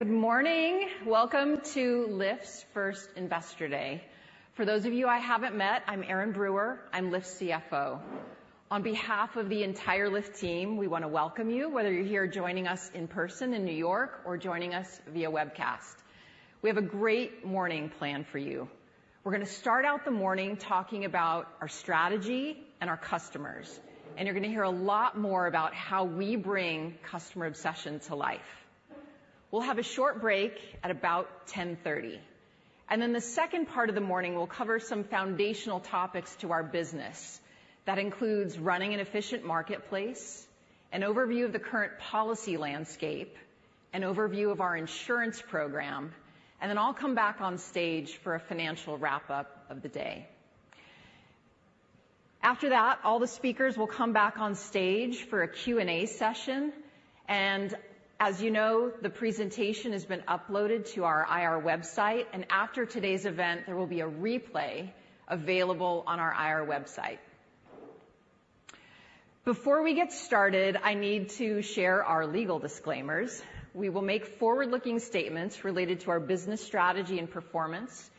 Good morning. Welcome to Lyft's first Investor Day. For those of you I haven't met, I'm Erin Brewer. I'm Lyft's CFO. On behalf of the entire Lyft team, we wanna welcome you, whether you're here joining us in person in New York or joining us via webcast. We have a great morning planned for you. We're gonna start out the morning talking about our strategy and our customers, and you're gonna hear a lot more about how we bring customer obsession to life. We'll have a short break at about 10:30 A.M., and then the second part of the morning, we'll cover some foundational topics to our business. That includes running an efficient marketplace, an overview of the current policy landscape, an overview of our insurance program, and then I'll come back on stage for a financial wrap-up of the day. After that, all the speakers will come back on stage for a Q&A session, and as you know, the presentation has been uploaded to our IR website, and after today's event, there will be a replay available on our IR website. Before we get started, I need to share our legal disclaimers. We will make forward-looking statements related to our business strategy and performance,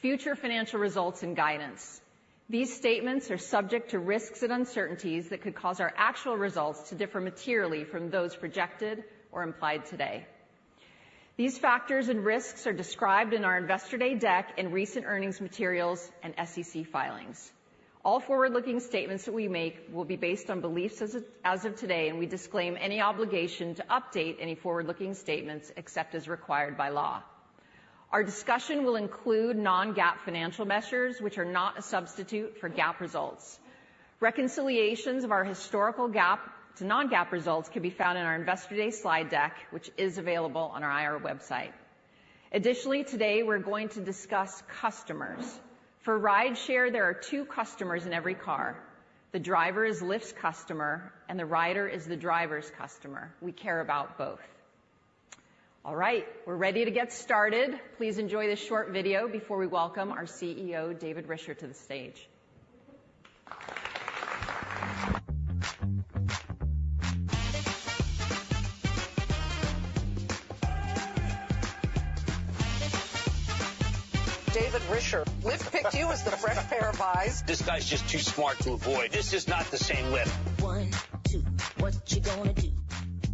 future financial results, and guidance. These statements are subject to risks and uncertainties that could cause our actual results to differ materially from those projected or implied today. These factors and risks are described in our Investor Day deck, in recent earnings materials, and SEC filings. All forward-looking statements that we make will be based on beliefs as of today, and we disclaim any obligation to update any forward-looking statements except as required by law. Our discussion will include non-GAAP financial measures, which are not a substitute for GAAP results. Reconciliations of our historical GAAP to non-GAAP results can be found in our Investor Day slide deck, which is available on our IR website. Additionally, today, we're going to discuss customers. For Rideshare, there are two customers in every car. The driver is Lyft's customer, and the rider is the driver's customer. We care about both. All right, we're ready to get started. Please enjoy this short video before we welcome our CEO, David Risher, to the stage. David Risher, Lyft picked you as the fresh pair of eyes. This guy's just too smart to avoid. This is not the same Lyft. one, two, what you gonna do?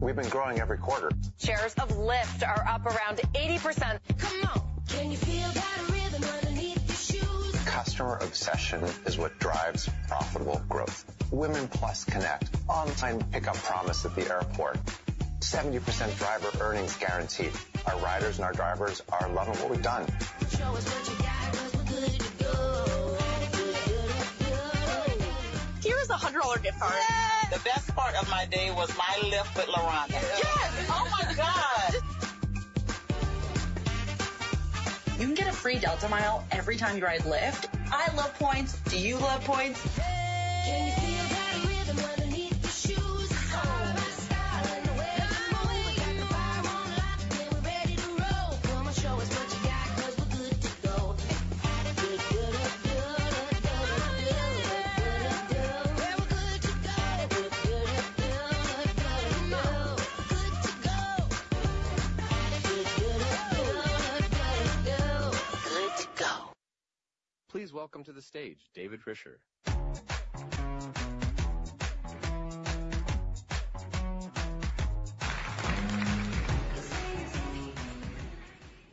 We've been growing every quarter. Shares of Lyft are up around 80%. Come on, can you feel that rhythm underneath your shoes? Customer obsession is what drives profitable growth. Women+ Connect, On-Time Pickup Promise at the airport, 70% driver earnings guarantee. Our riders and our drivers are loving what we've done. Show us what you got 'cause we're good to go. Good, good to go. Here is a $100 gift card. Yay! The best part of my day was my Lyft with LaRon. Yes. Oh, my God! You can get a free Delta mile every time you ride Lyft. I love points. Do you love points? Hey, can you feel that rhythm underneath your shoes? It's all about style and the way you move. Got the fire on lock, and we're ready to roll. Come on, show us what you got 'cause we're good to go. Good, good, to go, good, good, to go. Good, good, to go. Yeah, we're good to go. Good, good, to go, good, good, to go. Good to go! Good, good, to go, good, good, to go. Good to go. Please welcome to the stage David Risher.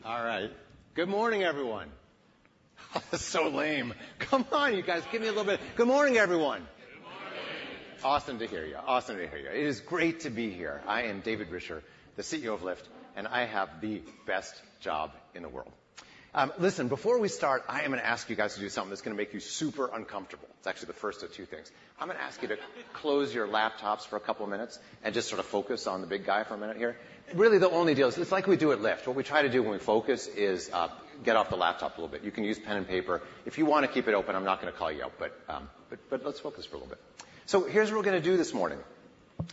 All right. Good morning, everyone. That's so lame. Come on, you guys, give me a little bit. Good morning, everyone. Awesome to hear you. Awesome to hear you. It is great to be here. I am David Risher, the CEO of Lyft, and I have the best job in the world. Listen, before we start, I am gonna ask you guys to do something that's gonna make you super uncomfortable. It's actually the first of two things. I'm gonna ask you to close your laptops for a couple of minutes and just sort of focus on the big guy for a minute here. Really, the only deal is, it's like we do at Lyft. What we try to do when we focus is get off the laptop a little bit. You can use pen and paper. If you wanna keep it open, I'm not gonna call you out, but let's focus for a little bit. So here's what we're gonna do this morning.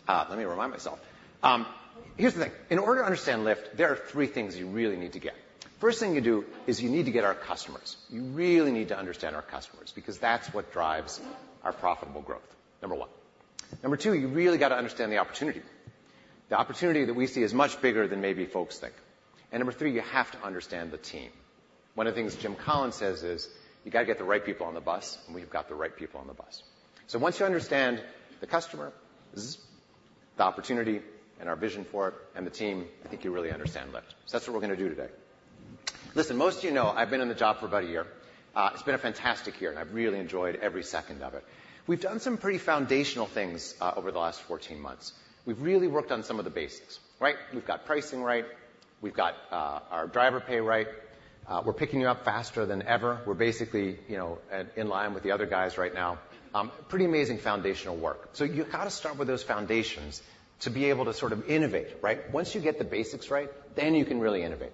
Let me remind myself. Here's the thing: in order to understand Lyft, there are three things you really need to get. First thing you do is you need to get our customers. You really need to understand our customers because that's what drives our profitable growth, number one. Number two, you really got to understand the opportunity. The opportunity that we see is much bigger than maybe folks think. And number three, you have to understand the team. One of the things Jim Collins says is, "You gotta get the right people on the bus," and we've got the right people on the bus. So once you understand the customer, the opportunity and our vision for it, and the team, I think you really understand Lyft. So that's what we're gonna do today. Listen, most of you know, I've been in the job for about a year. It's been a fantastic year, and I've really enjoyed every second of it. We've done some pretty foundational things over the last 14 months. We've really worked on some of the basics, right? We've got pricing right. We've got our driver pay right. We're picking you up faster than ever. We're basically, you know, in line with the other guys right now. Pretty amazing foundational work. So you've got to start with those foundations to be able to sort of innovate, right? Once you get the basics right, then you can really innovate.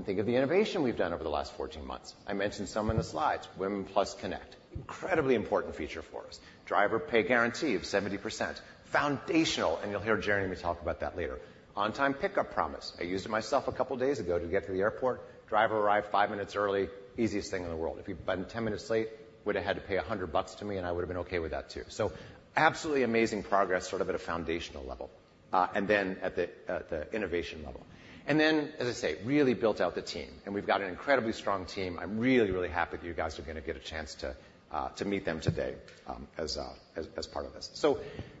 And think of the innovation we've done over the last 14 months. I mentioned some in the slides. Women+ Connect, incredibly important feature for us. Driver pay guarantee of 70%, foundational, and you'll hear Jeremy talk about that later. On-Time Pickup Promise. I used it myself a couple days ago to get to the airport. Driver arrived five minutes early, easiest thing in the world. If he'd been 10 minutes late, would have had to pay $100 to me, and I would've been okay with that, too. So absolutely amazing progress, sort of at a foundational level. and then at the innovation level. And then, as I say, really built out the team, and we've got an incredibly strong team. I'm really, really happy that you guys are gonna get a chance to meet them today, as part of this. So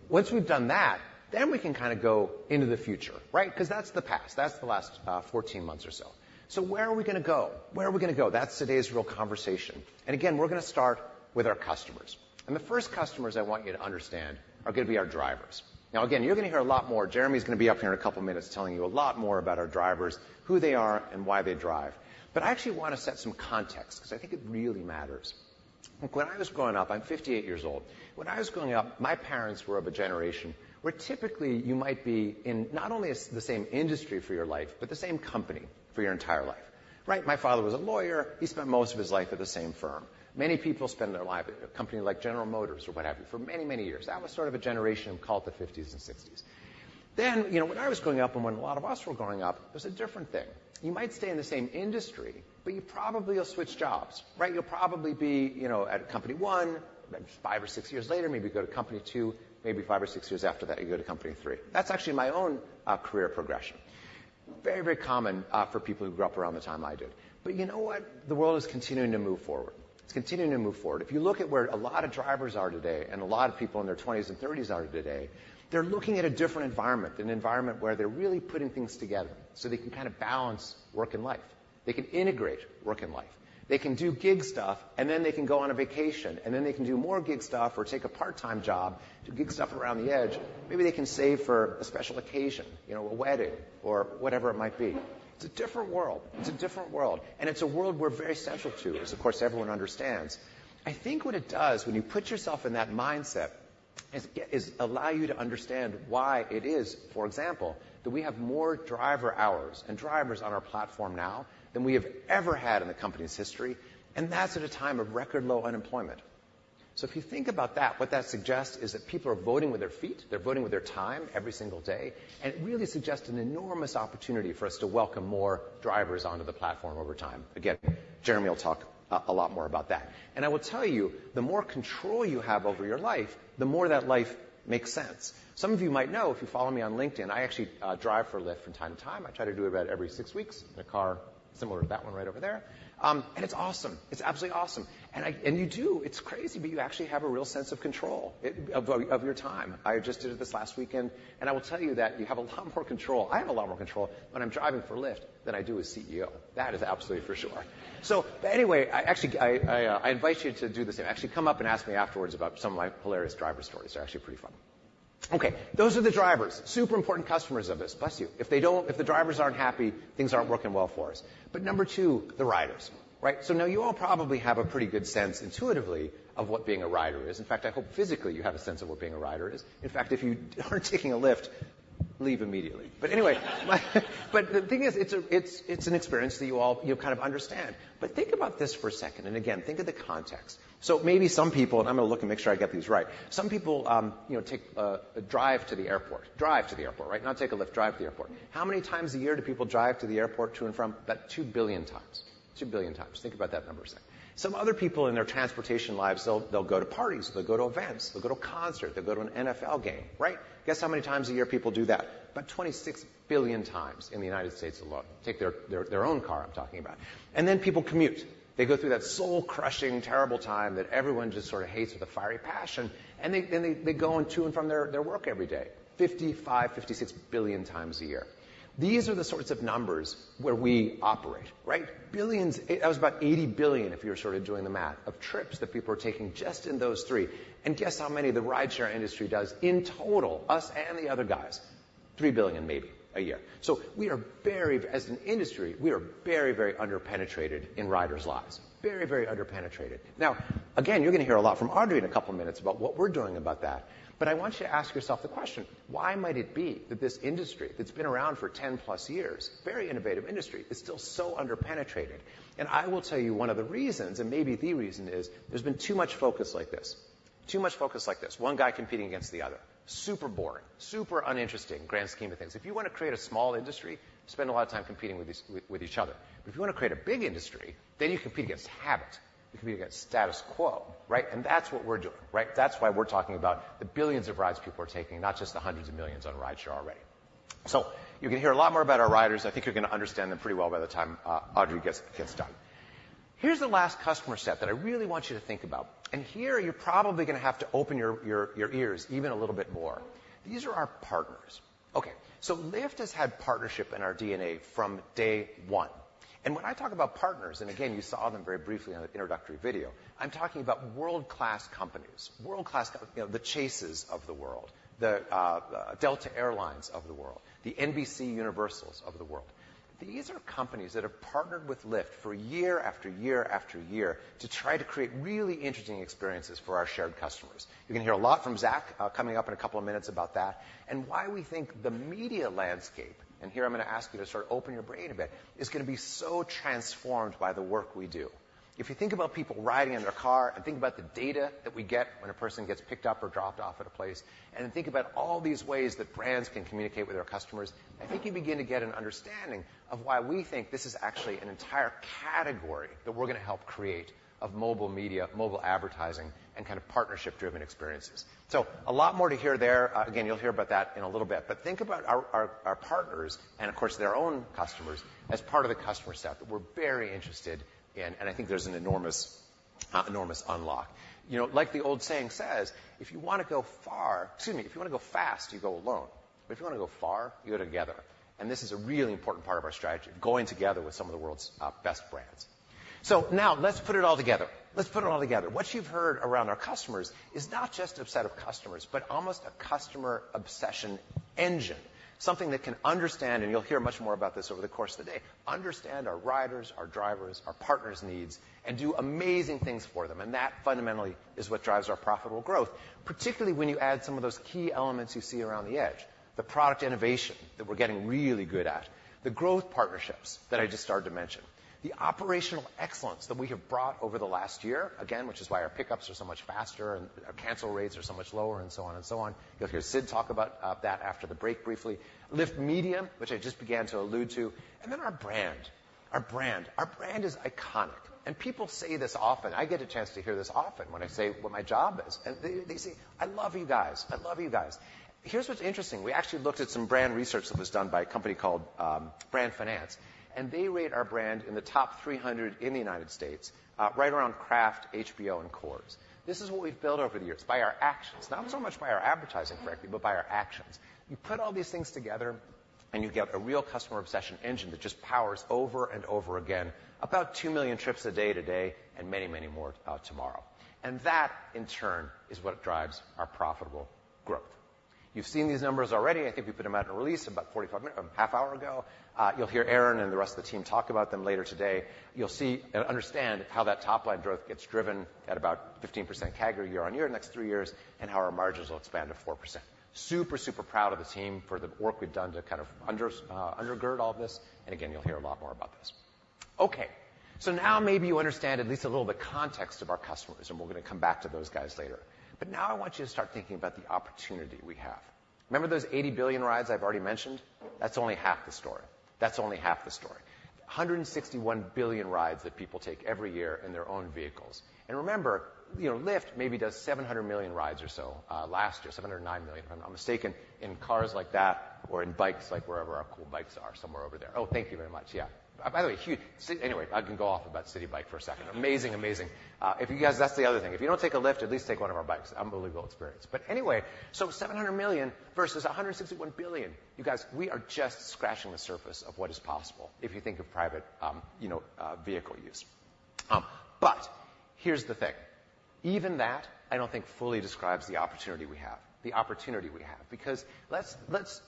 once we've done that, then we can kind of go into the future, right? Because that's the past. That's the last 14 months or so. So where are we gonna go? Where are we gonna go? That's today's real conversation, and again, we're gonna start with our customers. And the first customers I want you to understand are gonna be our drivers. Now, again, you're gonna hear a lot more. Jeremy's gonna be up here in a couple of minutes telling you a lot more about our drivers, who they are, and why they drive. But I actually wanna set some context because I think it really matters. When I was growing up, I'm 58 years old. When I was growing up, my parents were of a generation where typically you might be in not only the same industry for your life, but the same company for your entire life, right? My father was a lawyer. He spent most of his life at the same firm. Many people spend their life at a company like General Motors or what have you, for many, many years. That was sort of a generation called the 1950s and 1960s. Then, you know, when I was growing up and when a lot of us were growing up, it was a different thing. You might stay in the same industry, but you probably will switch jobs, right? You'll probably be, you know, at company one, then five or six years later, maybe go to company two. Maybe five or six years after that, you go to company three. That's actually my own career progression. Very, very common for people who grew up around the time I did. But you know what? The world is continuing to move forward. It's continuing to move forward. If you look at where a lot of drivers are today and a lot of people in their 20s and 30s are today, they're looking at a different environment, an environment where they're really putting things together so they can kind of balance work and life. They can integrate work and life. They can do gig stuff, and then they can go on a vacation, and then they can do more gig stuff or take a part-time job, do gig stuff around the edge. Maybe they can save for a special occasion, you know, a wedding or whatever it might be. It's a different world. It's a different world, and it's a world we're very central to, as of course, everyone understands. I think what it does when you put yourself in that mindset is, is allow you to understand why it is, for example, that we have more driver hours and drivers on our platform now than we have ever had in the company's history, and that's at a time of record low unemployment. So if you think about that, what that suggests is that people are voting with their feet. They're voting with their time every single day, and it really suggests an enormous opportunity for us to welcome more drivers onto the platform over time. Again, Jeremy will talk a lot more about that. And I will tell you, the more control you have over your life, the more that life makes sense. Some of you might know, if you follow me on LinkedIn, I actually drive for Lyft from time to time. I try to do it about every six weeks, in a car similar to that one right over there. And it's awesome. It's absolutely awesome. And you do, it's crazy, but you actually have a real sense of control it, of your, of your time. I just did this last weekend, and I will tell you that you have a lot more control. I have a lot more control when I'm driving for Lyft than I do as CEO. That is absolutely for sure. So anyway, I actually invite you to do the same. Actually, come up and ask me afterwards about some of my hilarious driver stories. They're actually pretty funny. Okay, those are the drivers, super important customers of this. Bless you. If the drivers aren't happy, things aren't working well for us. But number two, the riders, right? So now you all probably have a pretty good sense intuitively of what being a rider is. In fact, I hope physically you have a sense of what being a rider is. In fact, if you aren't taking a Lyft, leave immediately. But anyway, the thing is, it's an experience that you all, you know, kind of understand. But think about this for a second, and again, think of the context. So maybe some people, and I'm gonna look and make sure I get these right. Some people, you know, take a drive to the airport. Drive to the airport, right? Not take a Lyft, drive to the airport. How many times a year do people drive to the airport, to and from? About two billion times. Think about that number a second. Some other people in their transportation lives, they'll go to parties, they'll go to events, they'll go to a concert, they'll go to an NFL game, right? Guess how many times a year people do that? About 26 billion times in the United States alone. Take their own car, I'm talking about. And then people commute. They go through that soul-crushing, terrible time that everyone just sort of hates with a fiery passion, and then they go to and from their work every day, 55-56 billion times a year. These are the sorts of numbers where we operate, right? Billions. That was about 80 billion, if you're sort of doing the math, of trips that people are taking just in those three. And guess how many the rideshare industry does in total, us and the other guys? three billion, maybe, a year. So we are very, as an industry, we are very, very underpenetrated in riders' lives, very, very underpenetrated. Now, again, you're gonna hear a lot from Audrey in a couple of minutes about what we're doing about that. But I want you to ask yourself the question: Why might it be that this industry, that's been around for 10+ years, very innovative industry, is still so underpenetrated? And I will tell you one of the reasons, and maybe the reason, is there's been too much focus like this, too much focus like this. One guy competing against the other, super boring, super uninteresting in the grand scheme of things. If you want to create a small industry, spend a lot of time competing with each, with each other. But if you want to create a big industry, then you compete against habit, you compete against status quo, right? And that's what we're doing, right? That's why we're talking about the billions of rides people are taking, not just the hundreds of millions on rideshare already. So you're gonna hear a lot more about our riders. I think you're gonna understand them pretty well by the time Audrey gets done. Here's the last customer set that I really want you to think about, and here you're probably gonna have to open your ears even a little bit more. These are our partners. Okay, so Lyft has had partnership in our DNA from day one. When I talk about partners, and again, you saw them very briefly on the introductory video, I'm talking about world-class companies. World-class, you know, the Chases of the world, the Delta Air Lines of the world, the NBCUniversals of the world. These are companies that have partnered with Lyft for year after year after year to try to create really interesting experiences for our shared customers. You're gonna hear a lot from Zach coming up in a couple of minutes about that, and why we think the media landscape, and here I'm gonna ask you to sort of open your brain a bit, is gonna be so transformed by the work we do. If you think about people riding in their car, and think about the data that we get when a person gets picked up or dropped off at a place, and then think about all these ways that brands can communicate with our customers, I think you begin to get an understanding of why we think this is actually an entire category that we're gonna help create of mobile media, mobile advertising, and kind of partnership-driven experiences. So a lot more to hear there. Again, you'll hear about that in a little bit, but think about our partners and, of course, their own customers as part of the customer set that we're very interested in, and I think there's an enormous enormous unlock. You know, like the old saying says, "If you wanna go far..." Excuse me. "If you wanna go fast, you go alone, but if you wanna go far, you go together." And this is a really important part of our strategy, going together with some of the world's best brands. So now let's put it all together. Let's put it all together. What you've heard around our customers is not just a set of customers, but almost a customer obsession engine, something that can understand, and you'll hear much more about this over the course of the day, understand our riders, our drivers, our partners' needs, and do amazing things for them, and that fundamentally is what drives our profitable growth, particularly when you add some of those key elements you see around the edge. The product innovation that we're getting really good at, the growth partnerships that I just started to mention, the operational excellence that we have brought over the last year, again, which is why our pickups are so much faster and our cancel rates are so much lower, and so on, and so on. You'll hear Sid talk about that after the break briefly. Lyft Media, which I just began to allude to, and then our brand. Our brand. Our brand is iconic, and people say this often. I get a chance to hear this often when I say what my job is, and they, they say, "I love you guys. I love you guys." Here's what's interesting. We actually looked at some brand research that was done by a company called, Brand Finance, and they rate our brand in the top 300 in the United States, right around Kraft, HBO, and Coors. This is what we've built over the years by our actions, not so much by our advertising, frankly, but by our actions. You put all these things together, and you get a real customer obsession engine that just powers over and over again, about two million trips a day today and many, many more, tomorrow. And that, in turn, is what drives our profitable growth. You've seen these numbers already. I think we put them out in a release about 45 minutes, half hour ago. You'll hear Erin and the rest of the team talk about them later today. You'll see and understand how that top-line growth gets driven at about 15% CAGR, year-on-year, the next three years, and how our margins will expand to 4%. Super, super proud of the team for the work we've done to kind of undergird all this, and again, you'll hear a lot more about this. Okay, so now maybe you understand at least a little of the context of our customers, and we're gonna come back to those guys later. But now I want you to start thinking about the opportunity we have. Remember those 80 billion rides I've already mentioned? That's only half the story. That's only half the story. 161 billion rides that people take every year in their own vehicles. Remember, you know, Lyft maybe does 700 million rides or so last year, 709 million, if I'm not mistaken, in cars like that or in bikes like wherever our cool bikes are, somewhere over there. Oh, thank you very much. Yeah. By the way, anyway, I can go off about Citi Bike for a second. Amazing, amazing. If you guys, that's the other thing, if you don't take a Lyft, at least take one of our bikes. Unbelievable experience. Anyway, so 700 million versus 161 billion. You guys, we are just scratching the surface of what is possible if you think of private, you know, vehicle use. But here's the thing, even that I don't think fully describes the opportunity we have, the opportunity we have, because let's,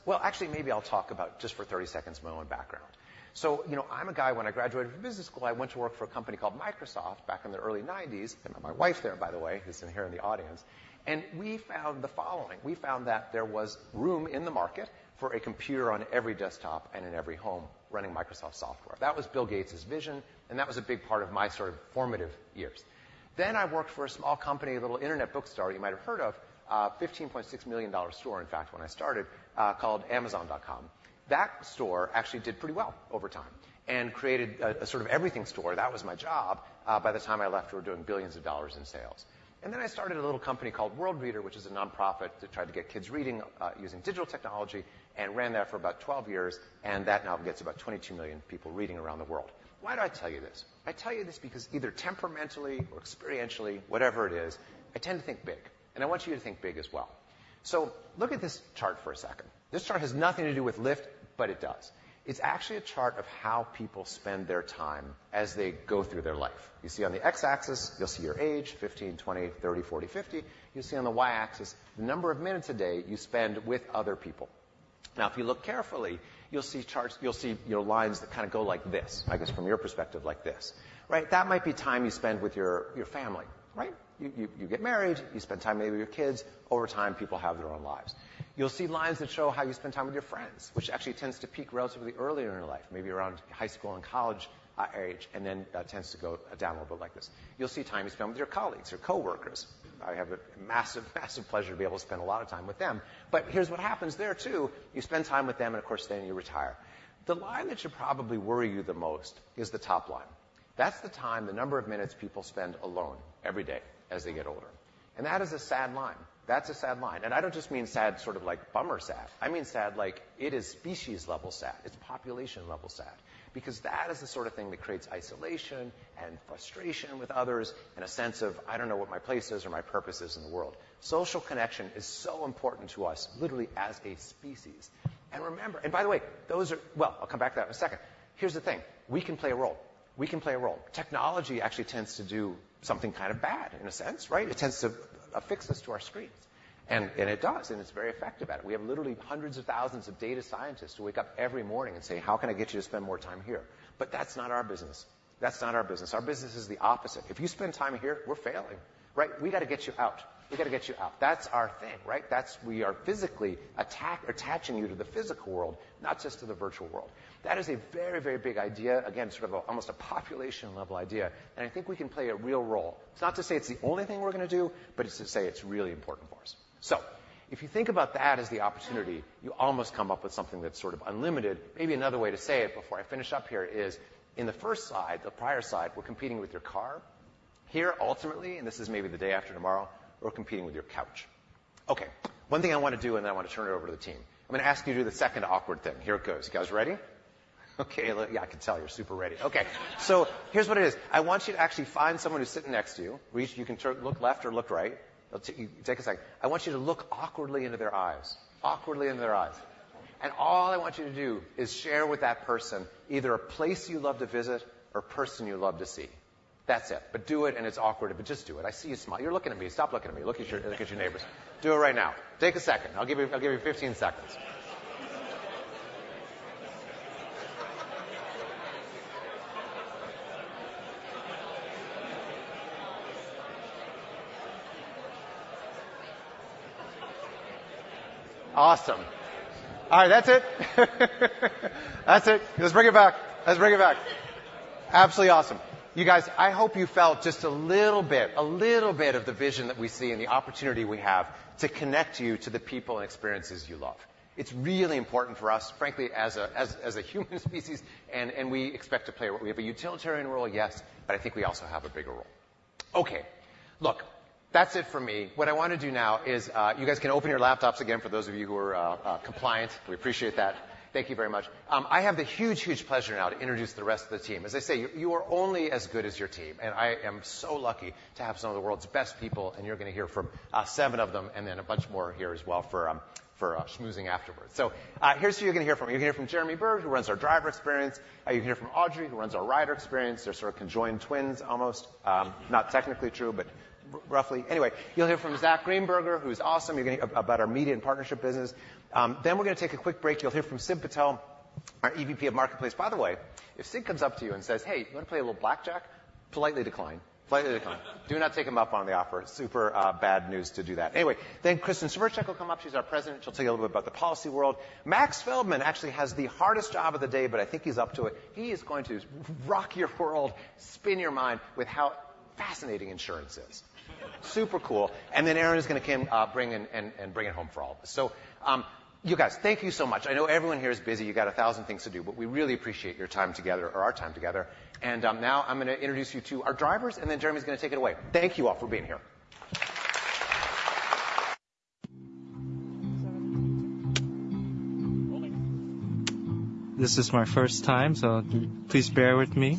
Well, actually, maybe I'll talk about, just for 30 seconds, my own background. So, you know, I'm a guy, when I graduated from business school, I went to work for a company called Microsoft back in the early 1990s, I met my wife there, by the way, who's in here in the audience, and we found the following. We found that there was room in the market for a computer on every desktop and in every home running Microsoft software. That was Bill Gates's vision, and that was a big part of my sort of formative years. Then I worked for a small company, a little internet bookstore you might have heard of, $15.6 million store, in fact, when I started, called Amazon.com. That store actually did pretty well over time and created a, a sort of everything store. That was my job. By the time I left, we were doing billions of dollars in sales. And then I started a little company called Worldreader, which is a nonprofit to try to get kids reading, using digital technology, and ran that for about 12 years, and that now gets about 22 million people reading around the world. Why do I tell you this? I tell you this because either temperamentally or experientially, whatever it is, I tend to think big, and I want you to think big as well. So look at this chart for a second. This chart has nothing to do with Lyft, but it does. It's actually a chart of how people spend their time as they go through their life. You see on the X-axis, you'll see your age, 15, 20, 30, 40, 50. You'll see on the Y-axis, the number of minutes a day you spend with other people. Now, if you look carefully, you'll see charts. You'll see, you know, lines that kind of go like this, I guess from your perspective, like this, right? That might be time you spend with your, your family, right? You, you, you get married, you spend time maybe with your kids. Over time, people have their own lives. You'll see lines that show how you spend time with your friends, which actually tends to peak relatively earlier in your life, maybe around high school and college age, and then tends to go down a little bit like this. You'll see time you spend with your colleagues or coworkers. I have a massive, massive pleasure to be able to spend a lot of time with them, but here's what happens there, too. You spend time with them, and of course, then you retire. The line that should probably worry you the most is the top line. That's the time, the number of minutes people spend alone every day as they get older, and that is a sad line. That's a sad line. And I don't just mean sad, sort of like bummer sad. I mean sad like it is species-level sad, it's population-level sad, because that is the sort of thing that creates isolation and frustration with others and a sense of, "I don't know what my place is or my purpose is in the world." Social connection is so important to us, literally as a species. And remember... And by the way, those are, Well, I'll come back to that in a second. Here's the thing: We can play a role. We can play a role. Technology actually tends to do something kind of bad in a sense, right? It tends to affix us to our screens, and, and it does, and it's very effective at it. We have literally hundreds of thousands of data scientists who wake up every morning and say, "How can I get you to spend more time here?" But that's not our business. That's not our business. Our business is the opposite. If you spend time here, we're failing, right? We gotta get you out. We gotta get you out. That's our thing, right? That's. We are physically attaching you to the physical world, not just to the virtual world. That is a very, very big idea. Again, sort of a, almost a population-level idea, and I think we can play a real role. It's not to say it's the only thing we're gonna do, but it's to say it's really important for us. So if you think about that as the opportunity, you almost come up with something that's sort of unlimited. Maybe another way to say it, before I finish up here, is in the first slide, the prior slide, we're competing with your car. Here, ultimately, and this is maybe the day after tomorrow, we're competing with your couch. Okay, one thing I wanna do, and then I wanna turn it over to the team. I'm gonna ask you to do the second awkward thing. Here it goes. You guys ready? Okay, yeah, I can tell you're super ready. Okay, so here's what it is. I want you to actually find someone who's sitting next to you, where you can turn, look left or look right. It'll take you. Take a second. I want you to look awkwardly into their eyes, awkwardly into their eyes. And all I want you to do is share with that person either a place you love to visit or a person you love to see. That's it. But do it, and it's awkward, but just do it. I see you smiling. You're looking at me. Stop looking at me. Look at your, look at your neighbors. Do it right now. Take a second. I'll give you, I'll give you 15 seconds. Awesome. All right, that's it. That's it. Let's bring it back, let's bring it back. Absolutely awesome. You guys, I hope you felt just a little bit, a little bit of the vision that we see and the opportunity we have to connect you to the people and experiences you love. It's really important for us, frankly, as a human species, and we expect to play a. We have a utilitarian role, yes, but I think we also have a bigger role. Okay, look, that's it for me. What I wanna do now is, you guys can open your laptops again, for those of you who are compliant. We appreciate that. Thank you very much. I have the huge, huge pleasure now to introduce the rest of the team. As I say, you are only as good as your team, and I am so lucky to have some of the world's best people, and you're gonna hear from seven of them and then a bunch more here as well for schmoozing afterwards. So, here's who you're gonna hear from. You're gonna hear from Jeremy Bird, who runs our driver experience. You're gonna hear from Audrey, who runs our rider experience. They're sort of conjoined twins almost. Not technically true, but roughly. Anyway, you'll hear from Zach Greenberger, who's awesome. You're gonna hear about our media and partnership business. Then we're gonna take a quick break. You'll hear from Sid Patel, our EVP of Marketplace. By the way, if Sid comes up to you and says, "Hey, you wanna play a little blackjack?" Politely decline. Politely decline. Do not take him up on the offer. Super bad news to do that. Anyway, then Kristin Sverchek will come up. She's our President. She'll tell you a little bit about the policy world. Max Feldman actually has the hardest job of the day, but I think he's up to it. He is going to rock your world, spin your mind with how fascinating insurance is. Super cool. And then Erin is gonna come, bring in, and, and bring it home for all of us. So, you guys, thank you so much. I know everyone here is busy. You got 1,000 things to do, but we really appreciate your time together, or our time together. And, now I'm gonna introduce you to our drivers, and then Jeremy's gonna take it away. Thank you all for being here. Rolling. This is my first time, so please bear with me.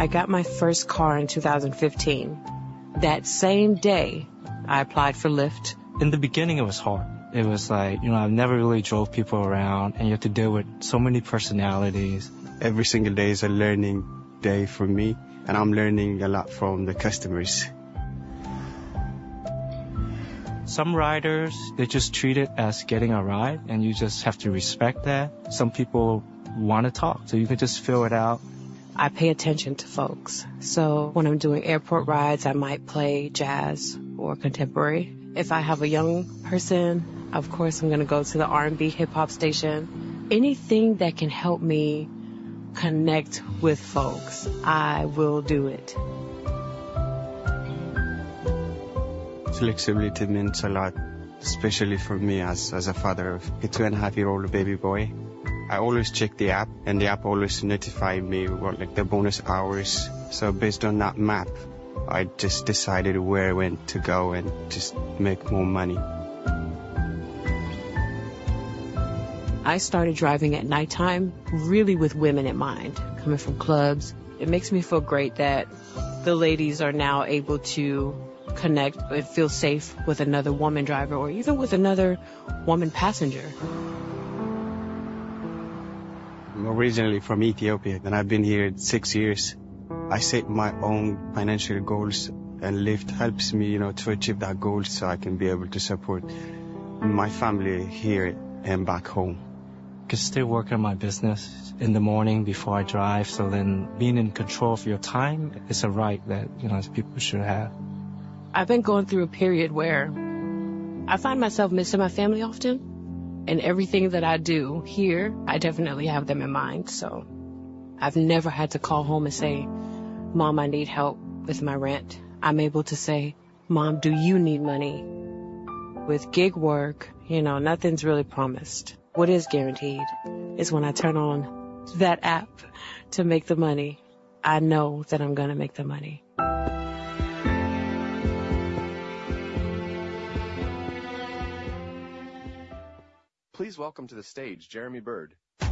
I got my first car in 2015. That same day, I applied for Lyft. In the beginning, it was hard. It was like, you know, I've never really drove people around, and you have to deal with so many personalities. Every single day is a learning day for me, and I'm learning a lot from the customers. Some riders, they just treat it as getting a ride, and you just have to respect that. Some people wanna talk, so you can just feel it out. I pay attention to folks, so when I'm doing airport rides, I might play jazz or contemporary. If I have a young person, of course, I'm gonna go to the R&B, hip-hop station. Anything that can help me connect with folks, I will do it. Flexibility means a lot, especially for me as, as a father of a 2.5-year-old baby boy. I always check the app, and the app always notify me what, like, the bonus hours. So based on that map, I just decided where I went to go and just make more money. I started driving at nighttime really with women in mind, coming from clubs. It makes me feel great that the ladies are now able to connect and feel safe with another woman driver or even with another woman passenger. I'm originally from Ethiopia, and I've been here six years. I set my own financial goals, and Lyft helps me, you know, to achieve that goal so I can be able to support my family here and back home. I can still work on my business in the morning before I drive, so then being in control of your time is a right that, you know, people should have. I've been going through a period where I find myself missing my family often, and everything that I do here, I definitely have them in mind, so I've never had to call home and say, "Mom, I need help with my rent." I'm able to say, "Mom, do you need money?" With gig work, you know, nothing's really promised. What is guaranteed is when I turn on that app to make the money, I know that I'm gonna make the money. Please welcome to the stage Jeremy Bird. Hey,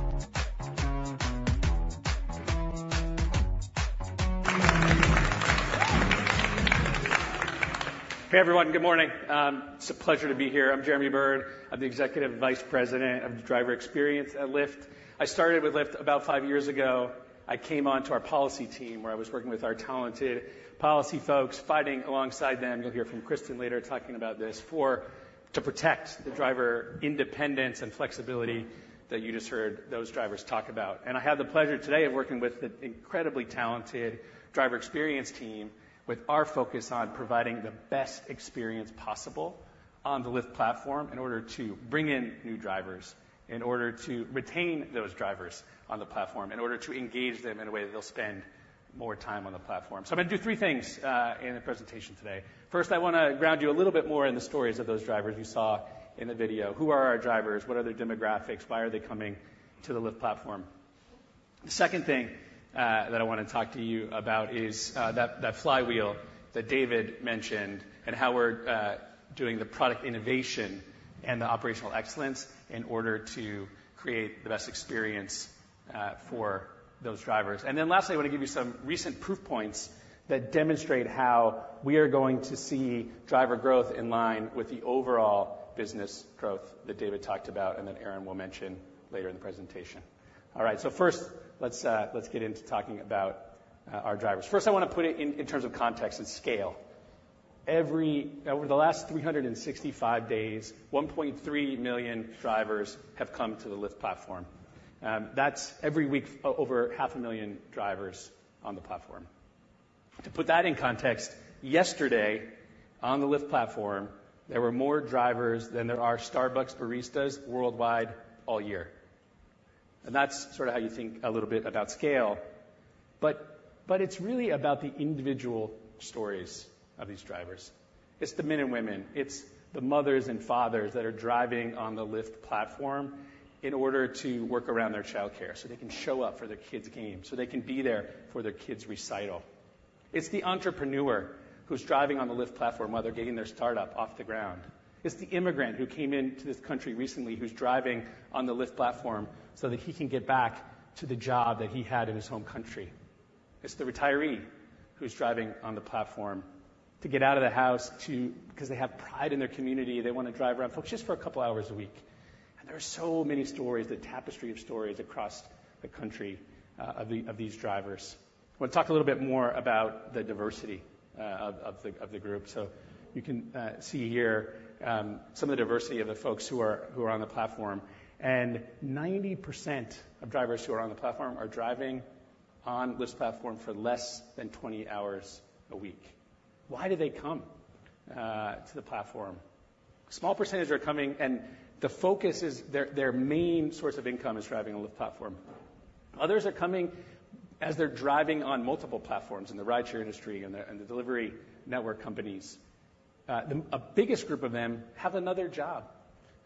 everyone. Good morning. It's a pleasure to be here. I'm Jeremy Bird. I'm the Executive Vice President of the Driver Experience at Lyft. I started with Lyft about five years ago. I came on to our policy team, where I was working with our talented policy folks, fighting alongside them. You'll hear from Kristin later, talking about this, to protect the driver independence and flexibility that you just heard those drivers talk about. I have the pleasure today of working with the incredibly talented Driver Experience team, with our focus on providing the best experience possible on the Lyft platform in order to bring in new drivers, in order to retain those drivers on the platform, in order to engage them in a way that they'll spend more time on the platform. So I'm gonna do three things in the presentation today. First, I wanna ground you a little bit more in the stories of those drivers you saw in the video. Who are our drivers? What are their demographics? Why are they coming to the Lyft platform? The second thing that I wanna talk to you about is that flywheel that David mentioned and how we're doing the product innovation and the operational excellence in order to create the best experience for those drivers. And then lastly, I want to give you some recent proof points that demonstrate how we are going to see driver growth in line with the overall business growth that David talked about, and then Erin will mention later in the presentation. All right, so first, let's get into talking about our drivers. First, I want to put it in terms of context and scale. Every... Over the last 365 days, 1.3 million drivers have come to the Lyft platform. That's every week, over 500,000 drivers on the platform. To put that in context, yesterday, on the Lyft platform, there were more drivers than there are Starbucks baristas worldwide all year. That's sort of how you think a little bit about scale, but it's really about the individual stories of these drivers. It's the men and women. It's the mothers and fathers that are driving on the Lyft platform in order to work around their childcare so they can show up for their kid's game, so they can be there for their kid's recital. It's the entrepreneur who's driving on the Lyft platform while they're getting their startup off the ground. It's the immigrant who came into this country recently, who's driving on the Lyft platform, so that he can get back to the job that he had in his home country. It's the retiree who's driving on the platform to get out of the house, to, because they have pride in their community. They want to drive around folks just for a couple of hours a week. There are so many stories, the tapestry of stories across the country, of these drivers. I want to talk a little bit more about the diversity of the group. So you can see here some of the diversity of the folks who are on the platform, and 90% of drivers who are on the platform are driving on Lyft platform for less than 20 hours a week. Why do they come to the platform? Small percentage are coming, and the focus is their, their main source of income is driving on the Lyft platform. Others are coming as they're driving on multiple platforms in the rideshare industry and the, and the delivery network companies. A biggest group of them have another job,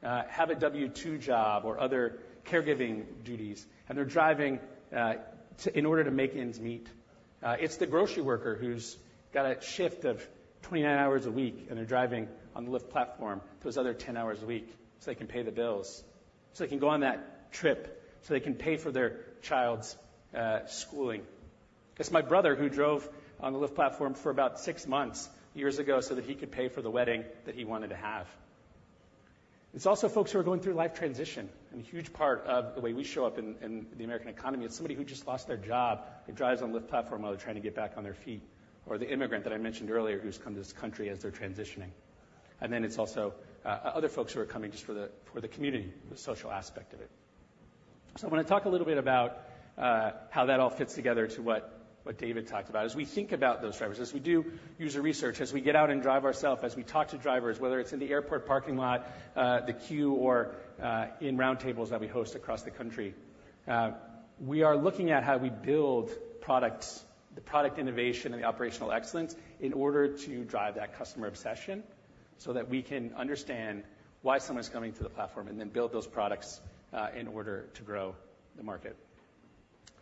have a W-2 job or other caregiving duties, and they're driving in order to make ends meet. It's the grocery worker who's got a shift of 29 hours a week, and they're driving on the Lyft platform, those other 10 hours a week, so they can pay the bills, so they can go on that trip, so they can pay for their child's schooling. It's my brother, who drove on the Lyft platform for about six months, years ago, so that he could pay for the wedding that he wanted to have. It's also folks who are going through life transition, and a huge part of the way we show up in the American economy is somebody who just lost their job and drives on the Lyft platform while they're trying to get back on their feet or the immigrant that I mentioned earlier, who's come to this country as they're transitioning. And then it's also other folks who are coming just for the community, the social aspect of it. So I want to talk a little bit about how that all fits together to what David talked about. As we think about those drivers, as we do user research, as we get out and drive ourselves, as we talk to drivers, whether it's in the airport parking lot, the queue or, in roundtables that we host across the country. We are looking at how we build products, the product innovation and the operational excellence in order to drive that customer obsession, so that we can understand why someone's coming to the platform and then build those products, in order to grow the market.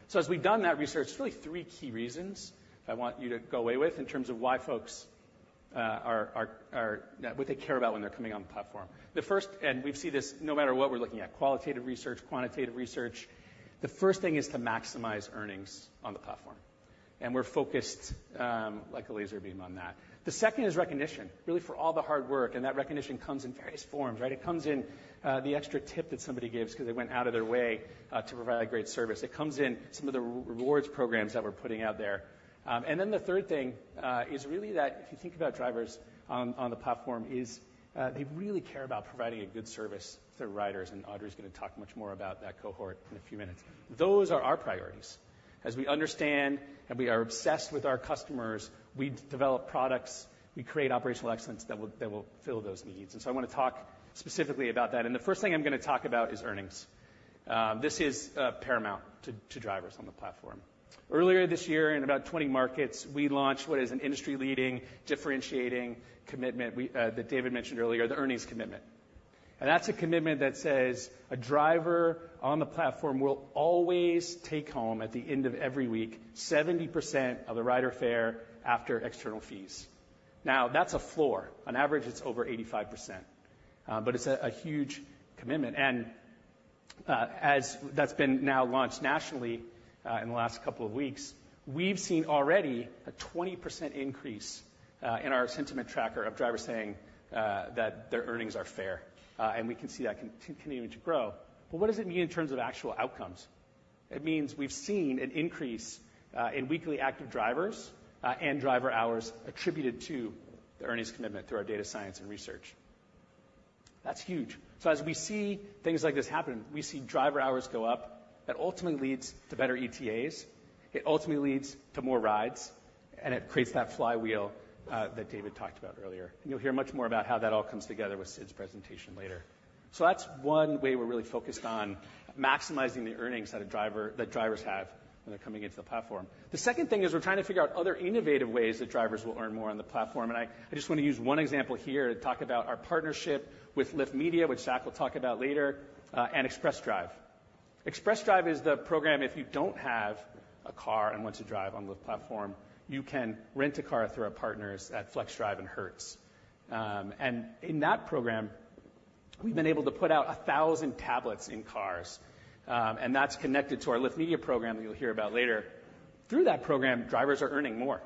So as we've done that research, really three key reasons I want you to go away with in terms of why folks are what they care about when they're coming on the platform. The first, and we see this no matter what we're looking at, qualitative research, quantitative research. The first thing is to maximize earnings on the platform, and we're focused, like a laser beam on that. The second is recognition, really, for all the hard work, and that recognition comes in various forms, right? It comes in, the extra tip that somebody gives because they went out of their way, to provide a great service. It comes in some of the rewards programs that we're putting out there. And then the third thing is really that if you think about drivers on the platform, is, they really care about providing a good service to their riders, and Audrey is going to talk much more about that cohort in a few minutes. Those are our priorities. As we understand, and we are obsessed with our customers, we develop products, we create operational excellence that will, that will fill those needs. So I want to talk specifically about that. The first thing I'm going to talk about is earnings. This is paramount to drivers on the platform. Earlier this year, in about 20 markets, we launched what is an industry-leading, differentiating commitment that David mentioned earlier, the earnings commitment. That's a commitment that says, a driver on the platform will always take home, at the end of every week, 70% of the rider fare after external fees. Now, that's a floor. On average, it's over 85%. But it's a huge commitment, as that's been now launched nationally, in the last couple of weeks, we've seen already a 20% increase in our sentiment tracker of drivers saying that their earnings are fair. We can see that continuing to grow. What does it mean in terms of actual outcomes? It means we've seen an increase in weekly active drivers and driver hours attributed to the earnings commitment through our data science and research. That's huge. As we see things like this happen, we see driver hours go up. That ultimately leads to better ETAs. It ultimately leads to more rides, and it creates that flywheel that David talked about earlier. You'll hear much more about how that all comes together with Sid's presentation later. That's one way we're really focused on maximizing the earnings that a driver, that drivers have when they're coming into the platform. The second thing is we're trying to figure out other innovative ways that drivers will earn more on the platform, and I, I just want to use one example here to talk about our partnership with Lyft Media, which Zach will talk about later, and Flexdrive. Flexdrive is the program if you don't have a car and want to drive on the platform, you can rent a car through our partners at Flexdrive and Hertz. And in that program, we've been able to put out 1,000 tablets in cars, and that's connected to our Lyft Media program that you'll hear about later. Through that program, drivers are earning more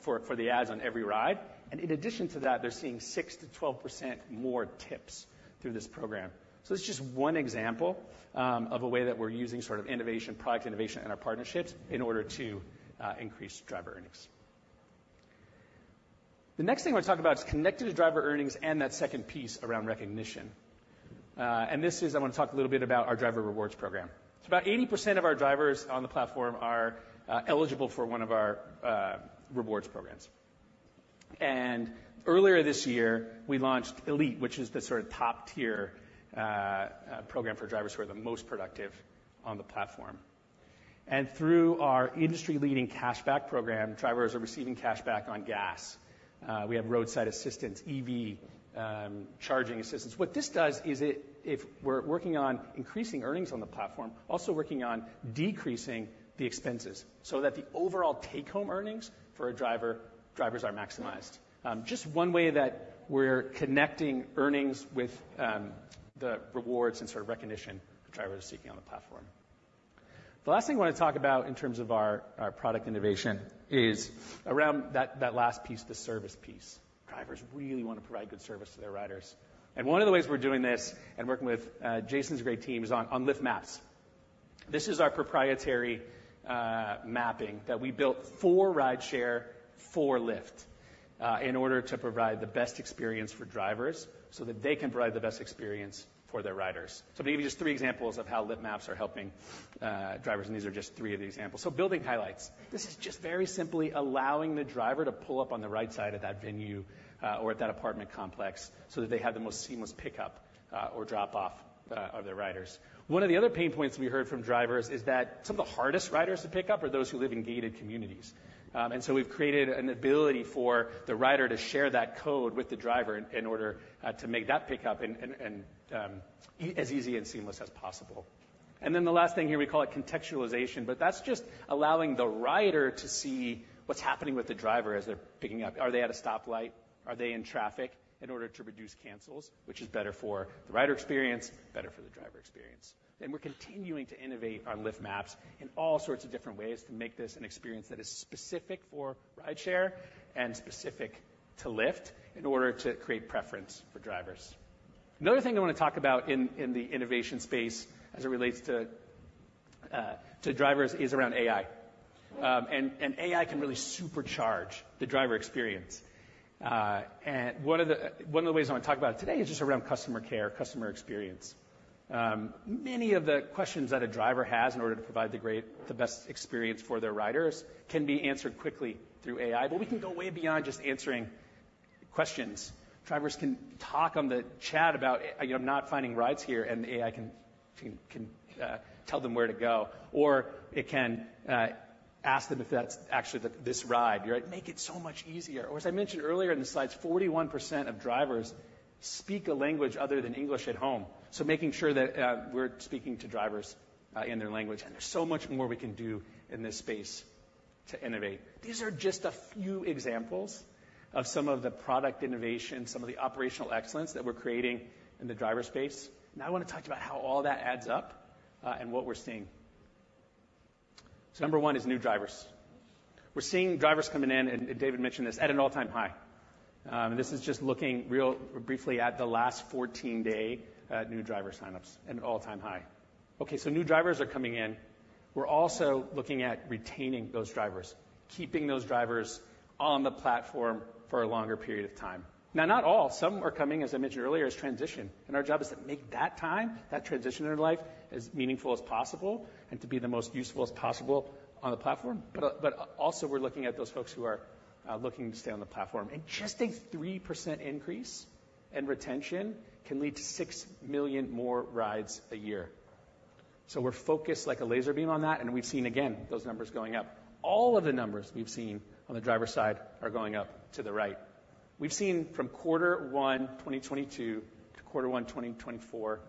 for the ads on every ride, and in addition to that, they're seeing 6%-12% more tips through this program. So that's just one example of a way that we're using sort of innovation, product innovation, and our partnerships in order to increase driver earnings. The next thing I want to talk about is connected to driver earnings and that second piece around recognition. And this is I want to talk a little bit about our driver rewards program. So about 80% of our drivers on the platform are eligible for one of our rewards programs. And earlier this year, we launched Elite, which is the sort of top-tier program for drivers who are the most productive on the platform. And through our industry-leading cashback program, drivers are receiving cashback on gas. We have roadside assistance, EV charging assistance. What this does is it, if we're working on increasing earnings on the platform, also working on decreasing the expenses so that the overall take-home earnings for a driver, drivers are maximized. Just one way that we're connecting earnings with, the rewards and sort of recognition that drivers are seeking on the platform. The last thing I want to talk about in terms of our product innovation is around that last piece, the service piece. Drivers really want to provide good service to their riders. One of the ways we're doing this and working with Jason's great team is on Lyft Maps. This is our proprietary mapping that we built for rideshare, for Lyft, in order to provide the best experience for drivers so that they can provide the best experience for their riders. So maybe just three examples of how Lyft Maps are helping, drivers, and these are just three of the examples. Building highlights. This is just very simply allowing the driver to pull up on the right side of that venue, or at that apartment complex, so that they have the most seamless pickup, or drop-off, of their riders. One of the other pain points we heard from drivers is that some of the hardest riders to pick up are those who live in gated communities. And so we've created an ability for the rider to share that code with the driver in order to make that pickup and as easy and seamless as possible. And then the last thing here, we call it contextualization, but that's just allowing the rider to see what's happening with the driver as they're picking up. Are they at a stoplight? Are they in traffic? In order to reduce cancels, which is better for the rider experience, better for the driver experience. And we're continuing to innovate on Lyft Maps in all sorts of different ways to make this an experience that is specific for Rideshare and specific to Lyft in order to create preference for drivers. Another thing I want to talk about in the innovation space as it relates to drivers is around AI. And AI can really supercharge the driver experience. And one of the ways I want to talk about it today is just around customer care, customer experience. Many of the questions that a driver has in order to provide the best experience for their riders can be answered quickly through AI, but we can go way beyond just answering questions. Drivers can talk on the chat about, "I'm not finding rides here," and the AI can tell them where to go, or it can ask them if that's actually the, this ride, right? Make it so much easier. Or as I mentioned earlier in the slides, 41% of drivers speak a language other than English at home. So making sure that we're speaking to drivers in their language, and there's so much more we can do in this space to innovate. These are just a few examples of some of the product innovation, some of the operational excellence that we're creating in the driver space. Now, I want to talk about how all that adds up, and what we're seeing. So number one is new drivers. We're seeing drivers coming in, and David mentioned this, at an all-time high. And this is just looking real briefly at the last 14-day, new driver sign-ups at an all-time high. Okay, so new drivers are coming in. We're also looking at retaining those drivers, keeping those drivers on the platform for a longer period of time. Now, not all. Some are coming, as I mentioned earlier, as transition, and our job is to make that time, that transition in life, as meaningful as possible and to be the most useful as possible on the platform. But, but also we're looking at those folks who are looking to stay on the platform. Just a 3% increase in retention can lead to six million more rides a year. So we're focused like a laser beam on that, and we've seen again, those numbers going up. All of the numbers we've seen on the driver side are going up to the right. We've seen from Q1 2022 to Q1 2024,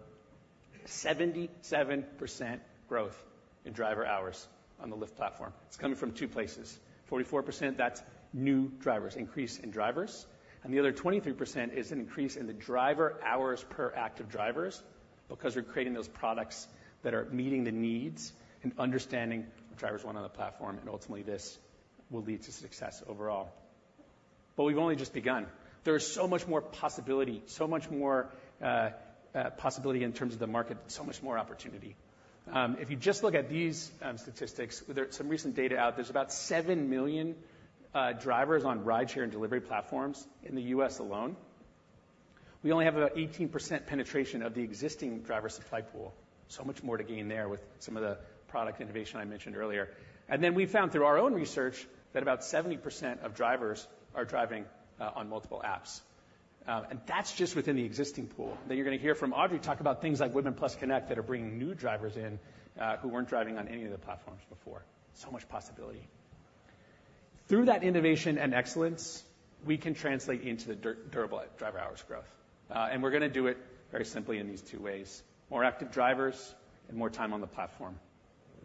77% growth... in driver hours on the Lyft platform. It's coming from two places: 44%, that's new drivers, increase in drivers, and the other 23% is an increase in the driver hours per active drivers, because we're creating those products that are meeting the needs and understanding what drivers want on the platform, and ultimately this will lead to success overall. But we've only just begun. There is so much more possibility, so much more possibility in terms of the market, so much more opportunity. If you just look at these statistics, there are some recent data out. There's about seven million drivers on rideshare and delivery platforms in the U.S. alone. We only have about 18% penetration of the existing driver supply pool. So much more to gain there with some of the product innovation I mentioned earlier. And then we found, through our own research, that about 70% of drivers are driving on multiple apps. And that's just within the existing pool, that you're gonna hear from Audrey talk about things like Women+ Connect, that are bringing new drivers in, who weren't driving on any of the platforms before. So much possibility. Through that innovation and excellence, we can translate into the durable driver hours growth. And we're gonna do it very simply in these two ways: more active drivers and more time on the platform.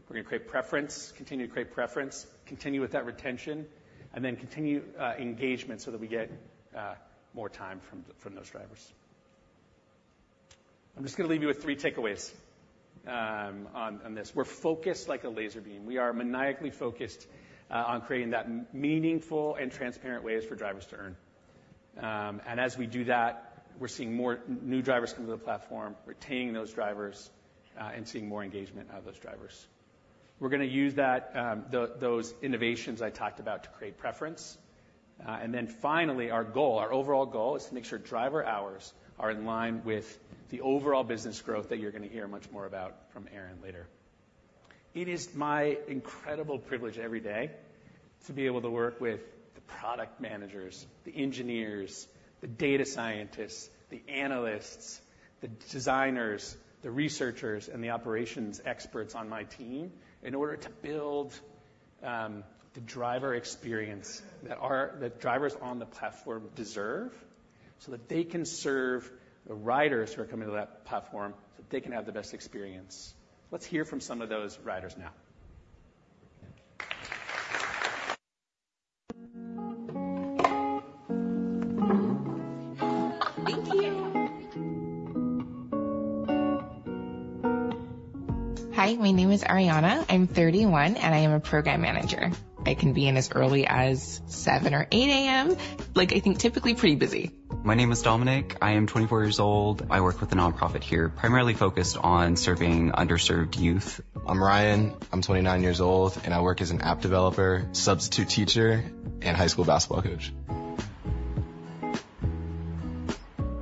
We're gonna create preference, continue to create preference, continue with that retention, and then continue engagement so that we get more time from those drivers. I'm just gonna leave you with three takeaways on this. We're focused like a laser beam. We are maniacally focused on creating that meaningful and transparent ways for drivers to earn. And as we do that, we're seeing more new drivers come to the platform, retaining those drivers, and seeing more engagement out of those drivers. We're gonna use that those innovations I talked about to create preference. And then finally, our goal, our overall goal, is to make sure driver hours are in line with the overall business growth that you're gonna hear much more about from Erin later. It is my incredible privilege every day to be able to work with the product managers, the engineers, the data scientists, the analysts, the designers, the researchers, and the operations experts on my team in order to build the driver experience that drivers on the platform deserve, so that they can serve the riders who are coming to that platform, so that they can have the best experience. Let's hear from some of those riders now. Thank you. Hi, my name is Ariana. I'm 31, and I am a program manager. I can be in as early as 7:00 AM or 8: 00 A.M. Like, I think, typically pretty busy. My name is Dominic. I am 24 years old. I work with a nonprofit here, primarily focused on serving underserved youth. I'm Ryan, I'm 29 years old, and I work as an app developer, substitute teacher, and high school basketball coach.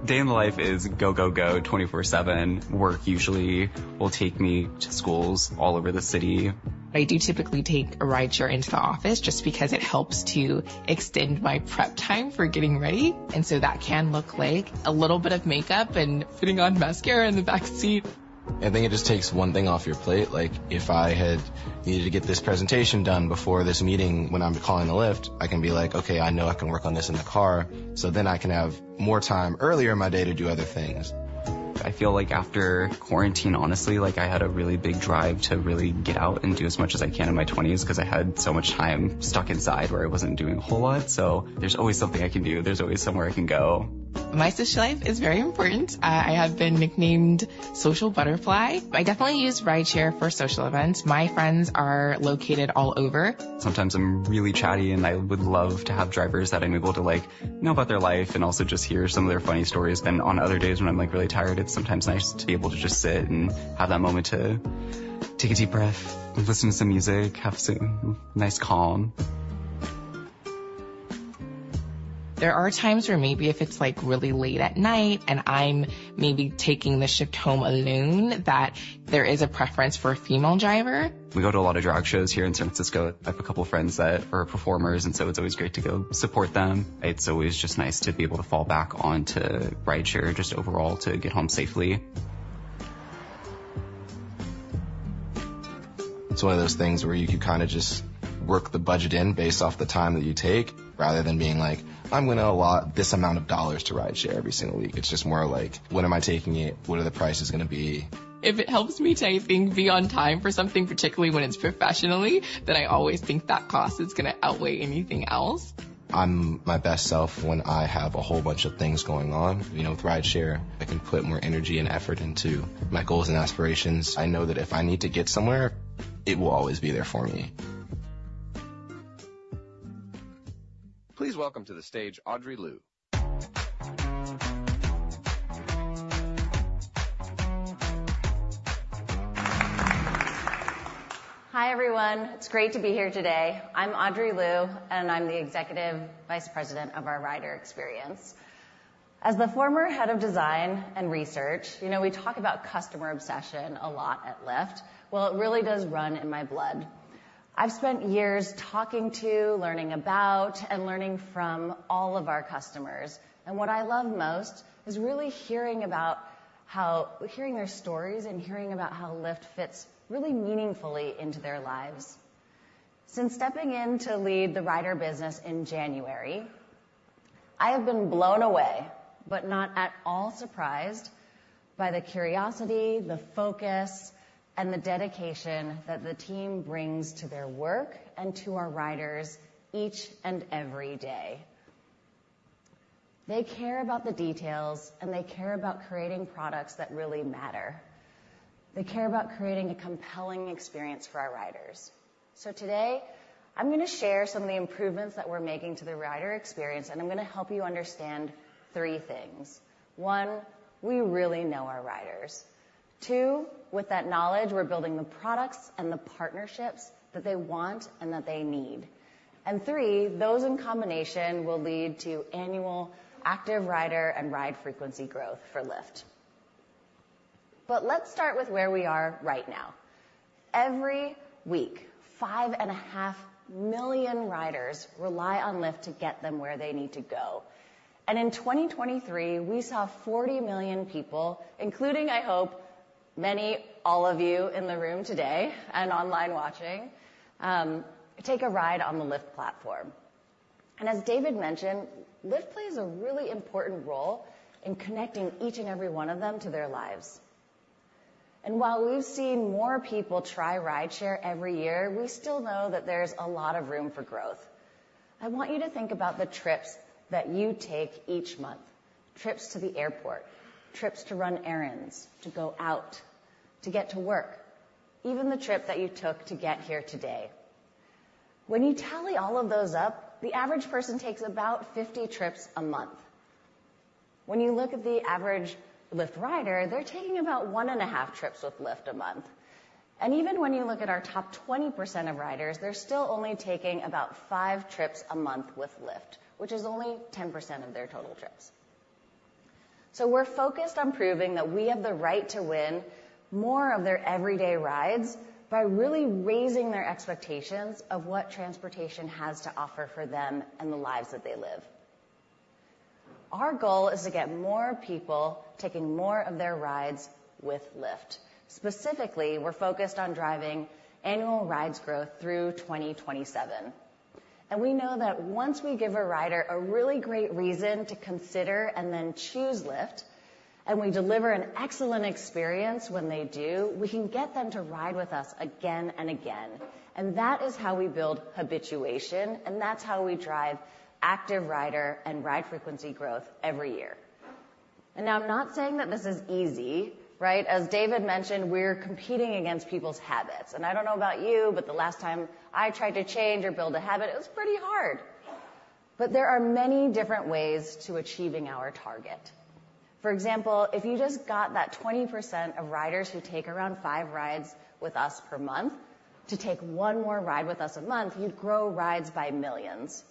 Day in the life is go, go, go, 24/7. Work usually will take me to schools all over the city. I do typically take a rideshare into the office, just because it helps to extend my prep time for getting ready, and so that can look like a little bit of makeup and putting on mascara in the backseat. I think it just takes one thing off your plate. Like, if I had needed to get this presentation done before this meeting, when I'm calling a Lyft, I can be like: Okay, I know I can work on this in the car. So then I can have more time earlier in my day to do other things. I feel like after quarantine, honestly, like, I had a really big drive to really get out and do as much as I can in my twenties because I had so much time stuck inside where I wasn't doing a whole lot. So there's always something I can do. There's always somewhere I can go. My social life is very important. I have been nicknamed Social Butterfly. I definitely use rideshare for social events. My friends are located all over. Sometimes I'm really chatty, and I would love to have drivers that I'm able to, like, know about their life and also just hear some of their funny stories. Then on other days, when I'm, like, really tired, it's sometimes nice to be able to just sit and have that moment to take a deep breath, listen to some music, have some nice calm. There are times where maybe if it's, like, really late at night, and I'm maybe taking the shift home alone, that there is a preference for a female driver. We go to a lot of drag shows here in San Francisco. I have a couple friends that are performers, and so it's always great to go support them. It's always just nice to be able to fall back on to rideshare, just overall, to get home safely. It's one of those things where you can kinda just work the budget in based off the time that you take, rather than being like, "I'm gonna allot this amount of dollars to rideshare every single week." It's just more like: When am I taking it? What are the prices gonna be? If it helps me to, I think, be on time for something, particularly when it's professionally, then I always think that cost is gonna outweigh anything else. I'm my best self when I have a whole bunch of things going on. You know, with rideshare, I can put more energy and effort into my goals and aspirations. I know that if I need to get somewhere, it will always be there for me. Please welcome to the stage, Audrey Liu. Hi, everyone. It's great to be here today. I'm Audrey Liu, and I'm the Executive Vice President of our Rider Experience. As the former head of design and research, you know, we talk about customer obsession a lot at Lyft. Well, it really does run in my blood. I've spent years talking to, learning about, and learning from all of our customers, and what I love most is really hearing their stories and hearing about how Lyft fits really meaningfully into their lives. Since stepping in to lead the rider business in January. I have been blown away, but not at all surprised, by the curiosity, the focus, and the dedication that the team brings to their work and to our riders each and every day. They care about the details, and they care about creating products that really matter. They care about creating a compelling experience for our riders. So today, I'm gonna share some of the improvements that we're making to the rider experience, and I'm gonna help you understand three things. One, we really know our riders. Two, with that knowledge, we're building the products and the partnerships that they want and that they need. And three, those in combination will lead to annual active rider and ride frequency growth for Lyft. But let's start with where we are right now. Every week, 5.5 million riders rely on Lyft to get them where they need to go. In 2023, we saw 40 million people, including, I hope, many, all of you in the room today and online watching, take a ride on the Lyft platform. As David mentioned, Lyft plays a really important role in connecting each and every one of them to their lives. While we've seen more people try rideshare every year, we still know that there's a lot of room for growth. I want you to think about the trips that you take each month, trips to the airport, trips to run errands, to go out, to get to work, even the trip that you took to get here today. When you tally all of those up, the average person takes about 50 trips a month. When you look at the average Lyft rider, they're taking about one and a half trips with Lyft a month. Even when you look at our top 20% of riders, they're still only taking about five trips a month with Lyft, which is only 10% of their total trips. We're focused on proving that we have the right to win more of their everyday rides by really raising their expectations of what transportation has to offer for them and the lives that they live. Our goal is to get more people taking more of their rides with Lyft. Specifically, we're focused on driving annual rides growth through 2027. We know that once we give a rider a really great reason to consider and then choose Lyft, and we deliver an excellent experience when they do, we can get them to ride with us again and again, and that is how we build habituation, and that's how we drive active rider and ride frequency growth every year. Now, I'm not saying that this is easy, right? As David mentioned, we're competing against people's habits. I don't know about you, but the last time I tried to change or build a habit, it was pretty hard. There are many different ways to achieving our target. For example, if you just got that 20% of riders who take around five rides with us per month to take one more ride with us a month, you'd grow rides by millions.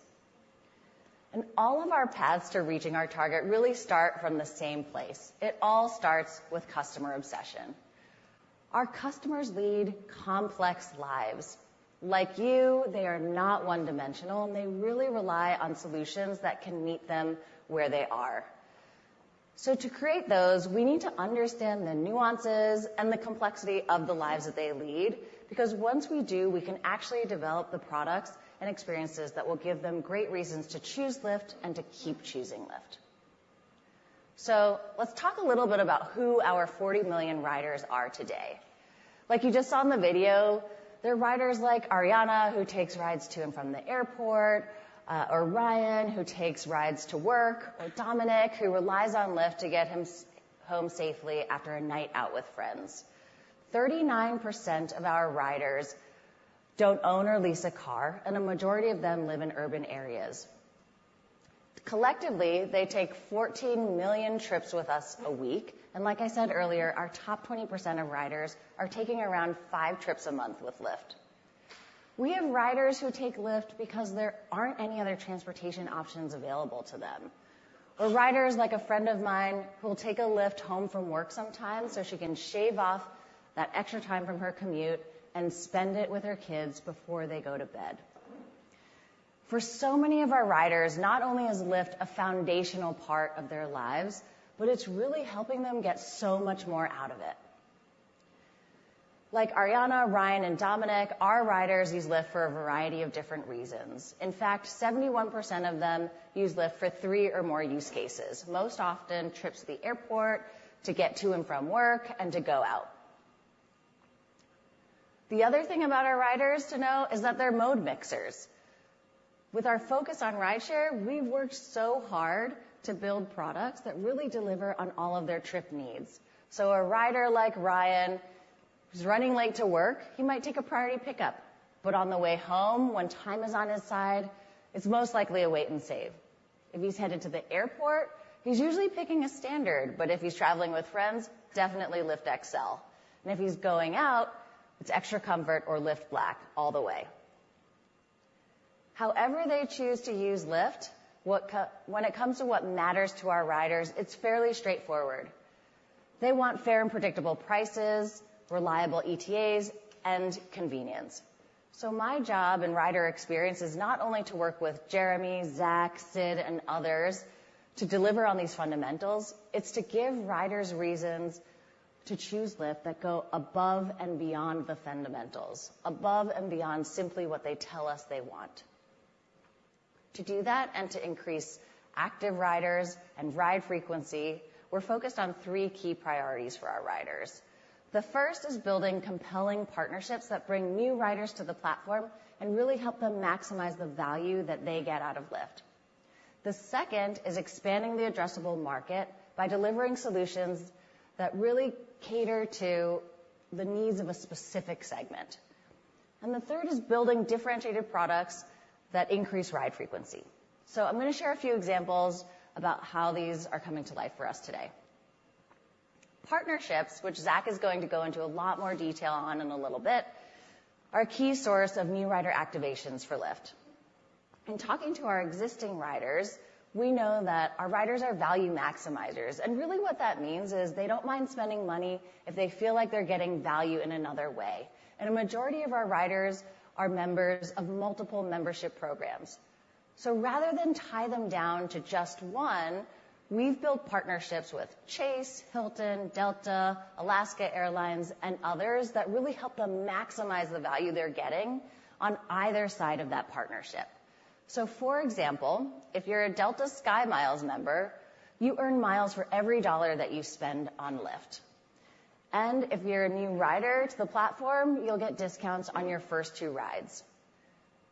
All of our paths to reaching our target really start from the same place. It all starts with customer obsession. Our customers lead complex lives. Like you, they are not one-dimensional, and they really rely on solutions that can meet them where they are. So to create those, we need to understand the nuances and the complexity of the lives that they lead, because once we do, we can actually develop the products and experiences that will give them great reasons to choose Lyft and to keep choosing Lyft. So let's talk a little bit about who our 40 million riders are today. Like you just saw in the video, they're riders like Ariana, who takes rides to and from the airport, or Ryan, who takes rides to work, or Dominic, who relies on Lyft to get him home safely after a night out with friends. 39% of our riders don't own or lease a car, and a majority of them live in urban areas. Collectively, they take 14 million trips with us a week, and like I said earlier, our top 20% of riders are taking around five trips a month with Lyft. We have riders who take Lyft because there aren't any other transportation options available to them, or riders, like a friend of mine, who will take a Lyft home from work sometimes so she can shave off that extra time from her commute and spend it with her kids before they go to bed. For so many of our riders, not only is Lyft a foundational part of their lives, but it's really helping them get so much more out of it. Like Ariana, Ryan, and Dominic, our riders use Lyft for a variety of different reasons. In fact, 71% of them use Lyft for three or more use cases, most often trips to the airport, to get to and from work, and to go out. The other thing about our riders to know is that they're mode mixers. With our focus on rideshare, we've worked so hard to build products that really deliver on all of their trip needs. So a rider like Ryan, who's running late to work, he might take a Priority Pickup, but on the way home, when time is on his side, it's most likely a Wait & Save. If he's headed to the airport, he's usually picking a Standard, but if he's traveling with friends, definitely Lyft XL. And if he's going out, it's Extra Comfort or Lyft Black all the way. However they choose to use Lyft, what, when it comes to what matters to our riders, it's fairly straightforward. They want fair and predictable prices, reliable ETAs, and convenience. So my job in rider experience is not only to work with Jeremy, Zach, Sid, and others to deliver on these fundamentals, it's to give riders reasons to choose Lyft that go above and beyond the fundamentals, above and beyond simply what they tell us they want. To do that, and to increase active riders and ride frequency, we're focused on three key priorities for our riders. The first is building compelling partnerships that bring new riders to the platform, and really help them maximize the value that they get out of Lyft. The second is expanding the addressable market by delivering solutions that really cater to the needs of a specific segment. The third is building differentiated products that increase ride frequency. I'm gonna share a few examples about how these are coming to life for us today. Partnerships, which Zach is going to go into a lot more detail on in a little bit, are a key source of new rider activations for Lyft. In talking to our existing riders, we know that our riders are value maximizers, and really, what that means is they don't mind spending money if they feel like they're getting value in another way. A majority of our riders are members of multiple membership programs. Rather than tie them down to just one, we've built partnerships with Chase, Hilton, Delta, Alaska Airlines, and others, that really help them maximize the value they're getting on either side of that partnership. So, for example, if you're a Delta SkyMiles member, you earn miles for every $1 that you spend on Lyft. And if you're a new rider to the platform, you'll get discounts on your first two rides.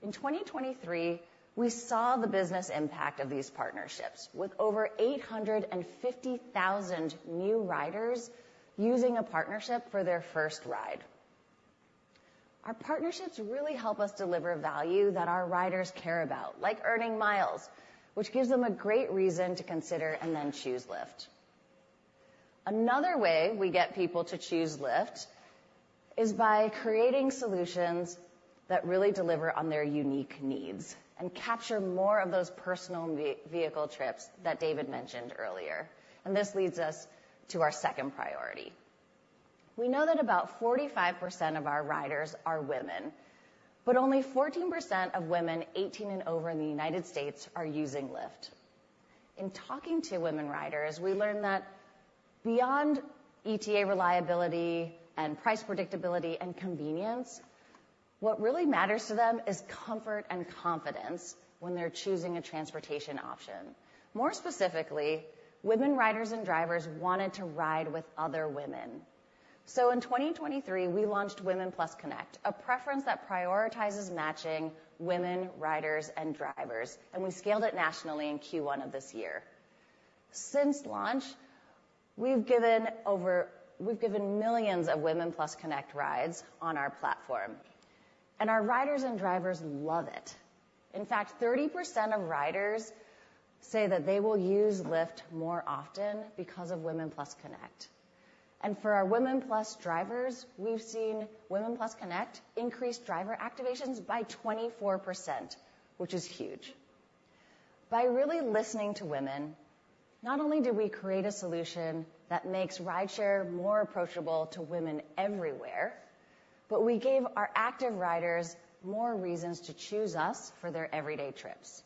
In 2023, we saw the business impact of these partnerships, with over 850,000 new riders using a partnership for their first ride. Our partnerships really help us deliver value that our riders care about, like earning miles, which gives them a great reason to consider and then choose Lyft. Another way we get people to choose Lyft is by creating solutions that really deliver on their unique needs, and capture more of those personal vehicle trips that David mentioned earlier, and this leads us to our second priority. We know that about 45% of our riders are women, but only 14% of women 18 and over in the United States are using Lyft. In talking to women riders, we learned that beyond ETA reliability and price predictability and convenience, what really matters to them is comfort and confidence when they're choosing a transportation option. More specifically, women riders and drivers wanted to ride with other women. So in 2023, we launched Women+ Connect, a preference that prioritizes matching women riders and drivers, and we scaled it nationally in Q1 of this year. Since launch, we've given millions of Women+ Connect rides on our platform, and our riders and drivers love it. In fact, 30% of riders say that they will use Lyft more often because of Women+ Connect. For our Women+ drivers, we've seen Women+ Connect increase driver activations by 24%, which is huge. By really listening to women, not only did we create a solution that makes rideshare more approachable to women everywhere, but we gave our active riders more reasons to choose us for their everyday trips.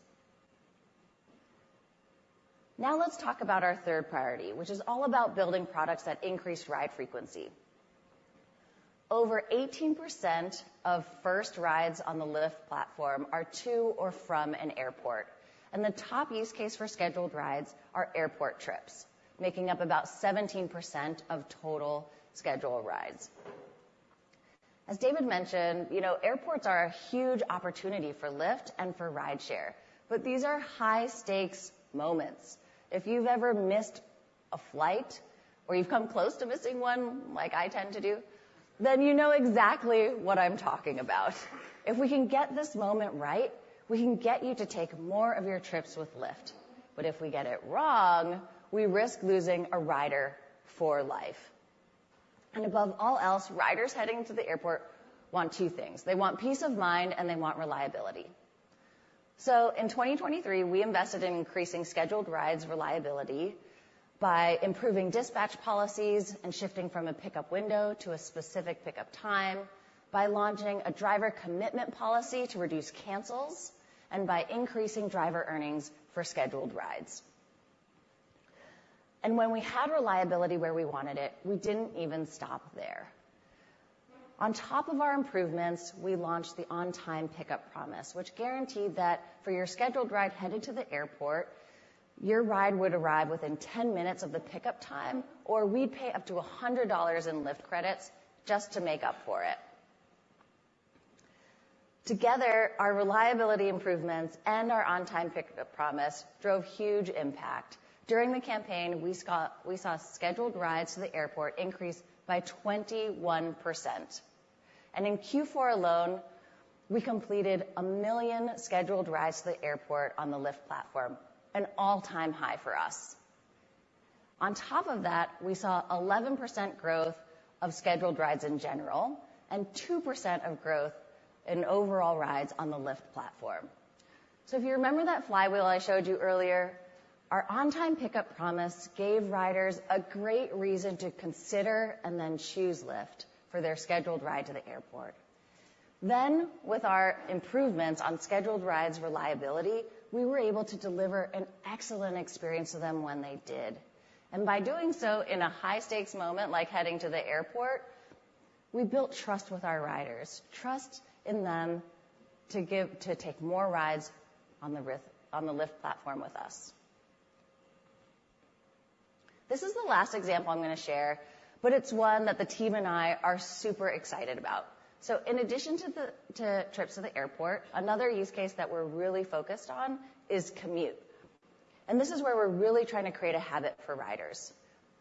Now, let's talk about our third priority, which is all about building products that increase ride frequency. Over 18% of first rides on the Lyft platform are to or from an airport, and the top use case for scheduled rides are airport trips, making up about 17% of total scheduled rides. As David mentioned, you know, airports are a huge opportunity for Lyft and for rideshare, but these are high-stakes moments. If you've ever missed a flight, or you've come close to missing one, like I tend to do, then you know exactly what I'm talking about. If we can get this moment right, we can get you to take more of your trips with Lyft, but if we get it wrong, we risk losing a rider for life. And above all else, riders heading to the airport want two things: they want peace of mind, and they want reliability. So in 2023, we invested in increasing scheduled rides reliability by improving dispatch policies and shifting from a pickup window to a specific pickup time, by launching a driver commitment policy to reduce cancels, and by increasing driver earnings for scheduled rides. And when we had reliability where we wanted it, we didn't even stop there. On top of our improvements, we launched the On-Time Pickup Promise, which guaranteed that for your scheduled ride headed to the airport, your ride would arrive within 10 minutes of the pickup time, or we'd pay up to $100 in Lyft credits just to make up for it. Together, our reliability improvements and our On-Time Pickup Promise drove huge impact. During the campaign, we saw scheduled rides to the airport increase by 21%. In Q4 alone, we completed 1 million scheduled rides to the airport on the Lyft platform, an all-time high for us. On top of that, we saw 11% growth of scheduled rides in general, and 2% of growth in overall rides on the Lyft platform. So if you remember that flywheel I showed you earlier, our On-Time Pickup Promise gave riders a great reason to consider and then choose Lyft for their scheduled ride to the airport. Then, with our improvements on scheduled rides reliability, we were able to deliver an excellent experience to them when they did. And by doing so in a high-stakes moment, like heading to the airport, we built trust with our riders, trust in them to take more rides on the Lyft platform with us. This is the last example I'm gonna share, but it's one that the team and I are super excited about. So in addition to trips to the airport, another use case that we're really focused on is commute, and this is where we're really trying to create a habit for riders.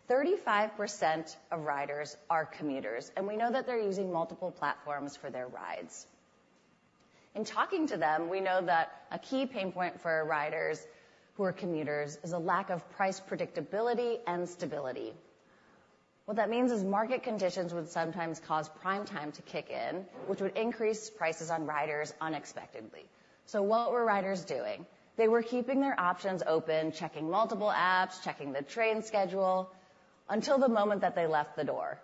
35% of riders are commuters, and we know that they're using multiple platforms for their rides. In talking to them, we know that a key pain point for riders who are commuters is a lack of price predictability and stability. What that means is market conditions would sometimes cause Prime Time to kick in, which would increase prices on riders unexpectedly. So what were riders doing? They were keeping their options open, checking multiple apps, checking the train schedule, until the moment that they left the door.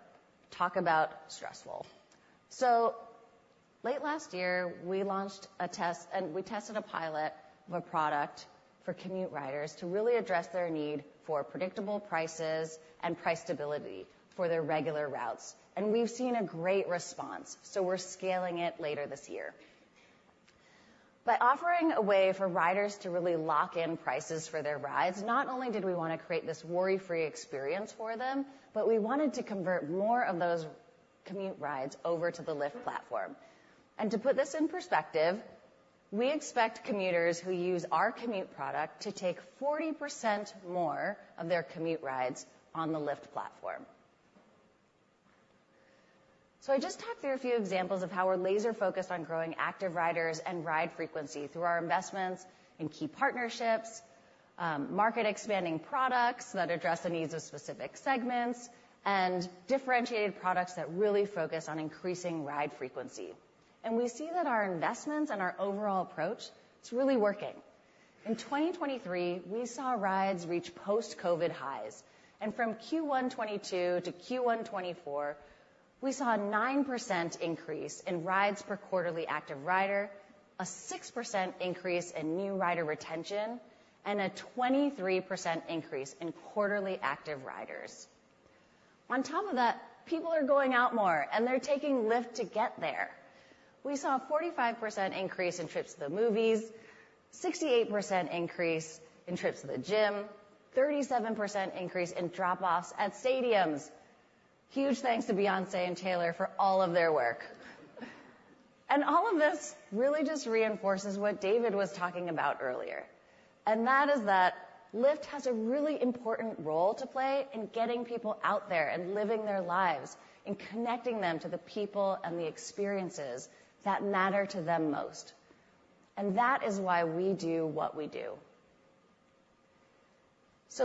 Talk about stressful! So late last year, we launched a test, and we tested a pilot of a product for commute riders to really address their need for predictable prices and price stability for their regular routes. We've seen a great response, so we're scaling it later this year. By offering a way for riders to really lock in prices for their rides, not only did we wanna create this worry-free experience for them, but we wanted to convert more of those commute rides over to the Lyft platform. To put this in perspective, we expect commuters who use our commute product to take 40% more of their commute rides on the Lyft platform. I just talked through a few examples of how we're laser-focused on growing active riders and ride frequency through our investments in key partnerships, market expanding products that address the needs of specific segments, and differentiated products that really focus on increasing ride frequency. We see that our investments and our overall approach, it's really working. In 2023, we saw rides reach post-COVID highs, and from Q1 2022 to Q1 2024, we saw a 9% increase in rides per quarterly active rider, a 6% increase in new rider retention, and a 23% increase in quarterly active riders. On top of that, people are going out more, and they're taking Lyft to get there. We saw a 45% increase in trips to the movies, 68% increase in trips to the gym, 37% increase in drop-offs at stadiums. Huge thanks to Beyoncé and Taylor for all of their work. And all of this really just reinforces what David was talking about earlier, and that is that Lyft has a really important role to play in getting people out there and living their lives, and connecting them to the people and the experiences that matter to them most. That is why we do what we do.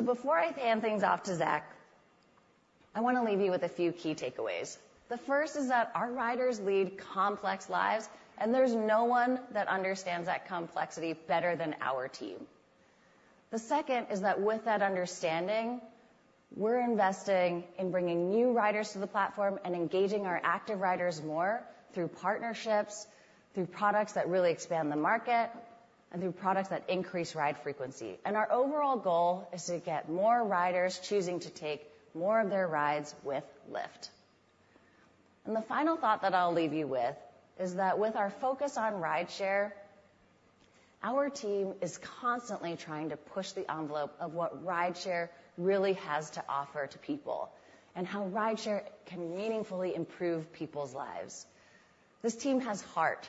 Before I hand things off to Zach, I wanna leave you with a few key takeaways. The first is that our riders lead complex lives, and there's no one that understands that complexity better than our team. The second is that with that understanding, we're investing in bringing new riders to the platform and engaging our active riders more through partnerships, through products that really expand the market, and through products that increase ride frequency. Our overall goal is to get more riders choosing to take more of their rides with Lyft. The final thought that I'll leave you with is that with our focus on rideshare, our team is constantly trying to push the envelope of what rideshare really has to offer to people, and how rideshare can meaningfully improve people's lives. This team has heart,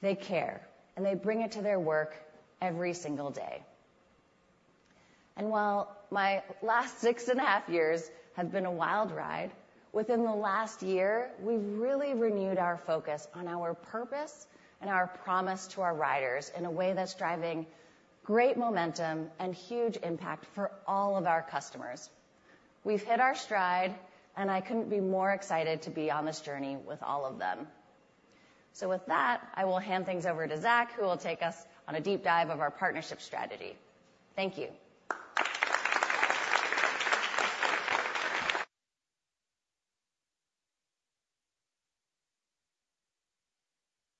they care, and they bring it to their work every single day. And while my last six and a half years have been a wild ride, within the last year, we've really renewed our focus on our purpose and our promise to our riders in a way that's driving great momentum and huge impact for all of our customers. We've hit our stride, and I couldn't be more excited to be on this journey with all of them. So with that, I will hand things over to Zach, who will take us on a deep dive of our partnership strategy. Thank you.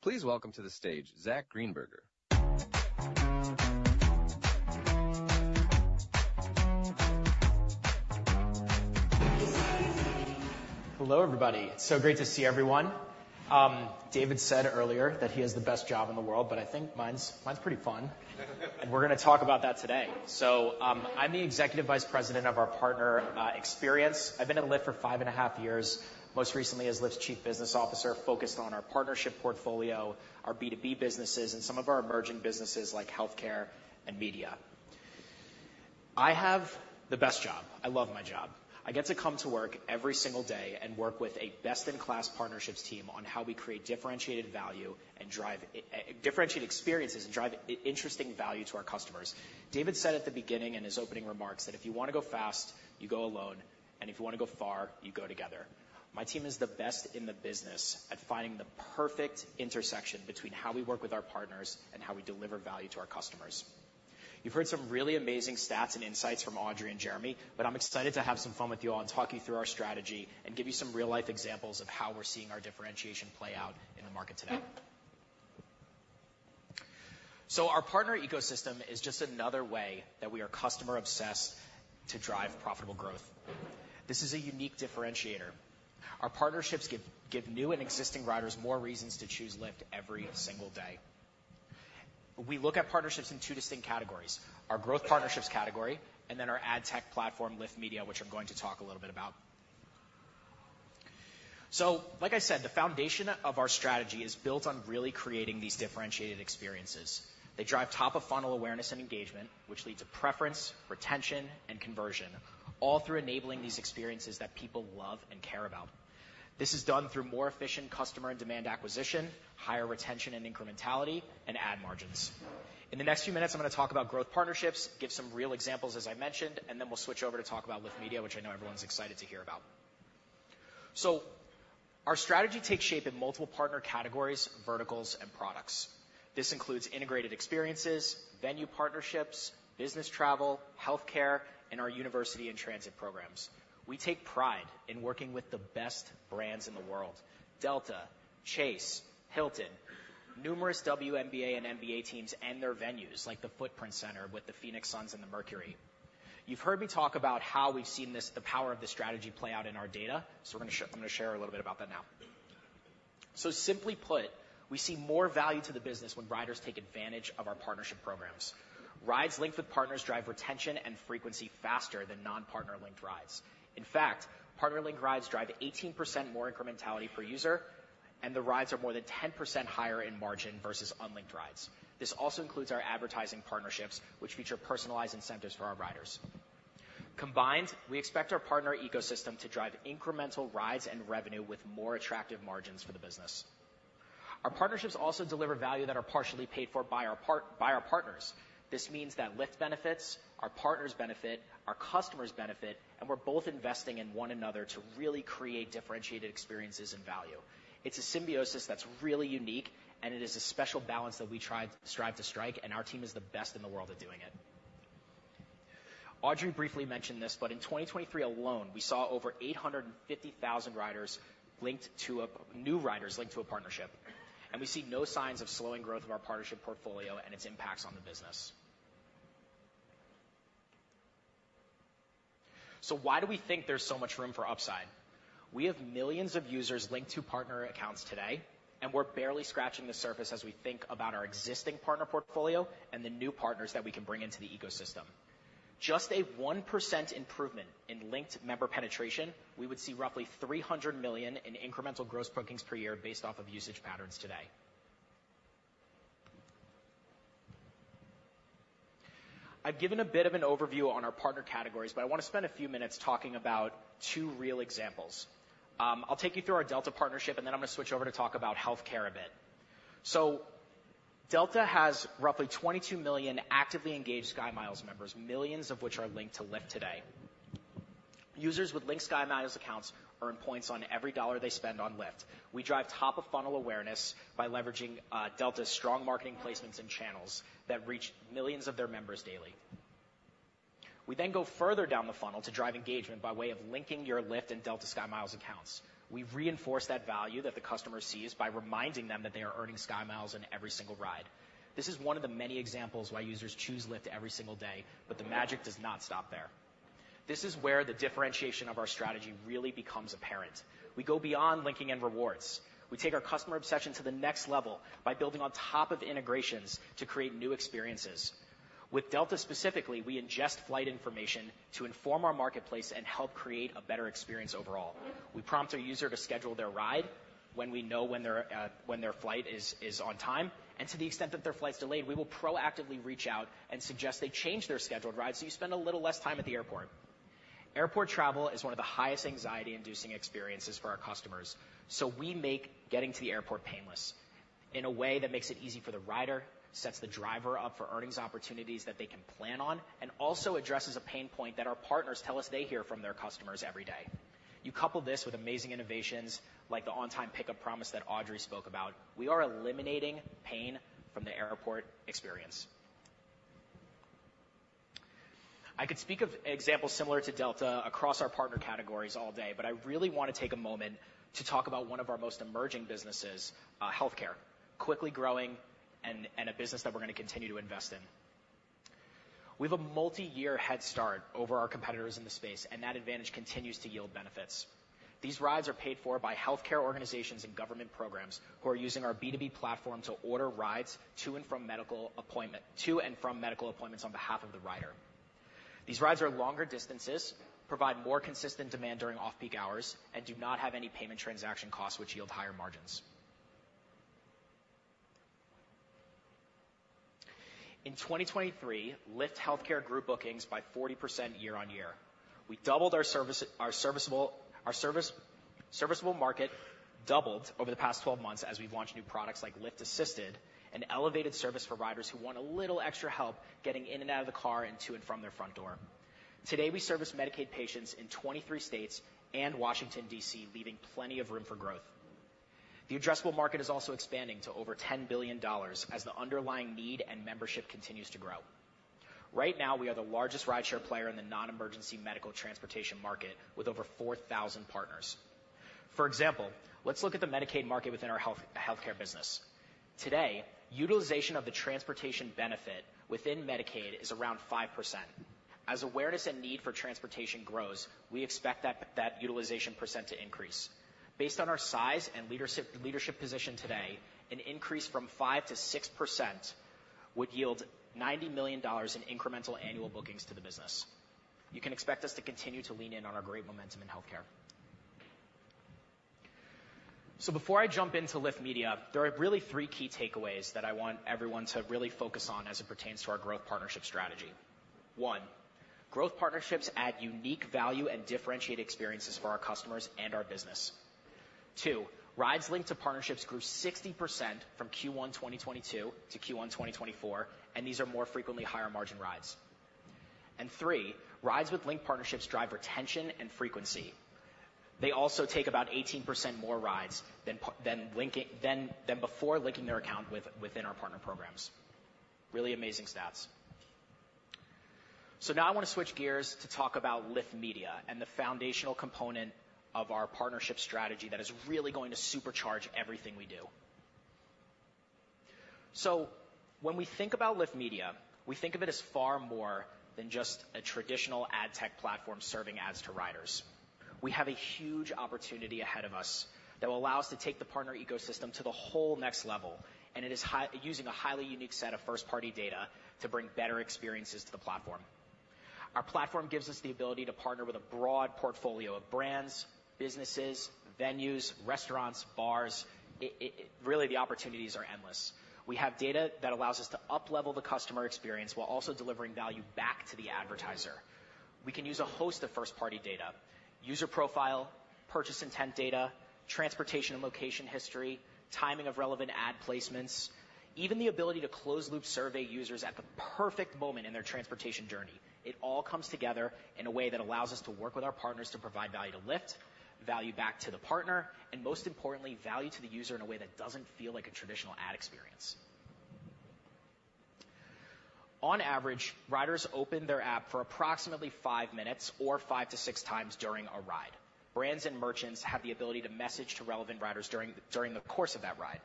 Please welcome to the stage, Zach Greenberger. Hello, everybody. It's so great to see everyone. David said earlier that he has the best job in the world, but I think mine's, mine's pretty fun, and we're gonna talk about that today. So, I'm the Executive Vice President of our Partner Experience. I've been at Lyft for five and a half years, most recently as Lyft's Chief Business Officer, focused on our partnership portfolio, our B2B businesses, and some of our emerging businesses, like healthcare and media. I have the best job. I love my job. I get to come to work every single day and work with a best-in-class partnerships team on how we create differentiated value and drive differentiated experiences and drive interesting value to our customers. David said at the beginning in his opening remarks, that if you wanna go fast, you go alone, and if you wanna go far, you go together. My team is the best in the business at finding the perfect intersection between how we work with our partners and how we deliver value to our customers.... You've heard some really amazing stats and insights from Audrey and Jeremy, but I'm excited to have some fun with you all and talk you through our strategy, and give you some real-life examples of how we're seeing our differentiation play out in the market today. Our partner ecosystem is just another way that we are customer-obsessed to drive profitable growth. This is a unique differentiator. Our partnerships give, give new and existing riders more reasons to choose Lyft every single day. We look at partnerships in two distinct categories: our growth partnerships category, and then our ad tech platform, Lyft Media, which I'm going to talk a little bit about. So like I said, the foundation of our strategy is built on really creating these differentiated experiences. They drive top-of-funnel awareness and engagement, which lead to preference, retention, and conversion, all through enabling these experiences that people love and care about. This is done through more efficient customer and demand acquisition, higher retention and incrementality, and ad margins. In the next few minutes, I'm gonna talk about growth partnerships, give some real examples, as I mentioned, and then we'll switch over to talk about Lyft Media, which I know everyone's excited to hear about. So our strategy takes shape in multiple partner categories, verticals, and products. This includes integrated experiences, venue partnerships, business travel, healthcare, and our university and transit programs. We take pride in working with the best brands in the world, Delta, Chase, Hilton, numerous WNBA and NBA teams and their venues, like the Footprint Center with the Phoenix Suns and the Mercury. You've heard me talk about how we've seen this, the power of this strategy play out in our data, so we're gonna share, I'm gonna share a little bit about that now. Simply put, we see more value to the business when riders take advantage of our partnership programs. Rides linked with partners drive retention and frequency faster than non-partner-linked rides. In fact, partner-linked rides drive 18% more incrementality per user, and the rides are more than 10% higher in margin versus unlinked rides. This also includes our advertising partnerships, which feature personalized incentives for our riders. Combined, we expect our partner ecosystem to drive incremental rides and revenue with more attractive margins for the business. Our partnerships also deliver value that are partially paid for by our partners. This means that Lyft benefits, our partners benefit, our customers benefit, and we're both investing in one another to really create differentiated experiences and value. It's a symbiosis that's really unique, and it is a special balance that we strive to strike, and our team is the best in the world at doing it. Audrey briefly mentioned this, but in 2023 alone, we saw over 850,000 new riders linked to a partnership, and we see no signs of slowing growth of our partnership portfolio and its impacts on the business. So why do we think there's so much room for upside? We have millions of users linked to partner accounts today, and we're barely scratching the surface as we think about our existing partner portfolio and the new partners that we can bring into the ecosystem. Just a 1% improvement in linked member penetration, we would see roughly $300 million in incremental gross bookings per year based off of usage patterns today. I've given a bit of an overview on our partner categories, but I want to spend a few minutes talking about two real examples. I'll take you through our Delta partnership, and then I'm gonna switch over to talk about healthcare a bit. So Delta has roughly 22 million actively engaged SkyMiles members, millions of which are linked to Lyft today. Users with linked SkyMiles accounts earn points on every dollar they spend on Lyft. We drive top-of-funnel awareness by leveraging Delta's strong marketing placements and channels that reach millions of their members daily. We then go further down the funnel to drive engagement by way of linking your Lyft and Delta SkyMiles accounts. We reinforce that value that the customer sees by reminding them that they are earning SkyMiles on every single ride. This is one of the many examples why users choose Lyft every single day, but the magic does not stop there. This is where the differentiation of our strategy really becomes apparent. We go beyond linking and rewards. We take our customer obsession to the next level by building on top of integrations to create new experiences. With Delta specifically, we ingest flight information to inform our marketplace and help create a better experience overall. We prompt our user to schedule their ride when we know when their flight is on time, and to the extent that their flight's delayed, we will proactively reach out and suggest they change their scheduled ride so you spend a little less time at the airport. Airport travel is one of the highest anxiety-inducing experiences for our customers, so we make getting to the airport painless in a way that makes it easy for the rider, sets the driver up for earnings opportunities that they can plan on, and also addresses a pain point that our partners tell us they hear from their customers every day. You couple this with amazing innovations, like the On-Time Pickup Promise that Audrey spoke about. We are eliminating pain from the airport experience. I could speak of examples similar to Delta across our partner categories all day, but I really want to take a moment to talk about one of our most emerging businesses, healthcare, quickly growing and a business that we're gonna continue to invest in. We have a multiyear head start over our competitors in the space, and that advantage continues to yield benefits. These rides are paid for by healthcare organizations and government programs, who are using our B2B platform to order rides to and from medical appointment, to and from medical appointments on behalf of the rider. These rides are longer distances, provide more consistent demand during off-peak hours, and do not have any payment transaction costs, which yield higher margins. In 2023, Lyft Healthcare grew bookings by 40% year-over-year. We doubled our service. Our serviceable market doubled over the past 12 months as we've launched new products like Lyft Assisted, an elevated service for riders who want a little extra help getting in and out of the car, and to and from their front door. Today, we service Medicaid patients in 23 states and Washington, D.C., leaving plenty of room for growth. The addressable market is also expanding to over $10 billion as the underlying need and membership continues to grow. Right now, we are the largest rideshare player in the non-emergency medical transportation market, with over 4,000 partners. For example, let's look at the Medicaid market within our healthcare business. Today, utilization of the transportation benefit within Medicaid is around 5%. As awareness and need for transportation grows, we expect that utilization percent to increase. Based on our size and leadership position today, an increase from 5%-6% would yield $90 million in incremental annual bookings to the business. You can expect us to continue to lean in on our great momentum in healthcare. So before I jump into Lyft Media, there are really three key takeaways that I want everyone to really focus on as it pertains to our growth partnership strategy. One, growth partnerships add unique value and differentiate experiences for our customers and our business. Two, rides linked to partnerships grew 60% from Q1 2022 to Q1 2024, and these are more frequently higher margin rides. And three, rides with linked partnerships drive retention and frequency. They also take about 18% more rides than before linking their account within our partner programs. Really amazing stats. So now I want to switch gears to talk about Lyft Media and the foundational component of our partnership strategy that is really going to supercharge everything we do. So when we think about Lyft Media, we think of it as far more than just a traditional ad tech platform serving ads to riders. We have a huge opportunity ahead of us that will allow us to take the partner ecosystem to the whole next level, and it is using a highly unique set of first-party data to bring better experiences to the platform. Our platform gives us the ability to partner with a broad portfolio of brands, businesses, venues, restaurants, bars. It really, the opportunities are endless. We have data that allows us to uplevel the customer experience while also delivering value back to the advertiser. We can use a host of first-party data, user profile, purchase intent data, transportation and location history, timing of relevant ad placements, even the ability to closed-loop survey users at the perfect moment in their transportation journey. It all comes together in a way that allows us to work with our partners to provide value to Lyft, value back to the partner, and most importantly, value to the user in a way that doesn't feel like a traditional ad experience. On average, riders open their app for approximately five minutes or five to six times during a ride. Brands and merchants have the ability to message to relevant riders during the course of that ride.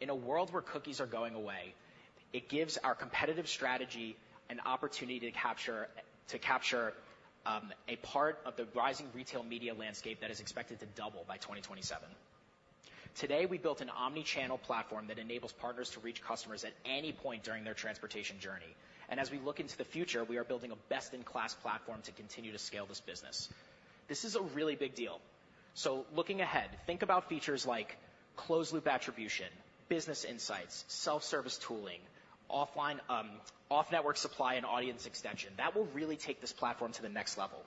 In a world where cookies are going away, it gives our competitive strategy an opportunity to capture a part of the rising retail media landscape that is expected to double by 2027. Today, we built an omni-channel platform that enables partners to reach customers at any point during their transportation journey, and as we look into the future, we are building a best-in-class platform to continue to scale this business. This is a really big deal. So looking ahead, think about features like closed loop attribution, business insights, self-service tooling, offline off-network supply, and audience extension. That will really take this platform to the next level.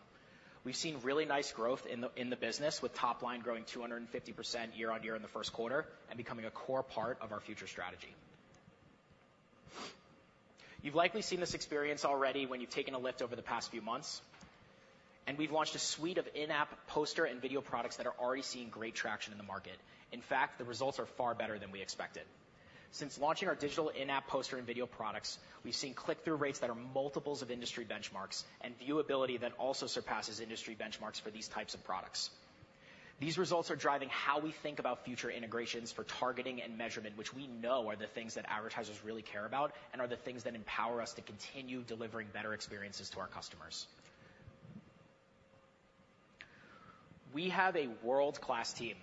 We've seen really nice growth in the business, with top line growing 250% year-on-year in the first quarter and becoming a core part of our future strategy. You've likely seen this experience already when you've taken a Lyft over the past few months, and we've launched a suite of in-app poster and video products that are already seeing great traction in the market. In fact, the results are far better than we expected. Since launching our digital in-app poster and video products, we've seen click-through rates that are multiples of industry benchmarks and viewability that also surpasses industry benchmarks for these types of products. These results are driving how we think about future integrations for targeting and measurement, which we know are the things that advertisers really care about and are the things that empower us to continue delivering better experiences to our customers. We have a world-class team.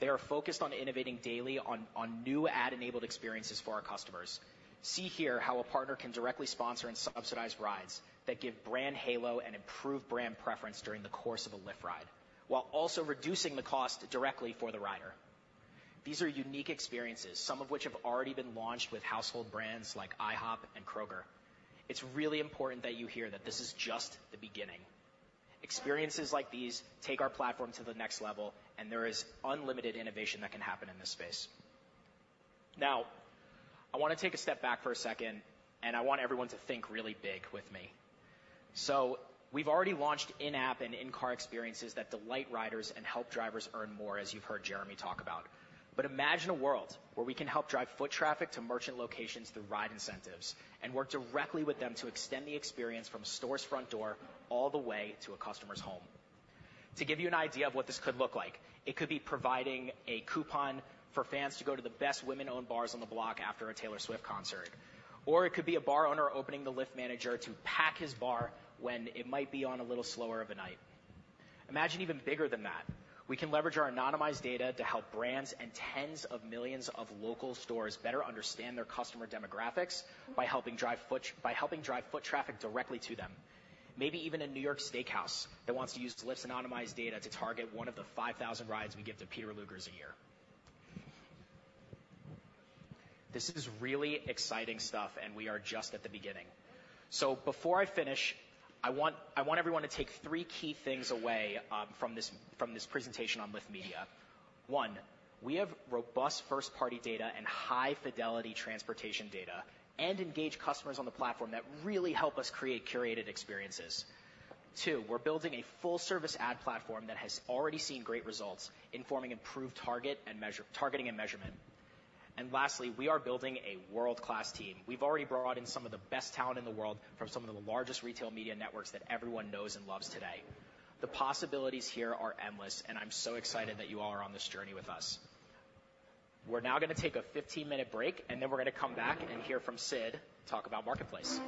They are focused on innovating daily on new ad-enabled experiences for our customers. See here how a partner can directly sponsor and subsidize rides that give brand halo and improve brand preference during the course of a Lyft ride, while also reducing the cost directly for the rider. These are unique experiences, some of which have already been launched with household brands like IHOP and Kroger. It's really important that you hear that this is just the beginning. Experiences like these take our platform to the next level, and there is unlimited innovation that can happen in this space. Now, I want to take a step back for a second, and I want everyone to think really big with me. So we've already launched in-app and in-car experiences that delight riders and help drivers earn more, as you've heard Jeremy talk about. But imagine a world where we can help drive foot traffic to merchant locations through ride incentives and work directly with them to extend the experience from a store's front door all the way to a customer's home. To give you an idea of what this could look like, it could be providing a coupon for fans to go to the best women-owned bars on the block after a Taylor Swift concert. Or it could be a bar owner opening the Lyft app to pack his bar when it might be on a little slower of a night. Imagine even bigger than that. We can leverage our anonymized data to help brands and tens of millions of local stores better understand their customer demographics by helping drive foot traffic directly to them. Maybe even a New York steakhouse that wants to use Lyft's anonymized data to target one of the 5,000 rides we give to Peter Luger's a year. This is really exciting stuff, and we are just at the beginning. So before I finish, I want everyone to take three key things away from this presentation on Lyft Media. One, we have robust first-party data and high-fidelity transportation data and engage customers on the platform that really help us create curated experiences. Two, we're building a full-service ad platform that has already seen great results in forming improved target and measure targeting and measurement. And lastly, we are building a world-class team. We've already brought in some of the best talent in the world from some of the largest retail media networks that everyone knows and loves today. The possibilities here are endless, and I'm so excited that you all are on this journey with us. We're now gonna take a 15-minute break, and then we're gonna come back and hear from Sid, talk about Marketplace.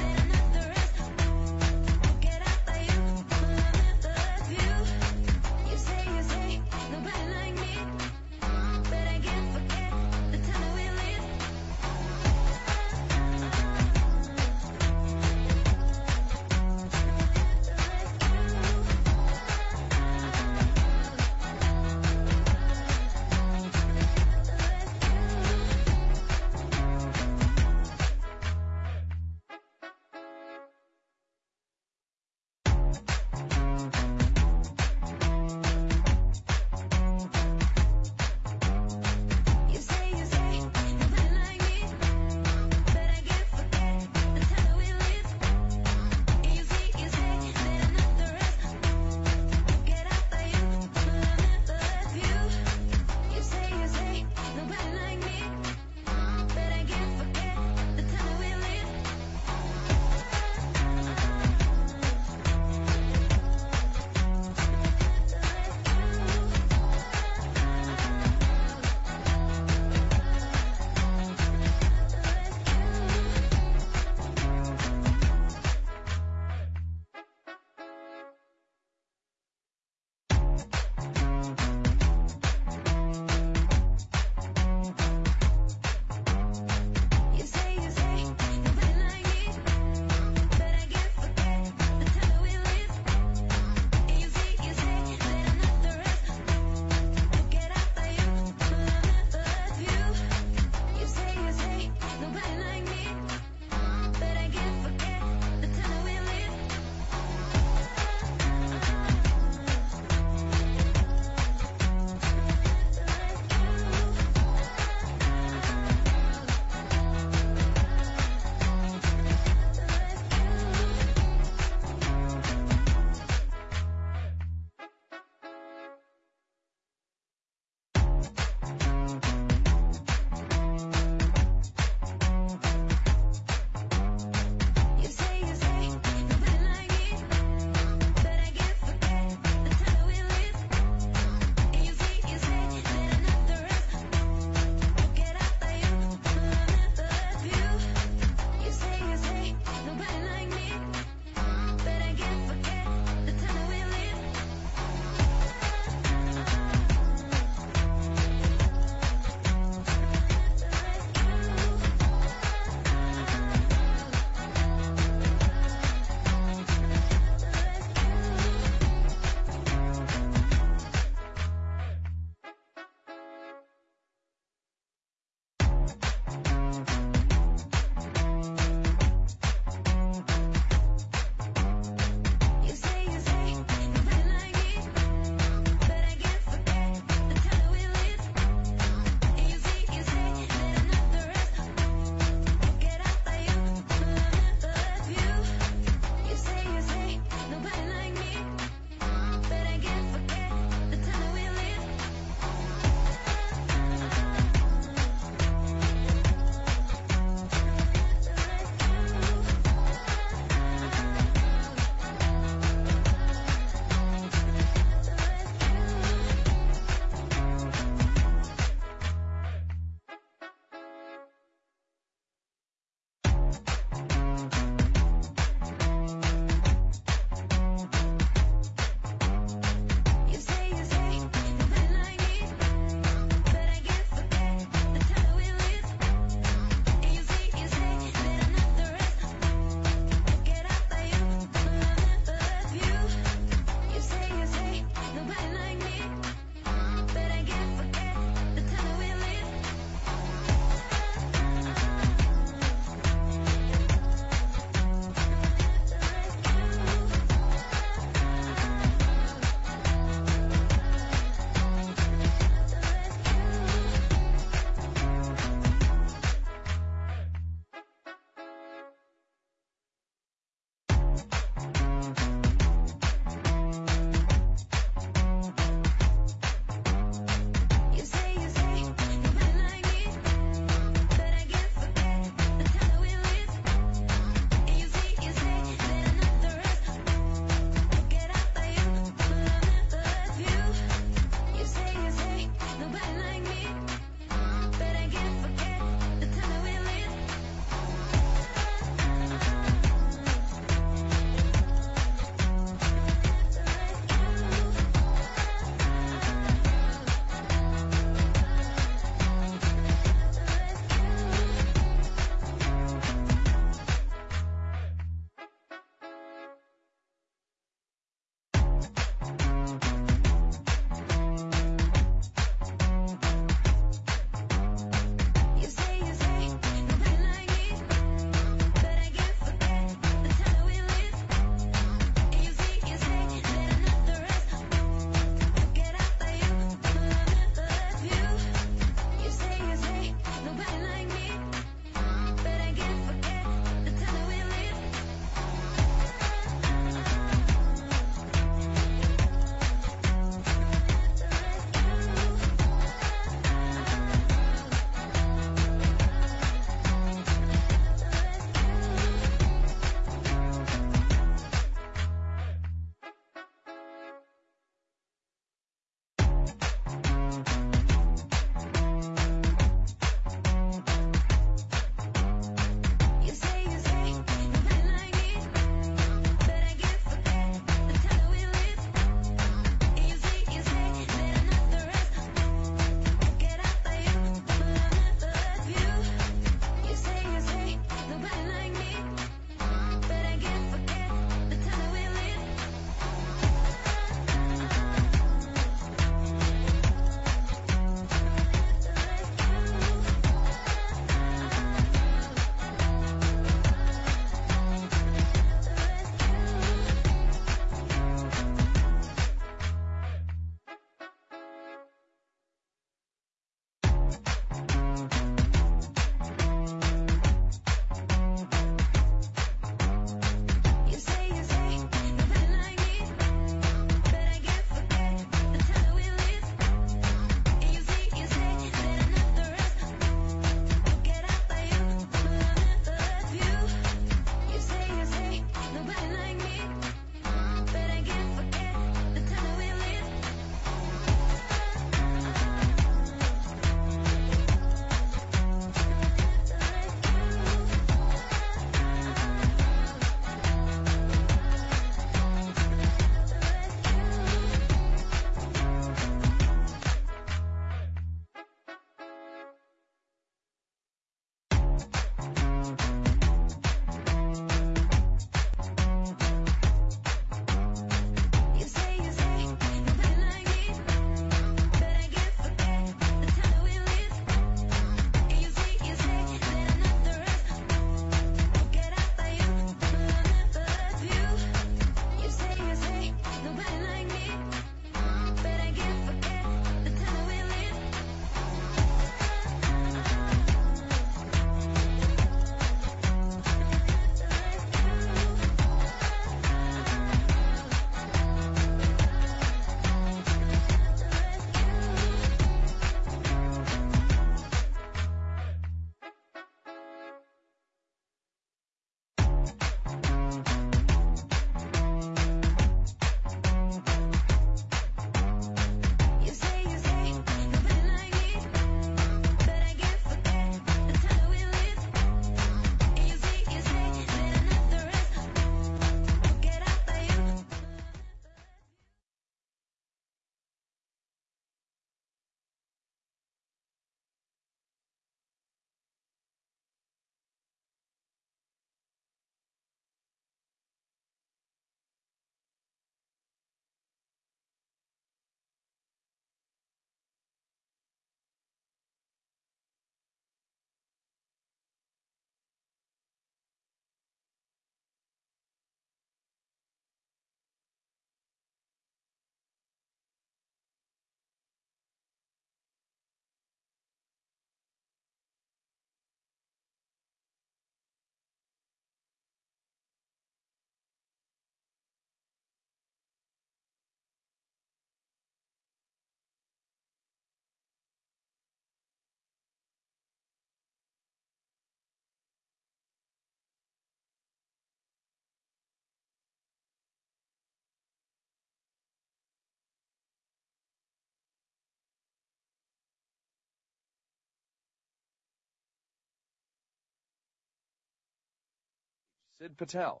Sid Patel.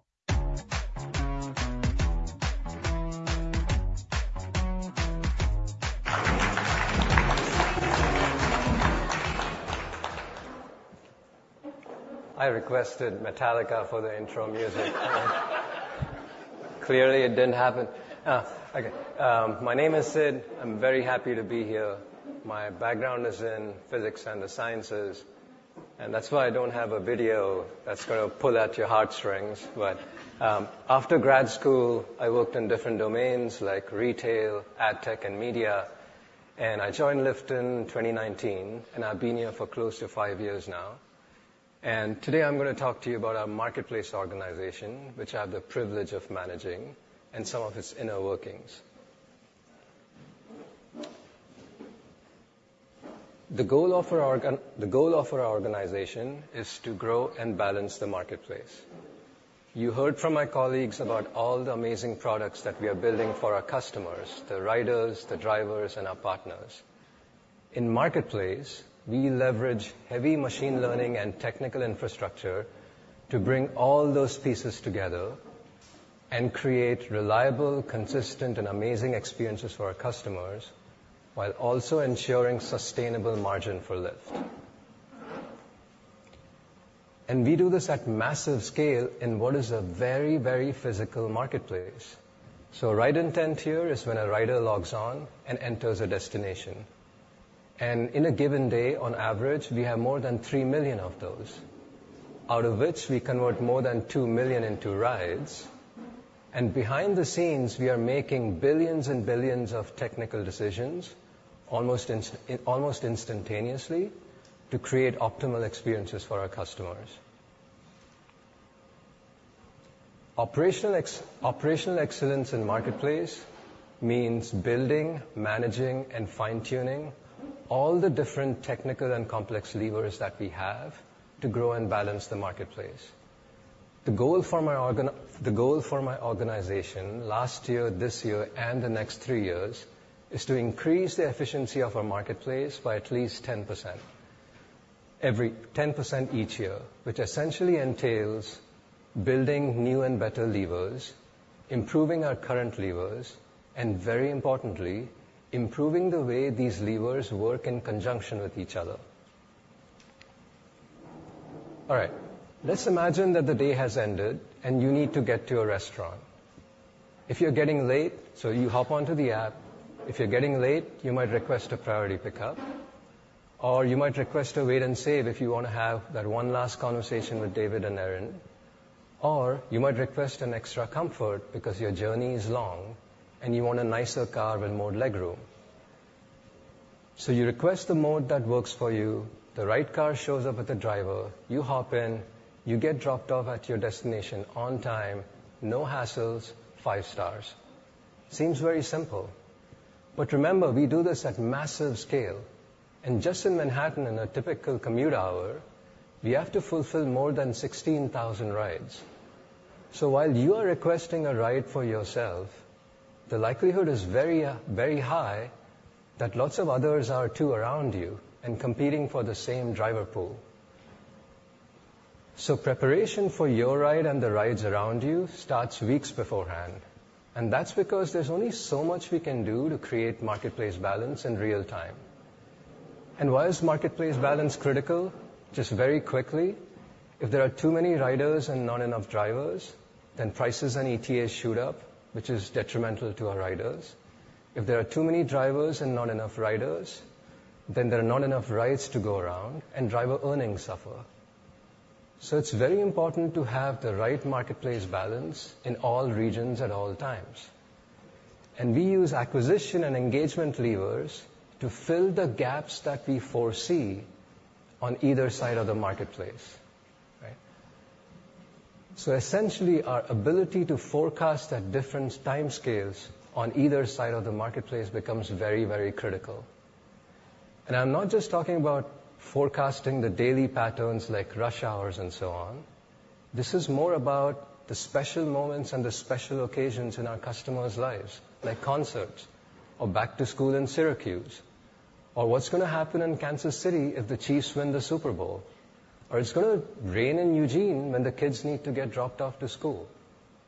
I requested Metallica for the intro music. Clearly, it didn't happen. Okay, my name is Sid. I'm very happy to be here. My background is in physics and the sciences, and that's why I don't have a video that's gonna pull at your heartstrings. But, after grad school, I worked in different domains like retail, ad tech, and media, and I joined Lyft in 2019, and I've been here for close to five years now. Today I'm going to talk to you about our marketplace organization, which I have the privilege of managing, and some of its inner workings. The goal of our organization is to grow and balance the marketplace. You heard from my colleagues about all the amazing products that we are building for our customers, the riders, the drivers, and our partners. In marketplace, we leverage heavy machine learning and technical infrastructure to bring all those pieces together and create reliable, consistent, and amazing experiences for our customers, while also ensuring sustainable margin for Lyft. We do this at massive scale in what is a very, very physical marketplace. Ride intent here is when a rider logs on and enters a destination. In a given day, on average, we have more than three million of those, out of which we convert more than two million into rides. Behind the scenes, we are making billions and billions of technical decisions, almost instantaneously, to create optimal experiences for our customers. Operational excellence in marketplace means building, managing, and fine-tuning all the different technical and complex levers that we have to grow and balance the marketplace. The goal for my organization last year, this year, and the next three years, is to increase the efficiency of our marketplace by at least 10%. 10% each year, which essentially entails building new and better levers, improving our current levers, and very importantly, improving the way these levers work in conjunction with each other. All right, let's imagine that the day has ended, and you need to get to a restaurant. If you're getting late, so you hop onto the app. If you're getting late, you might request a Priority Pickup, or you might request a Wait & Save if you wanna have that one last conversation with David and Erin. Or you might request an Extra Comfort because your journey is long, and you want a nicer car with more legroom. So you request the mode that works for you, the right car shows up with the driver, you hop in, you get dropped off at your destination on time, no hassles, five stars. Seems very simple, but remember, we do this at massive scale, and just in Manhattan, in a typical commute hour, we have to fulfill more than 16,000 rides. So while you are requesting a ride for yourself, the likelihood is very, very high that lots of others are, too, around you and competing for the same driver pool. So preparation for your ride and the rides around you starts weeks beforehand, and that's because there's only so much we can do to create Marketplace balance in real time. And why is Marketplace balance critical? Just very quickly, if there are too many riders and not enough drivers, then prices and ETAs shoot up, which is detrimental to our riders. If there are too many drivers and not enough riders, then there are not enough rides to go around, and driver earnings suffer. So it's very important to have the right marketplace balance in all regions at all times. And we use acquisition and engagement levers to fill the gaps that we foresee on either side of the marketplace. Right? So essentially, our ability to forecast at different time scales on either side of the marketplace becomes very, very critical. And I'm not just talking about forecasting the daily patterns, like rush hours and so on. This is more about the special moments and the special occasions in our customers' lives, like concerts or back to school in Syracuse. Or what's gonna happen in Kansas City if the Chiefs win the Super Bowl? Or it's gonna rain in Eugene, and the kids need to get dropped off to school,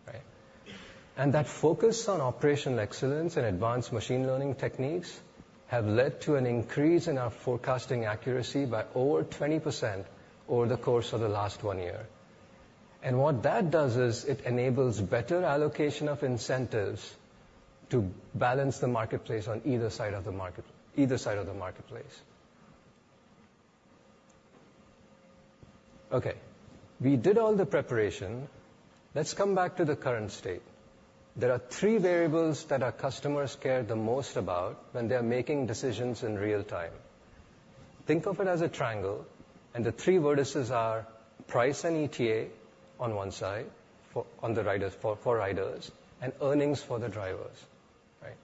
right? That focus on operational excellence and advanced machine learning techniques have led to an increase in our forecasting accuracy by over 20% over the course of the last one year. What that does is it enables better allocation of incentives to balance the marketplace on either side of the market, either side of the marketplace. Okay, we did all the preparation. Let's come back to the current state. There are three variables that our customers care the most about when they are making decisions in real time. Think of it as a triangle, and the three vertices are price and ETA on one side, for riders, and earnings for the drivers. Right?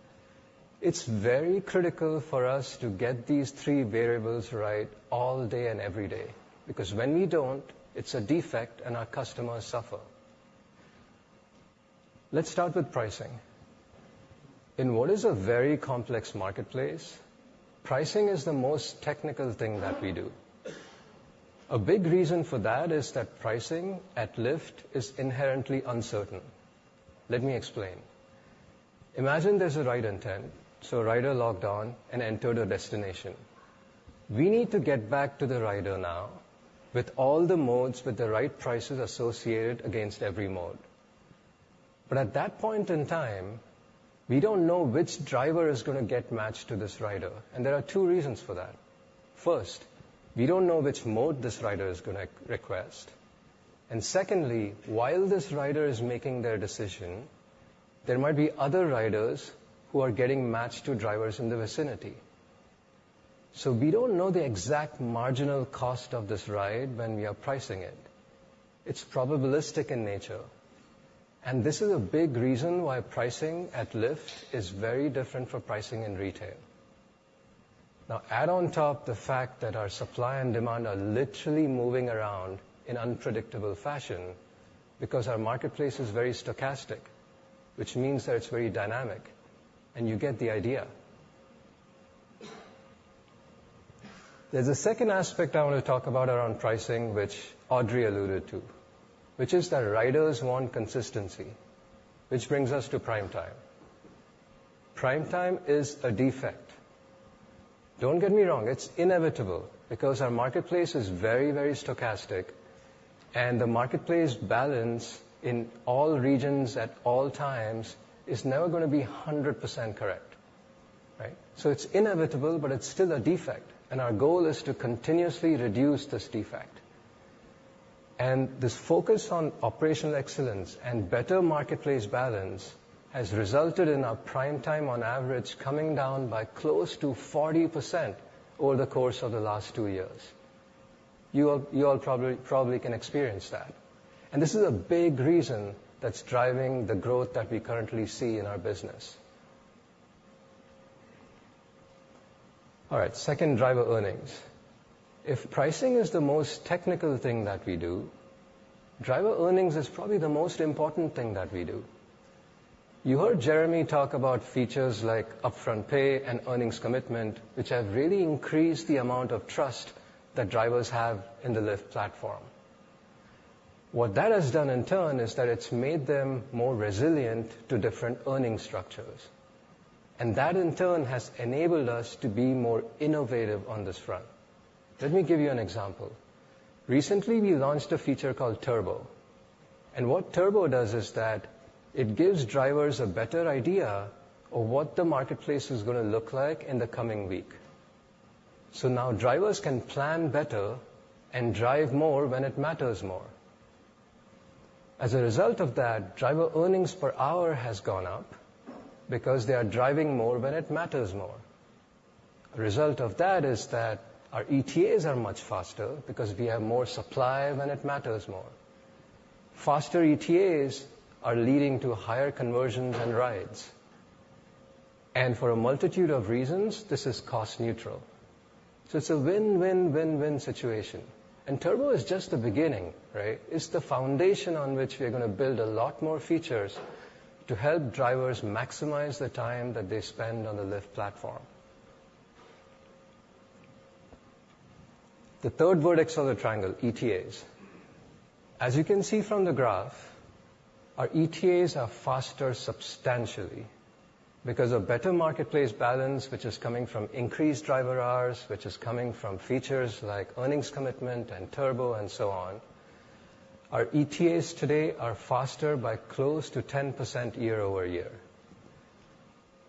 It's very critical for us to get these three variables right all day and every day, because when we don't, it's a defect, and our customers suffer. Let's start with pricing. In what is a very complex marketplace, pricing is the most technical thing that we do. A big reason for that is that pricing at Lyft is inherently uncertain. Let me explain. Imagine there's a ride intent, so a rider logged on and entered a destination. We need to get back to the rider now with all the modes, with the right prices associated against every mode. But at that point in time, we don't know which driver is gonna get matched to this rider, and there are two reasons for that. First, we don't know which mode this rider is gonna request. Secondly, while this rider is making their decision, there might be other riders who are getting matched to drivers in the vicinity. So we don't know the exact marginal cost of this ride when we are pricing it. It's probabilistic in nature, and this is a big reason why pricing at Lyft is very different from pricing in retail. Now, add on top the fact that our supply and demand are literally moving around in unpredictable fashion because our marketplace is very stochastic, which means that it's very dynamic, and you get the idea.... There's a second aspect I want to talk about around pricing, which Audrey alluded to, which is that riders want consistency, which brings us to Prime Time. Prime Time is a defect. Don't get me wrong, it's inevitable, because our marketplace is very, very stochastic, and the marketplace balance in all regions at all times is never gonna be 100% correct, right? So it's inevitable, but it's still a defect, and our goal is to continuously reduce this defect. And this focus on operational excellence and better marketplace balance has resulted in our Prime Time, on average, coming down by close to 40% over the course of the last two years. You all, you all probably, probably can experience that. And this is a big reason that's driving the growth that we currently see in our business. All right, second, driver earnings. If pricing is the most technical thing that we do, driver earnings is probably the most important thing that we do. You heard Jeremy talk about features like upfront pay and earnings commitment, which have really increased the amount of trust that drivers have in the Lyft platform. What that has done, in turn, is that it's made them more resilient to different earning structures, and that, in turn, has enabled us to be more innovative on this front. Let me give you an example. Recently, we launched a feature called Turbo, and what Turbo does is that it gives drivers a better idea of what the marketplace is gonna look like in the coming week. So now drivers can plan better and drive more when it matters more. As a result of that, driver earnings per hour has gone up because they are driving more when it matters more. The result of that is that our ETAs are much faster because we have more supply when it matters more. Faster ETAs are leading to higher conversions and rides, and for a multitude of reasons, this is cost neutral. So it's a win-win-win-win situation. Turbo is just the beginning, right? It's the foundation on which we are gonna build a lot more features to help drivers maximize the time that they spend on the Lyft platform. The third vertex of the triangle, ETAs. As you can see from the graph, our ETAs are faster substantially because of better marketplace balance, which is coming from increased driver hours, which is coming from features like earnings commitment, and Turbo, and so on. Our ETAs today are faster by close to 10% year-over-year.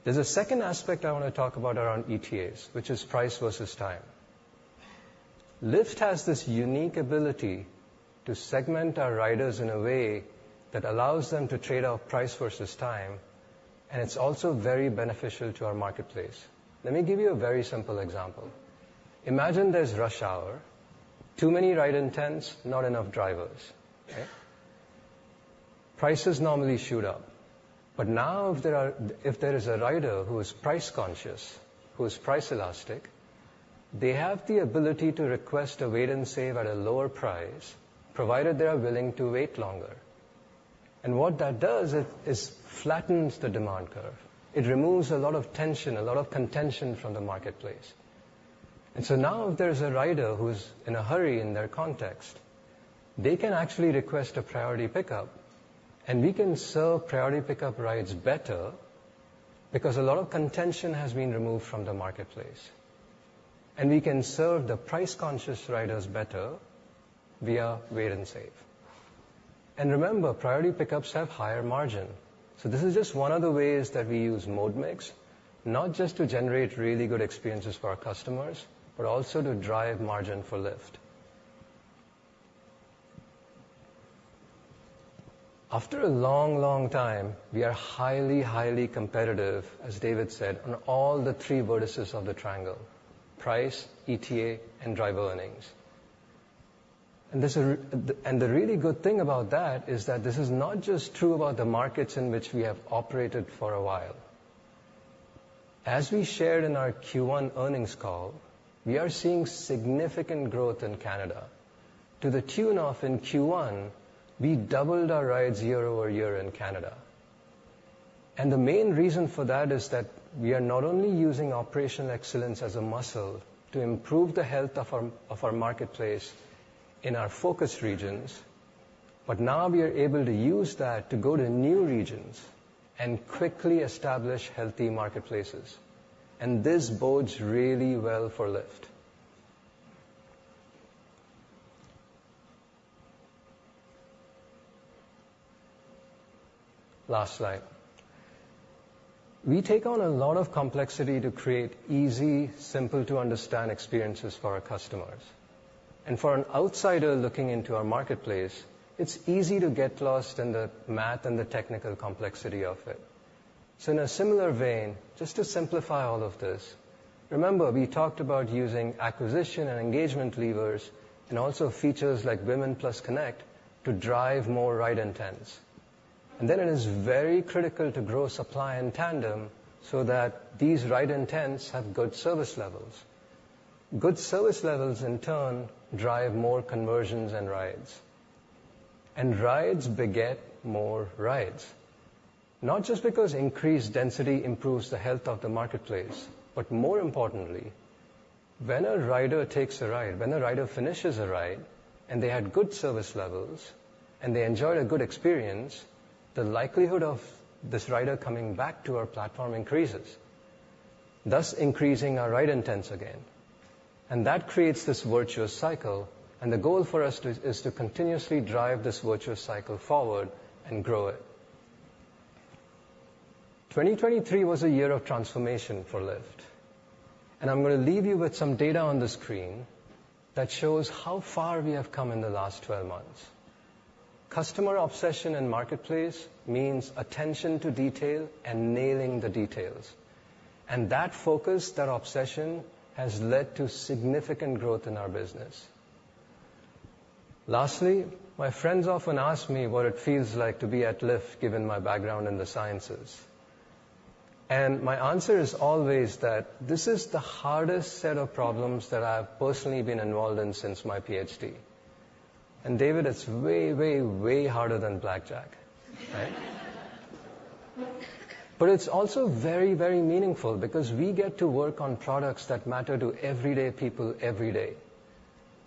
There's a second aspect I wanna talk about around ETAs, which is price versus time. Lyft has this unique ability to segment our riders in a way that allows them to trade off price versus time, and it's also very beneficial to our marketplace. Let me give you a very simple example. Imagine there's rush hour, too many ride intents, not enough drivers. Okay? Prices normally shoot up, but now, if there is a rider who is price-conscious, who is price elastic, they have the ability to request a Wait & Save at a lower price, provided they are willing to wait longer. And what that does is flattens the demand curve. It removes a lot of tension, a lot of contention from the marketplace. And so now, if there's a rider who's in a hurry in their context, they can actually request a Priority Pickup, and we can serve Priority Pickup rides better because a lot of contention has been removed from the marketplace. And we can serve the price-conscious riders better via Wait & Save. And remember, Priority Pickups have higher margin. So this is just one of the ways that we use mode mix, not just to generate really good experiences for our customers, but also to drive margin for Lyft. After a long, long time, we are highly, highly competitive, as David said, on all the three vertices of the triangle: price, ETA, and driver earnings. And the really good thing about that is that this is not just true about the markets in which we have operated for a while. As we shared in our Q1 earnings call, we are seeing significant growth in Canada, to the tune of, in Q1, we doubled our rides year-over-year in Canada. And the main reason for that is that we are not only using operational excellence as a muscle to improve the health of our marketplace in our focus regions, but now we are able to use that to go to new regions and quickly establish healthy marketplaces. And this bodes really well for Lyft. Last slide. We take on a lot of complexity to create easy, simple-to-understand experiences for our customers. And for an outsider looking into our marketplace, it's easy to get lost in the math and the technical complexity of it. So in a similar vein, just to simplify all of this, remember, we talked about using acquisition and engagement levers and also features like Women+ Connect to drive more ride intents. And then it is very critical to grow supply in tandem so that these ride intents have good service levels. Good service levels, in turn, drive more conversions and rides. And rides beget more rides. Not just because increased density improves the health of the marketplace, but more importantly, when a rider takes a ride, when a rider finishes a ride, and they had good service levels, and they enjoyed a good experience, the likelihood of this rider coming back to our platform increases, thus increasing our ride intents again. And that creates this virtuous cycle, and the goal for us to, is to continuously drive this virtuous cycle forward and grow it. 2023 was a year of transformation for Lyft, and I'm gonna leave you with some data on the screen that shows how far we have come in the last 12 months. Customer obsession and marketplace means attention to detail and nailing the details. That focus, that obsession, has led to significant growth in our business. Lastly, my friends often ask me what it feels like to be at Lyft, given my background in the sciences. My answer is always that this is the hardest set of problems that I've personally been involved in since my PhD. And David, it's way, way, way harder than blackjack, right? But it's also very, very meaningful because we get to work on products that matter to everyday people every day.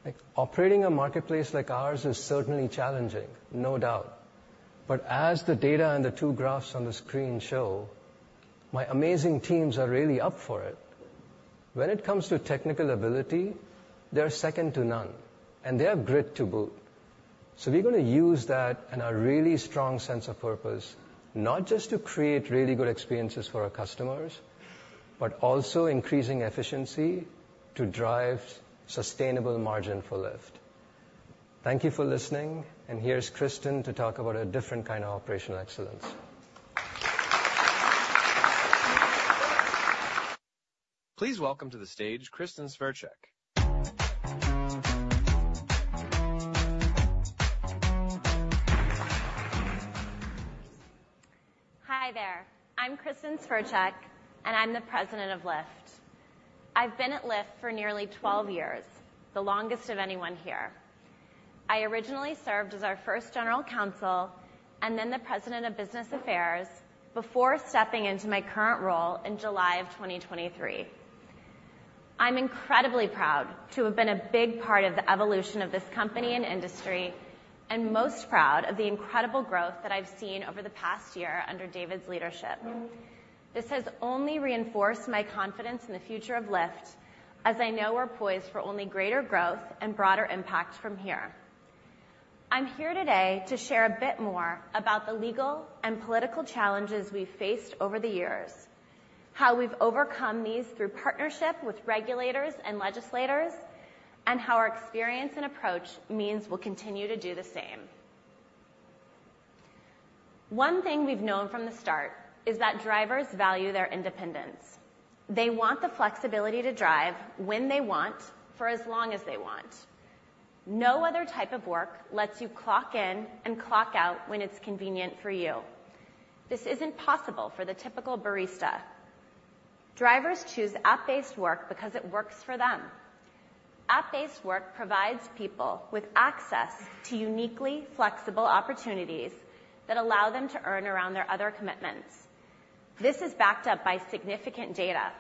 Like, operating a marketplace like ours is certainly challenging, no doubt. But as the data and the two graphs on the screen show, my amazing teams are really up for it. When it comes to technical ability, they're second to none, and they have grit to boot. So we're gonna use that and our really strong sense of purpose, not just to create really good experiences for our customers, but also increasing efficiency to drive sustainable margin for Lyft. Thank you for listening, and here's Kristin to talk about a different kind of operational excellence. Please welcome to the stage, Kristin Svercek. Hi there. I'm Kristin Svercek, and I'm the President of Lyft. I've been at Lyft for nearly 12 years, the longest of anyone here. I originally served as our first general counsel and then the President of Business Affairs before stepping into my current role in July of 2023. I'm incredibly proud to have been a big part of the evolution of this company and industry, and most proud of the incredible growth that I've seen over the past year under David's leadership. This has only reinforced my confidence in the future of Lyft, as I know we're poised for only greater growth and broader impact from here. I'm here today to share a bit more about the legal and political challenges we've faced over the years, how we've overcome these through partnership with regulators and legislators, and how our experience and approach means we'll continue to do the same. One thing we've known from the start is that drivers value their independence. They want the flexibility to drive when they want, for as long as they want. No other type of work lets you clock in and clock out when it's convenient for you. This isn't possible for the typical barista. Drivers choose app-based work because it works for them. App-based work provides people with access to uniquely flexible opportunities that allow them to earn around their other commitments. This is backed up by significant data.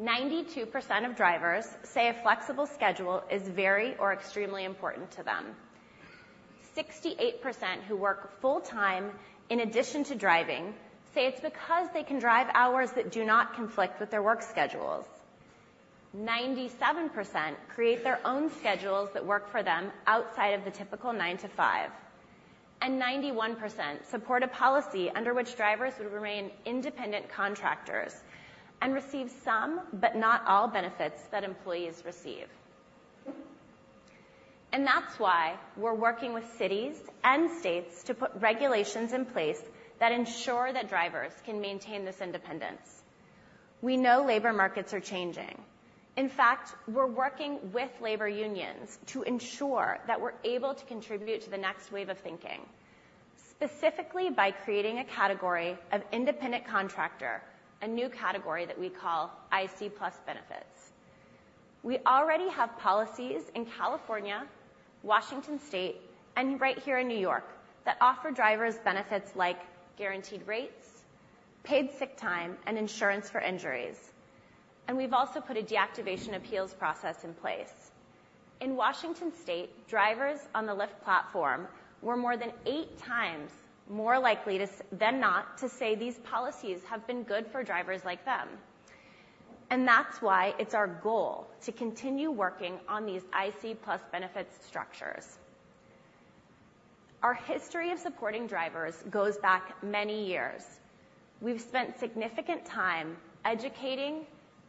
92% of drivers say a flexible schedule is very or extremely important to them. 68% who work full-time in addition to driving say it's because they can drive hours that do not conflict with their work schedules. 97% create their own schedules that work for them outside of the typical nine to five, and 91% support a policy under which drivers would remain independent contractors and receive some, but not all, benefits that employees receive. That's why we're working with cities and states to put regulations in place that ensure that drivers can maintain this independence. We know labor markets are changing. In fact, we're working with labor unions to ensure that we're able to contribute to the next wave of thinking, specifically by creating a category of independent contractor, a new category that we call IC+ Benefits. We already have policies in California, Washington state, and right here in New York, that offer drivers benefits like guaranteed rates, paid sick time, and insurance for injuries. We've also put a deactivation appeals process in place. In Washington state, drivers on the Lyft platform were more than eight times more likely than not to say these policies have been good for drivers like them. That's why it's our goal to continue working on these IC+ benefits structures. Our history of supporting drivers goes back many years. We've spent significant time educating,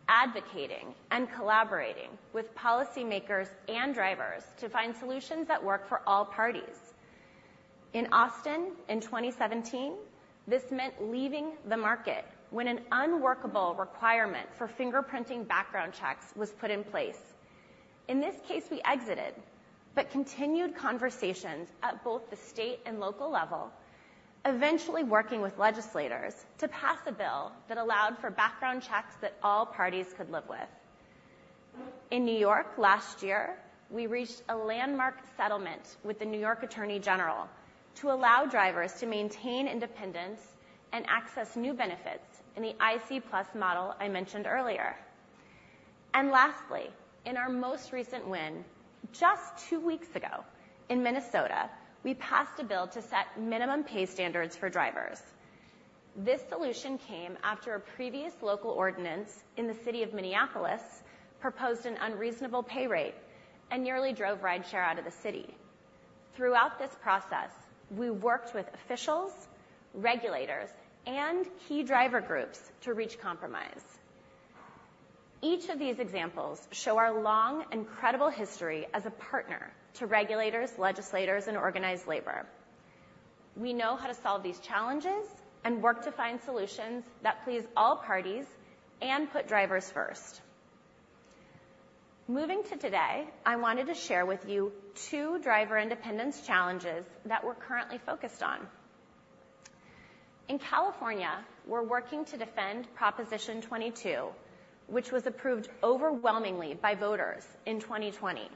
advocating, and collaborating with policymakers and drivers to find solutions that work for all parties. In Austin, in 2017, this meant leaving the market when an unworkable requirement for fingerprinting background checks was put in place. In this case, we exited, but continued conversations at both the state and local level, eventually working with legislators to pass a bill that allowed for background checks that all parties could live with, in New York last year, we reached a landmark settlement with the New York Attorney General to allow drivers to maintain independence and access new benefits in the IC+ model I mentioned earlier. And lastly, in our most recent win, just two weeks ago in Minnesota, we passed a bill to set minimum pay standards for drivers. This solution came after a previous local ordinance in the city of Minneapolis proposed an unreasonable pay rate and nearly drove rideshare out of the city. Throughout this process, we worked with officials, regulators, and key driver groups to reach compromise. Each of these examples show our long and credible history as a partner to regulators, legislators, and organized labor. We know how to solve these challenges and work to find solutions that please all parties and put drivers first. Moving to today, I wanted to share with you two driver independence challenges that we're currently focused on. In California, we're working to defend Proposition 22, which was approved overwhelmingly by voters in 2020.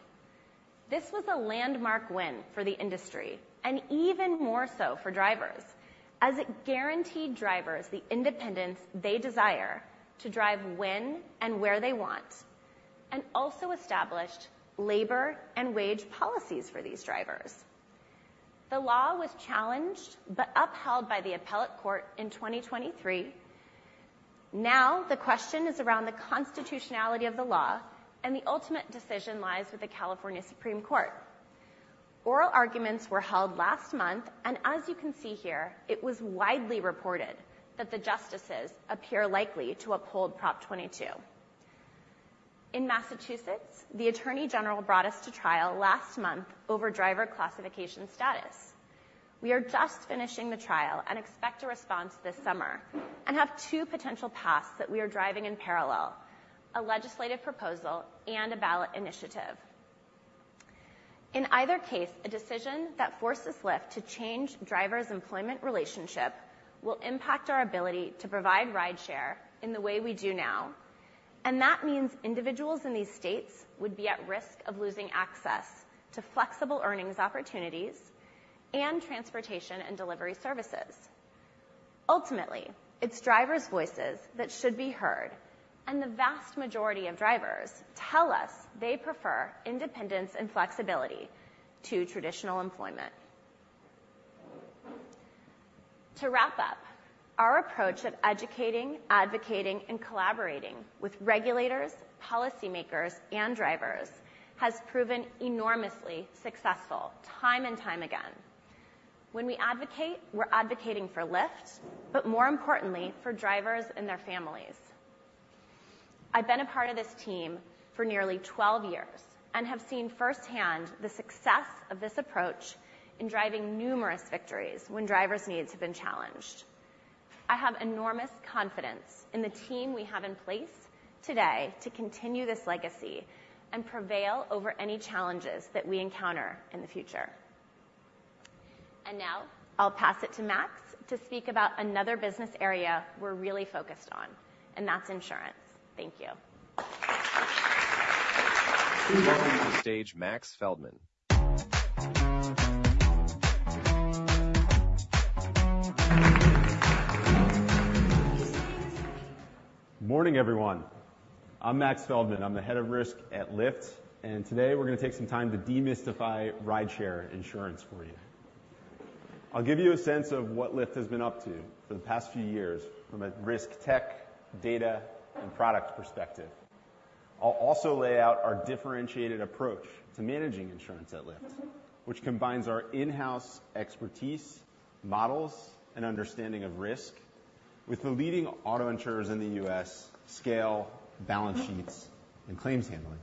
This was a landmark win for the industry and even more so for drivers, as it guaranteed drivers the independence they desire to drive when and where they want, and also established labor and wage policies for these drivers. The law was challenged, but upheld by the appellate court in 2023. Now, the question is around the constitutionality of the law, and the ultimate decision lies with the California Supreme Court. Oral arguments were held last month, and as you can see here, it was widely reported that the justices appear likely to uphold Prop 22. In Massachusetts, the Attorney General brought us to trial last month over driver classification status. We are just finishing the trial and expect a response this summer, and have two potential paths that we are driving in parallel: a legislative proposal and a ballot initiative. In either case, a decision that forces Lyft to change drivers' employment relationship will impact our ability to provide rideshare in the way we do now, and that means individuals in these states would be at risk of losing access to flexible earnings opportunities and transportation and delivery services. Ultimately, it's drivers' voices that should be heard, and the vast majority of drivers tell us they prefer independence and flexibility to traditional employment. To wrap up, our approach of educating, advocating, and collaborating with regulators, policymakers, and drivers has proven enormously successful time and time again. When we advocate, we're advocating for Lyft, but more importantly, for drivers and their families. I've been a part of this team for nearly 12 years and have seen firsthand the success of this approach in driving numerous victories when drivers' needs have been challenged. I have enormous confidence in the team we have in place today to continue this legacy and prevail over any challenges that we encounter in the future. Now I'll pass it to Max to speak about another business area we're really focused on, and that's insurance. Thank you. Welcome to the stage, Max Feldman. Morning, everyone. I'm Max Feldman. I'm the head of risk at Lyft, and today we're going to take some time to demystify Rideshare insurance for you. I'll give you a sense of what Lyft has been up to for the past few years from a risk, tech, data, and product perspective. I'll also lay out our differentiated approach to managing insurance at Lyft, which combines our in-house expertise, models, and understanding of risk with the leading auto insurers in the U.S., scale, balance sheets, and claims handling.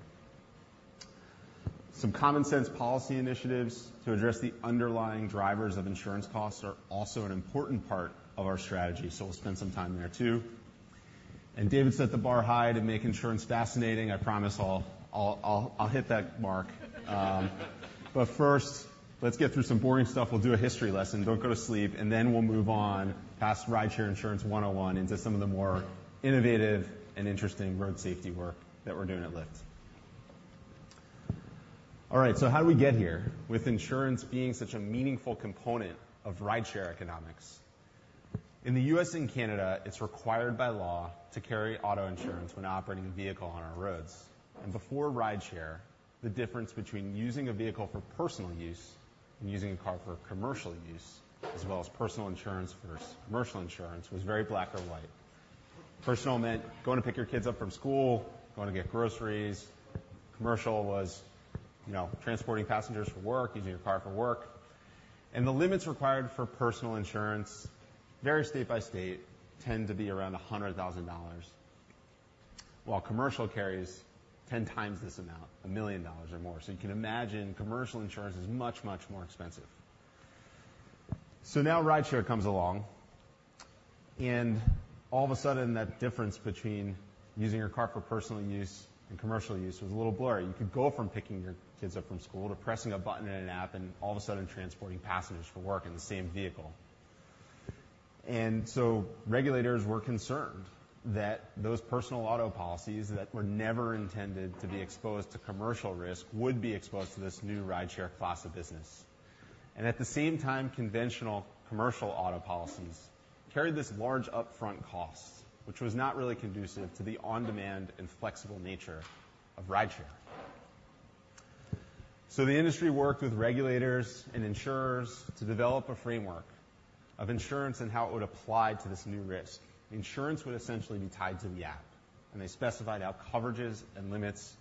Some common sense policy initiatives to address the underlying drivers of insurance costs are also an important part of our strategy, so we'll spend some time there, too. And David set the bar high to make insurance fascinating. I promise I'll hit that mark. But first, let's get through some boring stuff. We'll do a history lesson. Don't go to sleep, and then we'll move on past Rideshare Insurance 101, into some of the more innovative and interesting road safety work that we're doing at Lyft. All right, so how do we get here with insurance being such a meaningful component of Rideshare economics? In the U.S. and Canada, it's required by law to carry auto insurance when operating a vehicle on our roads. And before Rideshare, the difference between using a vehicle for personal use and using a car for commercial use, as well as personal insurance versus commercial insurance, was very black or white. Personal meant going to pick your kids up from school, going to get groceries. Commercial was, you know, transporting passengers for work, using your car for work. The limits required for personal insurance vary state by state and tend to be around $100,000, while commercial carries 10 times this amount, $1 million or more. So you can imagine commercial insurance is much, much more expensive. So now rideshare comes along, and all of a sudden, that difference between using your car for personal use and commercial use was a little blurry. You could go from picking your kids up from school to pressing a button in an app and all of a sudden transporting passengers for work in the same vehicle. And so regulators were concerned that those personal auto policies that were never intended to be exposed to commercial risk would be exposed to this new rideshare class of business. And at the same time, conventional commercial auto policies carried this large upfront cost, which was not really conducive to the on-demand and flexible nature of rideshare. So the industry worked with regulators and insurers to develop a framework of insurance and how it would apply to this new risk. Insurance would essentially be tied to the app, and they specified how coverages and limits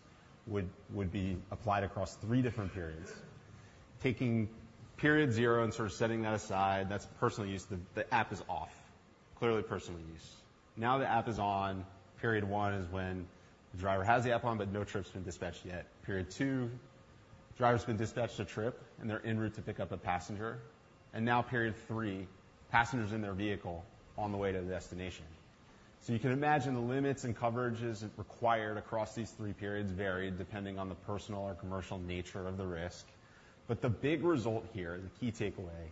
would, would be applied across three different periods. Taking period zero and sort of setting that aside, that's personal use. The, the app is off. Clearly personal use. Now the app is on. Period one is when the driver has the app on, but no trips been dispatched yet. Period two, driver's been dispatched a trip, and they're en route to pick up a passenger. Now period three, passenger's in their vehicle on the way to the destination. You can imagine the limits and coverages required across these three periods varied depending on the personal or commercial nature of the risk. The big result here, the key takeaway,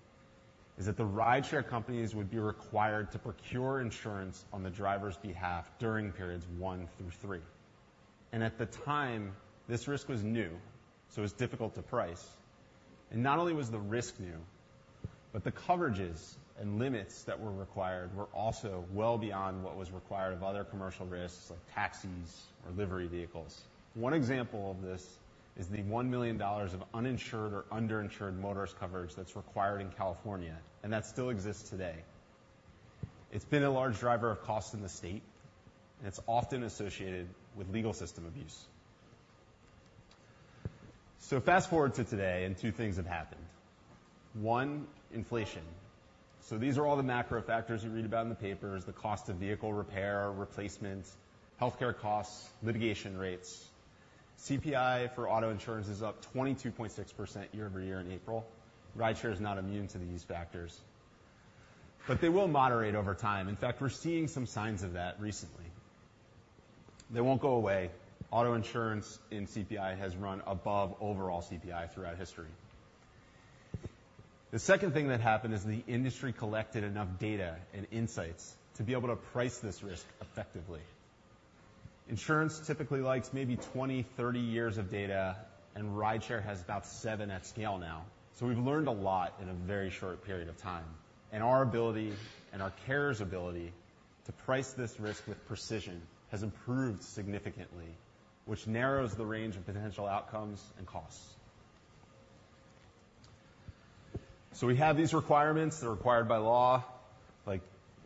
is that the rideshare companies would be required to procure insurance on the driver's behalf during periods one through three. At the time, this risk was new, so it was difficult to price. Not only was the risk new, but the coverages and limits that were required were also well beyond what was required of other commercial risks like taxis or livery vehicles. One example of this is the $1 million of uninsured or underinsured motorist coverage that's required in California, and that still exists today. It's been a large driver of costs in the state, and it's often associated with legal system abuse. So fast-forward to today, and two things have happened. One, inflation. So these are all the macro factors you read about in the papers, the cost of vehicle repair, replacement, healthcare costs, litigation rates. CPI for auto insurance is up 22.6% year-over-year in April. Rideshare is not immune to these factors, but they will moderate over time. In fact, we're seeing some signs of that recently. They won't go away. Auto insurance in CPI has run above overall CPI throughout history. The second thing that happened is the industry collected enough data and insights to be able to price this risk effectively. Insurance typically likes maybe 20-30 years of data, and rideshare has about seven at scale now. So we've learned a lot in a very short period of time, and our ability and our carrier's ability to price this risk with precision has improved significantly, which narrows the range of potential outcomes and costs. So we have these requirements that are required by law, like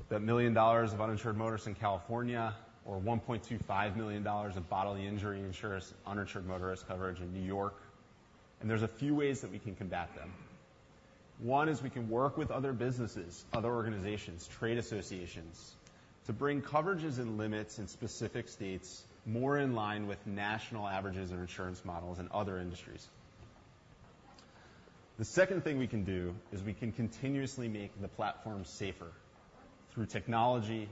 the $1 million of uninsured motorists in California or $1.25 million of bodily injury insurance, uninsured motorist coverage in New York, and there's a few ways that we can combat them. One is we can work with other businesses, other organizations, trade associations, to bring coverages and limits in specific states more in line with national averages and insurance models in other industries. The second thing we can do, is we can continuously make the platform safer through technology,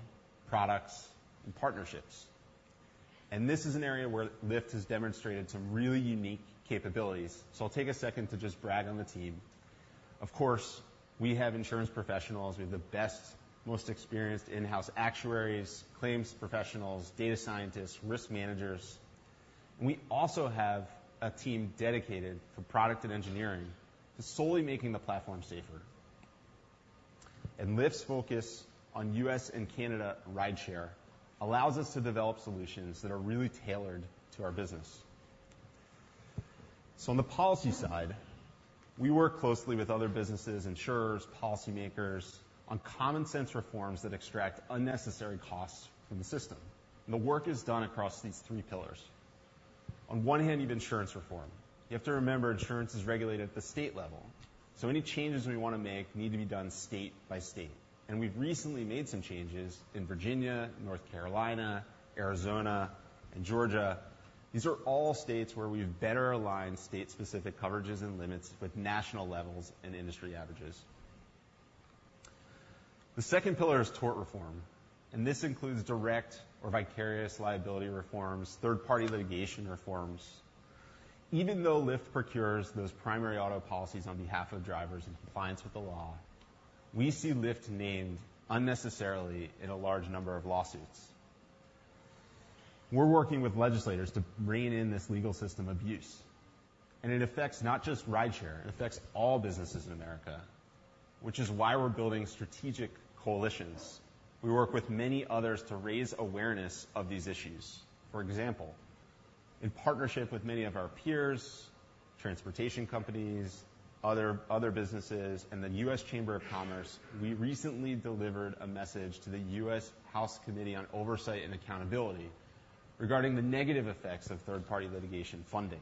products, and partnerships. And this is an area where Lyft has demonstrated some really unique capabilities. So I'll take a second to just brag on the team. Of course, we have insurance professionals. We have the best, most experienced in-house actuaries, claims professionals, data scientists, risk managers. We also have a team dedicated for product and engineering to solely making the platform safer. And Lyft's focus on U.S. and Canada rideshare allows us to develop solutions that are really tailored to our business. So on the policy side, we work closely with other businesses, insurers, policymakers, on common sense reforms that extract unnecessary costs from the system. The work is done across these three pillars. On one hand, you have insurance reform. You have to remember, insurance is regulated at the state level, so any changes we want to make need to be done state by state. We've recently made some changes in Virginia, North Carolina, Arizona, and Georgia. These are all states where we've better aligned state-specific coverages and limits with national levels and industry averages. The second pillar is tort reform, and this includes direct or vicarious liability reforms, third-party litigation reforms. Even though Lyft procures those primary auto policies on behalf of drivers in compliance with the law, we see Lyft named unnecessarily in a large number of lawsuits. We're working with legislators to rein in this legal system abuse, and it affects not just rideshare, it affects all businesses in America, which is why we're building strategic coalitions. We work with many others to raise awareness of these issues. For example, in partnership with many of our peers, transportation companies, other businesses, and the U.S. Chamber of Commerce, we recently delivered a message to the U.S. House Committee on Oversight and Accountability regarding the negative effects of third-party litigation funding,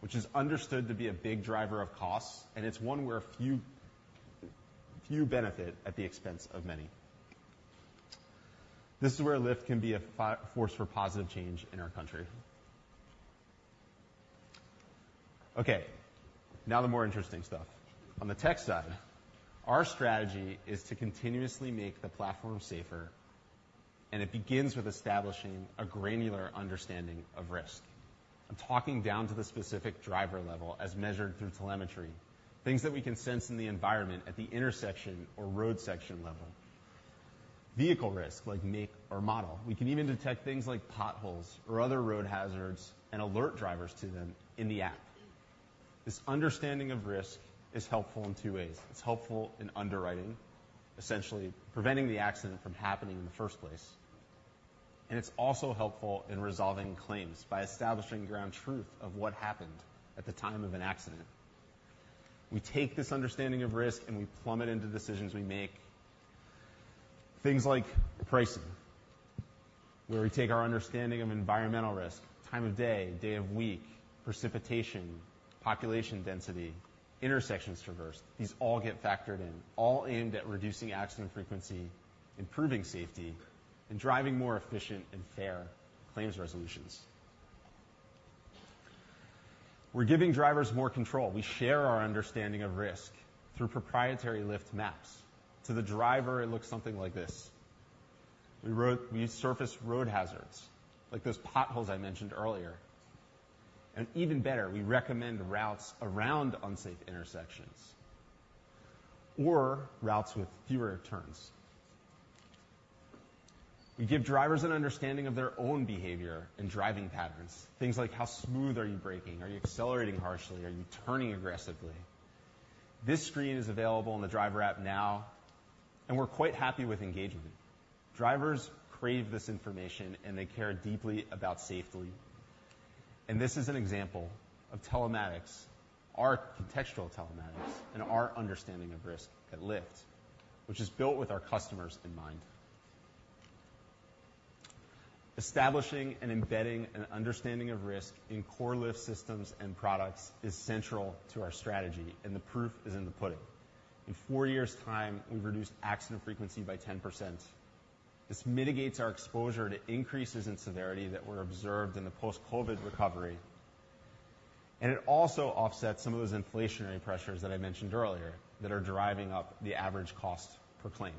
which is understood to be a big driver of costs, and it's one where few benefit at the expense of many. This is where Lyft can be a force for positive change in our country. Okay, now the more interesting stuff. On the tech side, our strategy is to continuously make the platform safer, and it begins with establishing a granular understanding of risk. I'm talking down to the specific driver level as measured through telemetry, things that we can sense in the environment at the intersection or road section level. Vehicle risk, like make or model. We can even detect things like potholes or other road hazards and alert drivers to them in the app. This understanding of risk is helpful in two ways. It's helpful in underwriting, essentially preventing the accident from happening in the first place, and it's also helpful in resolving claims by establishing ground truth of what happened at the time of an accident. We take this understanding of risk, and we plumb it into decisions we make. Things like pricing, where we take our understanding of environmental risk, time of day, day of week, precipitation, population density, intersections traversed. These all get factored in, all aimed at reducing accident frequency, improving safety, and driving more efficient and fair claims resolutions. We're giving drivers more control. We share our understanding of risk through proprietary Lyft Maps. To the driver, it looks something like this. We surface road hazards, like those potholes I mentioned earlier, and even better, we recommend routes around unsafe intersections or routes with fewer turns. We give drivers an understanding of their own behavior and driving patterns. Things like, how smooth are you braking? Are you accelerating harshly? Are you turning aggressively? This screen is available on the driver app now, and we're quite happy with engagement. Drivers crave this information, and they care deeply about safety, and this is an example of telematics, our contextual telematics, and our understanding of risk at Lyft, which is built with our customers in mind. Establishing and embedding an understanding of risk in core Lyft systems and products is central to our strategy, and the proof is in the pudding. In four years' time, we've reduced accident frequency by 10%. This mitigates our exposure to increases in severity that were observed in the post-COVID recovery, and it also offsets some of those inflationary pressures that I mentioned earlier that are driving up the average cost per claim.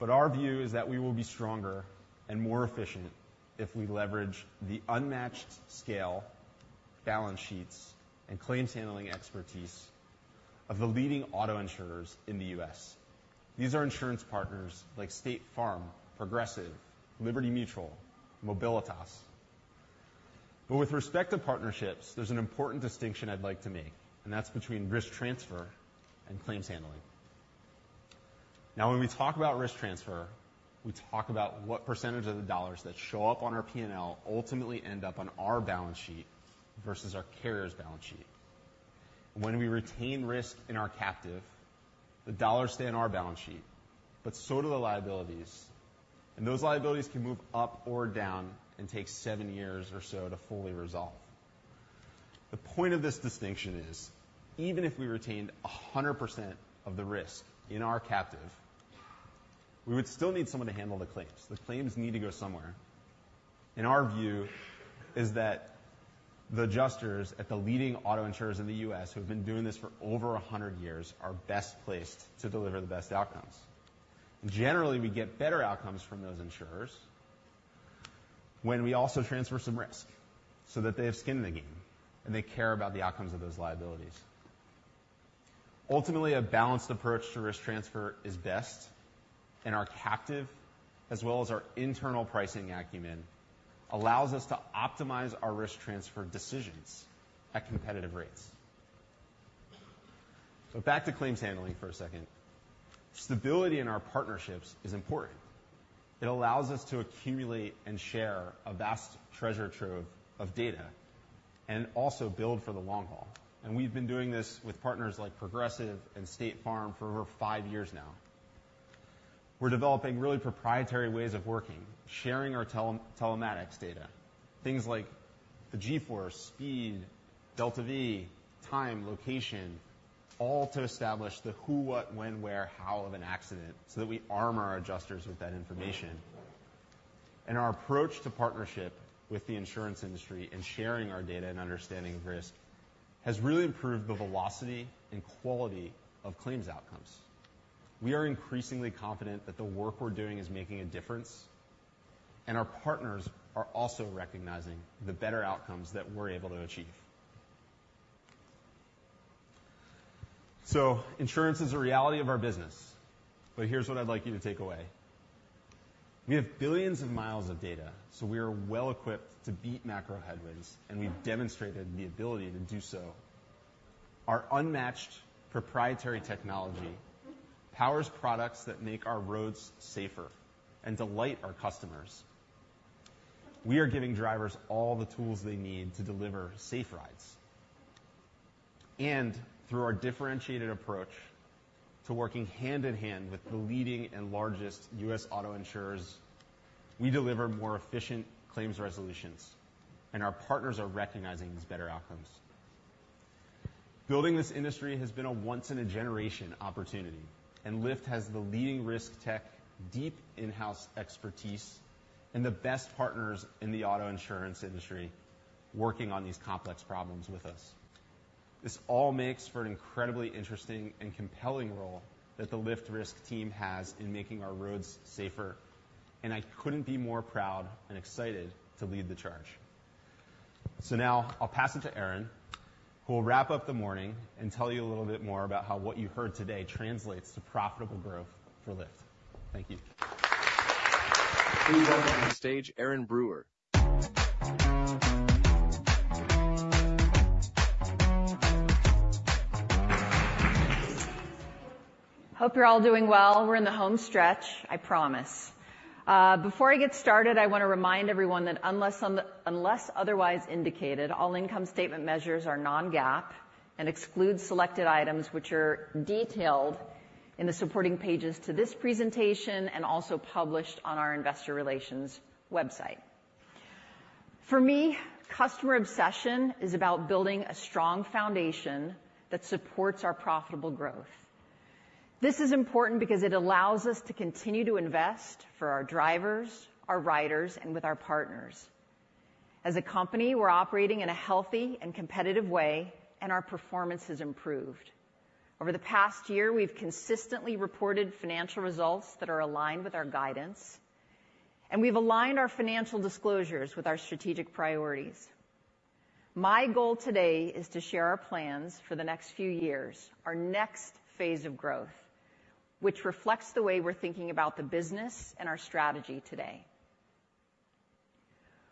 But our view is that we will be stronger and more efficient if we leverage the unmatched scale, balance sheets, and claims-handling expertise of the leading auto insurers in the U.S. These are insurance partners like State Farm, Progressive, Liberty Mutual, Mobilitas. But with respect to partnerships, there's an important distinction I'd like to make, and that's between risk transfer and claims handling. Now, when we talk about risk transfer, we talk about what percentage of the dollars that show up on our PNL ultimately end up on our balance sheet versus our carrier's balance sheet. When we retain risk in our captive, the dollars stay on our balance sheet, but so do the liabilities, and those liabilities can move up or down and take seven years or so to fully resolve. The point of this distinction is, even if we retained 100% of the risk in our captive, we would still need someone to handle the claims. The claims need to go somewhere. Our view is that the adjusters at the leading auto insurers in the U.S., who have been doing this for over 100 years, are best placed to deliver the best outcomes. Generally, we get better outcomes from those insurers when we also transfer some risk so that they have skin in the game, and they care about the outcomes of those liabilities. Ultimately, a balanced approach to risk transfer is best, and our captive, as well as our internal pricing acumen, allows us to optimize our risk transfer decisions at competitive rates. So back to claims handling for a second. Stability in our partnerships is important. It allows us to accumulate and share a vast treasure trove of data and also build for the long haul. And we've been doing this with partners like Progressive and State Farm for over five years now. We're developing really proprietary ways of working, sharing our telematics data, things like the G-Force, speed, delta V, time, location, all to establish the who, what, when, where, how of an accident, so that we arm our adjusters with that information. And our approach to partnership with the insurance industry and sharing our data and understanding of risk has really improved the velocity and quality of claims outcomes. We are increasingly confident that the work we're doing is making a difference, and our partners are also recognizing the better outcomes that we're able to achieve. So insurance is a reality of our business. But here's what I'd like you to take away. We have billions of miles of data, so we are well-equipped to beat macro headwinds, and we've demonstrated the ability to do so. Our unmatched proprietary technology powers products that make our roads safer and delight our customers. We are giving drivers all the tools they need to deliver safe rides, and through our differentiated approach to working hand-in-hand with the leading and largest U.S. auto insurers, we deliver more efficient claims resolutions, and our partners are recognizing these better outcomes. Building this industry has been a once-in-a-generation opportunity, and Lyft has the leading risk tech, deep in-house expertise, and the best partners in the auto insurance industry working on these complex problems with us. This all makes for an incredibly interesting and compelling role that the Lyft Risk team has in making our roads safer, and I couldn't be more proud and excited to lead the charge. So now I'll pass it to Erin, who will wrap up the morning and tell you a little bit more about how what you've heard today translates to profitable growth for Lyft. Thank you. Please welcome to the stage, Erin Brewer. Hope you're all doing well. We're in the home stretch, I promise. Before I get started, I want to remind everyone that unless otherwise indicated, all income statement measures are non-GAAP and exclude selected items, which are detailed in the supporting pages to this presentation, and also published on our investor relations website. For me, customer obsession is about building a strong foundation that supports our profitable growth. This is important because it allows us to continue to invest for our drivers, our riders, and with our partners. As a company, we're operating in a healthy and competitive way, and our performance has improved. Over the past year, we've consistently reported financial results that are aligned with our guidance, and we've aligned our financial disclosures with our strategic priorities. My goal today is to share our plans for the next few years, our next phase of growth, which reflects the way we're thinking about the business and our strategy today.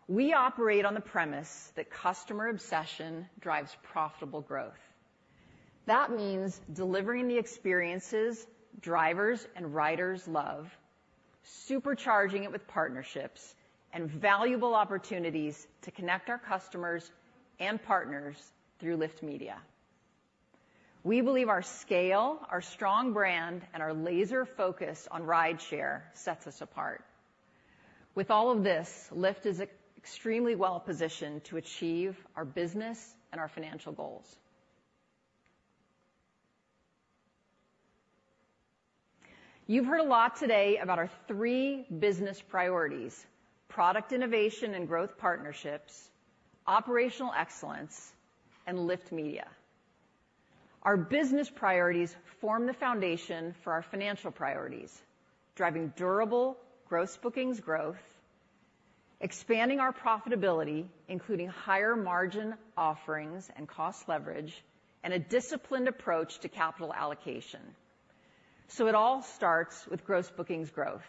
We operate on the premise that customer obsession drives profitable growth. That means delivering the experiences, drivers, and riders love, supercharging it with partnerships and valuable opportunities to connect our customers and partners through Lyft Media. We believe our scale, our strong brand, and our laser focus on rideshare sets us apart. With all of this, Lyft is extremely well-positioned to achieve our business and our financial goals. You've heard a lot today about our three business priorities: product innovation and growth partnerships, operational excellence, and Lyft Media. Our business priorities form the foundation for our financial priorities, driving durable gross bookings growth, expanding our profitability, including higher margin offerings and cost leverage, and a disciplined approach to capital allocation. So it all starts with gross bookings growth.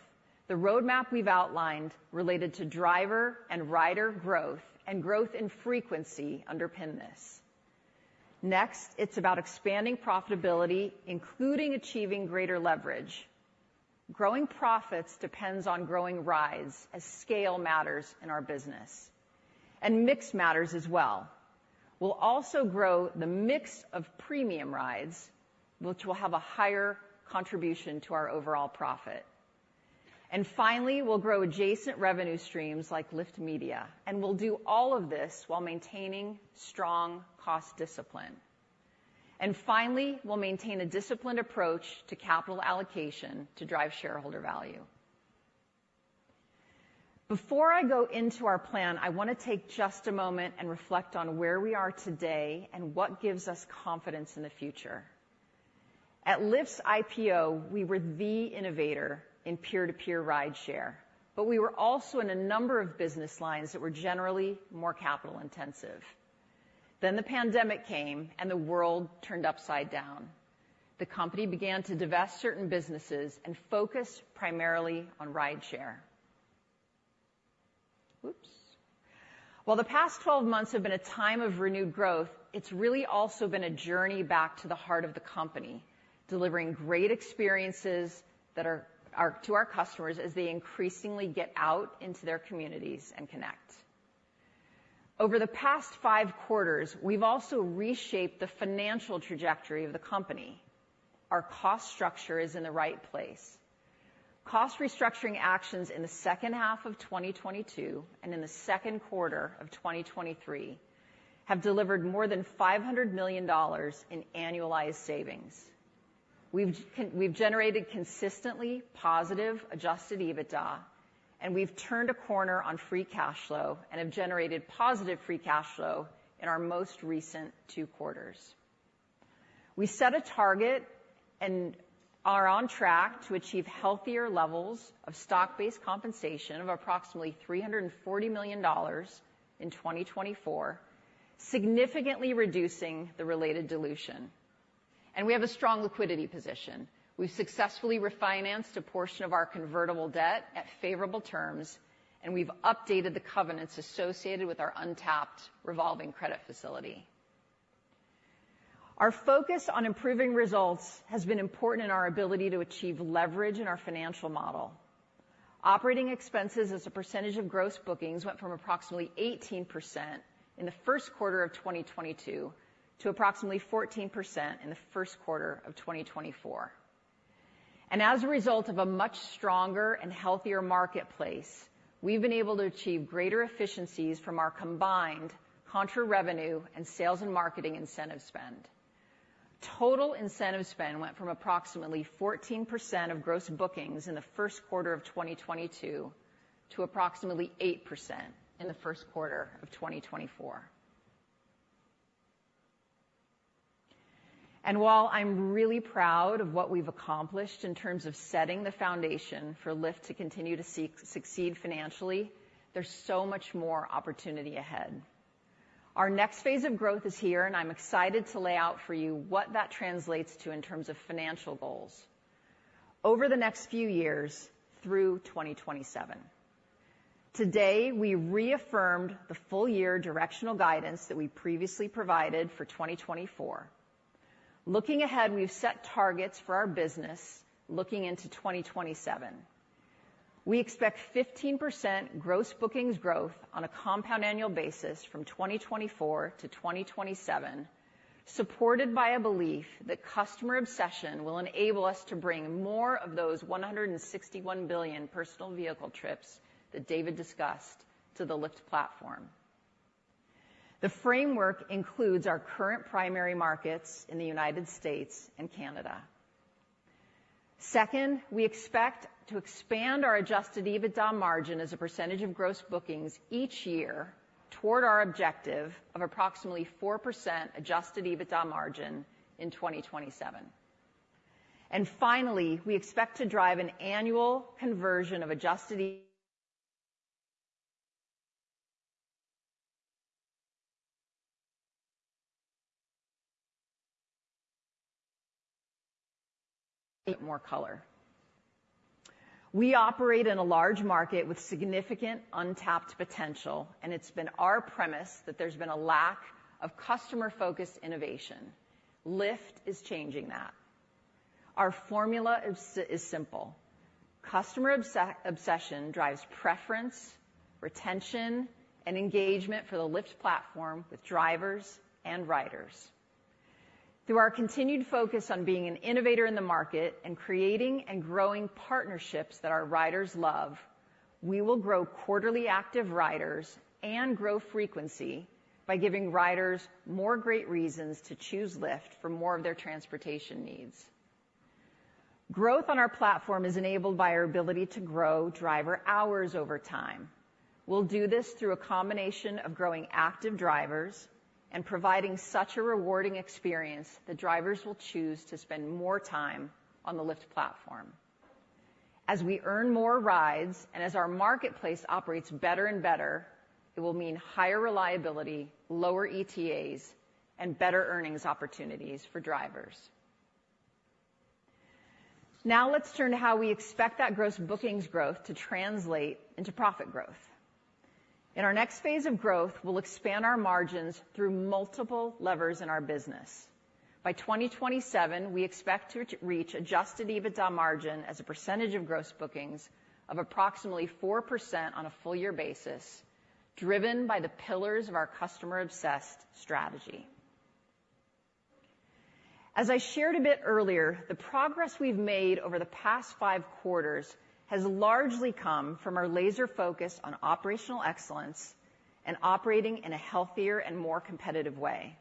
The roadmap we've outlined related to driver and rider growth and growth in frequency underpin this. Next, it's about expanding profitability, including achieving greater leverage. Growing profits depends on growing rides, as scale matters in our business, and mix matters as well. We'll also grow the mix of premium rides, which will have a higher contribution to our overall profit. And finally, we'll grow adjacent revenue streams like Lyft Media, and we'll do all of this while maintaining strong cost discipline. And finally, we'll maintain a disciplined approach to capital allocation to drive shareholder value. Before I go into our plan, I want to take just a moment and reflect on where we are today and what gives us confidence in the future. At Lyft's IPO, we were the innovator in peer-to-peer rideshare, but we were also in a number of business lines that were generally more capital intensive. Then the pandemic came, and the world turned upside down. The company began to divest certain businesses and focus primarily on rideshare. Oops. While the past 12 months have been a time of renewed growth, it's really also been a journey back to the heart of the company, delivering great experiences that are, to our customers as they increasingly get out into their communities and connect. Over the past five quarters, we've also reshaped the financial trajectory of the company. Our cost structure is in the right place. Cost restructuring actions in the second half of 2022 and in the second quarter of 2023 have delivered more than $500 million in annualized savings. We've generated consistently positive Adjusted EBITDA, and we've turned a corner on free cash flow and have generated positive free cash flow in our most recent two quarters. We set a target and are on track to achieve healthier levels of stock-based compensation of approximately $340 million in 2024, significantly reducing the related dilution. We have a strong liquidity position. We've successfully refinanced a portion of our convertible debt at favorable terms, and we've updated the covenants associated with our untapped revolving credit facility. Our focus on improving results has been important in our ability to achieve leverage in our financial model. Operating expenses as a percentage of gross bookings went from approximately 18% in the first quarter of 2022 to approximately 14% in the first quarter of 2024. And as a result of a much stronger and healthier marketplace, we've been able to achieve greater efficiencies from our combined contra revenue and sales and marketing incentive spend. Total incentive spend went from approximately 14% of gross bookings in the first quarter of 2022, to approximately 8% in the first quarter of 2024. And while I'm really proud of what we've accomplished in terms of setting the foundation for Lyft to continue to seek, succeed financially, there's so much more opportunity ahead. Our next phase of growth is here, and I'm excited to lay out for you what that translates to in terms of financial goals over the next few years through 2027. Today, we reaffirmed the full-year directional guidance that we previously provided for 2024. Looking ahead, we've set targets for our business looking into 2027. We expect 15% gross bookings growth on a compound annual basis from 2024 to 2027, supported by a belief that customer obsession will enable us to bring more of those 161 billion personal vehicle trips that David discussed to the Lyft platform. The framework includes our current primary markets in the United States and Canada. Second, we expect to expand our adjusted EBITDA margin as a percentage of gross bookings each year toward our objective of approximately 4% adjusted EBITDA margin in 2027. And finally, we expect to drive an annual conversion of adjusted EBITDA. More color. We operate in a large market with significant untapped potential, and it's been our premise that there's been a lack of customer-focused innovation. Lyft is changing that. Our formula is simple. Customer obsession drives preference, retention, and engagement for the Lyft platform with drivers and riders. Through our continued focus on being an innovator in the market and creating and growing partnerships that our riders love, we will grow quarterly active riders and grow frequency by giving riders more great reasons to choose Lyft for more of their transportation needs. Growth on our platform is enabled by our ability to grow driver hours over time. We'll do this through a combination of growing active drivers and providing such a rewarding experience that drivers will choose to spend more time on the Lyft platform. As we earn more rides, and as our marketplace operates better and better, it will mean higher reliability, lower ETAs, and better earnings opportunities for drivers. Now, let's turn to how we expect that gross bookings growth to translate into profit growth. In our next phase of growth, we'll expand our margins through multiple levers in our business. By 2027, we expect to reach adjusted EBITDA margin as a percentage of gross bookings of approximately 4% on a full-year basis, driven by the pillars of our customer-obsessed strategy. As I shared a bit earlier, the progress we've made over the past 5 quarters has largely come from our laser focus on operational excellence and operating in a healthier and more competitive way.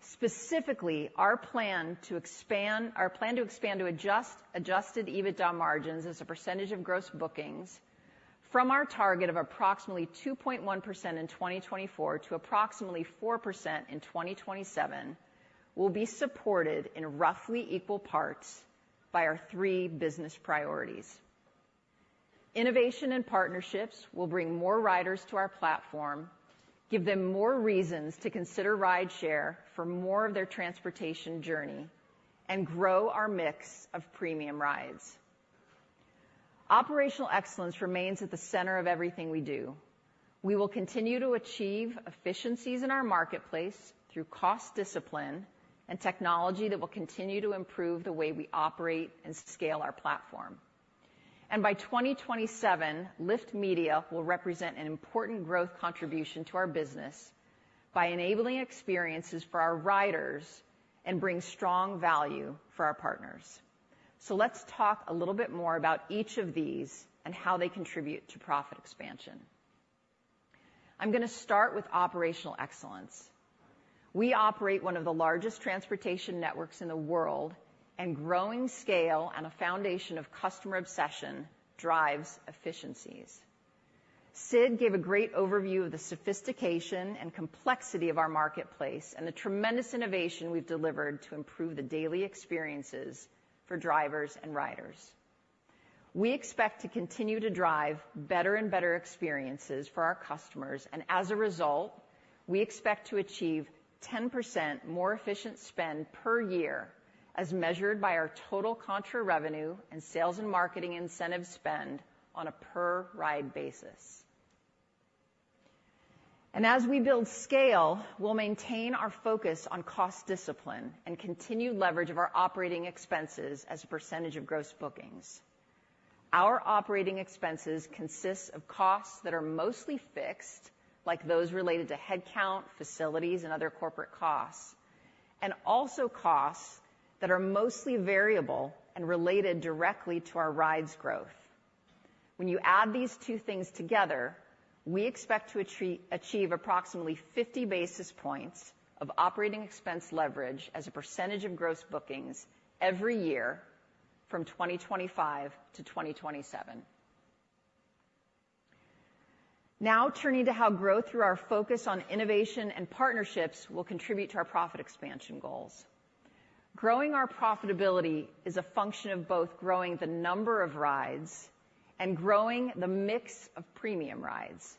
Specifically, our plan to expand adjusted EBITDA margins as a percentage of gross bookings from our target of approximately 2.1% in 2024 to approximately 4% in 2027, will be supported in roughly equal parts by our three business priorities. Innovation and partnerships will bring more riders to our platform, give them more reasons to consider rideshare for more of their transportation journey, and grow our mix of premium rides. Operational excellence remains at the center of everything we do. We will continue to achieve efficiencies in our marketplace through cost discipline and technology that will continue to improve the way we operate and scale our platform. And by 2027, Lyft Media will represent an important growth contribution to our business by enabling experiences for our riders and bring strong value for our partners. Let's talk a little bit more about each of these and how they contribute to profit expansion. I'm gonna start with operational excellence. We operate one of the largest transportation networks in the world, and growing scale on a foundation of customer obsession drives efficiencies. Sid gave a great overview of the sophistication and complexity of our marketplace, and the tremendous innovation we've delivered to improve the daily experiences for drivers and riders. We expect to continue to drive better and better experiences for our customers, and as a result, we expect to achieve 10% more efficient spend per year, as measured by our total contra revenue and sales and marketing incentive spend on a per-ride basis. As we build scale, we'll maintain our focus on cost discipline and continued leverage of our operating expenses as a percentage of gross bookings. Our operating expenses consists of costs that are mostly fixed, like those related to headcount, facilities, and other corporate costs, and also costs that are mostly variable and related directly to our rides growth. When you add these two things together, we expect to achieve approximately 50 basis points of operating expense leverage as a percentage of gross bookings every year from 2025 to 2027. Now, turning to how growth through our focus on innovation and partnerships will contribute to our profit expansion goals. Growing our profitability is a function of both growing the number of rides and growing the mix of premium rides.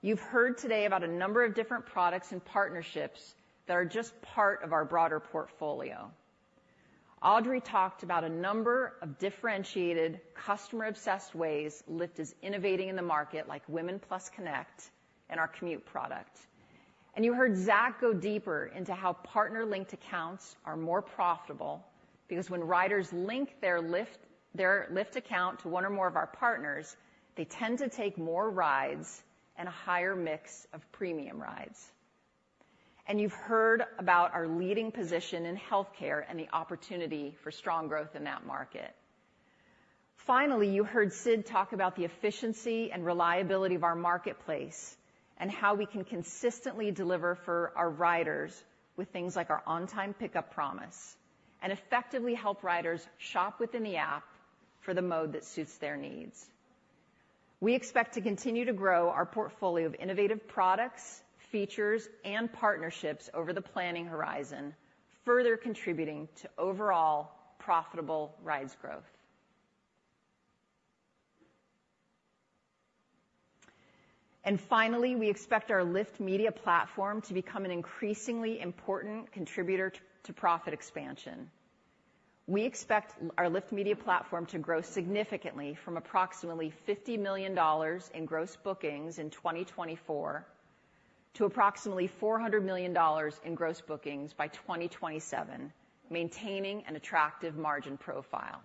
You've heard today about a number of different products and partnerships that are just part of our broader portfolio. Audrey talked about a number of differentiated, customer-obsessed ways Lyft is innovating in the market, like Women+ Connect and our commute product. You heard Zach go deeper into how partner-linked accounts are more profitable, because when riders link their Lyft account to one or more of our partners, they tend to take more rides and a higher mix of premium rides. You've heard about our leading position in healthcare and the opportunity for strong growth in that market. Finally, you heard Sid talk about the efficiency and reliability of our marketplace and how we can consistently deliver for our riders with things like our On-Time Pickup Promise, and effectively help riders shop within the app for the mode that suits their needs. We expect to continue to grow our portfolio of innovative products, features, and partnerships over the planning horizon, further contributing to overall profitable rides growth. Finally, we expect our Lyft Media Platform to become an increasingly important contributor to profit expansion. We expect our Lyft Media Platform to grow significantly from approximately $50 million in gross bookings in 2024 to approximately $400 million in gross bookings by 2027, maintaining an attractive margin profile.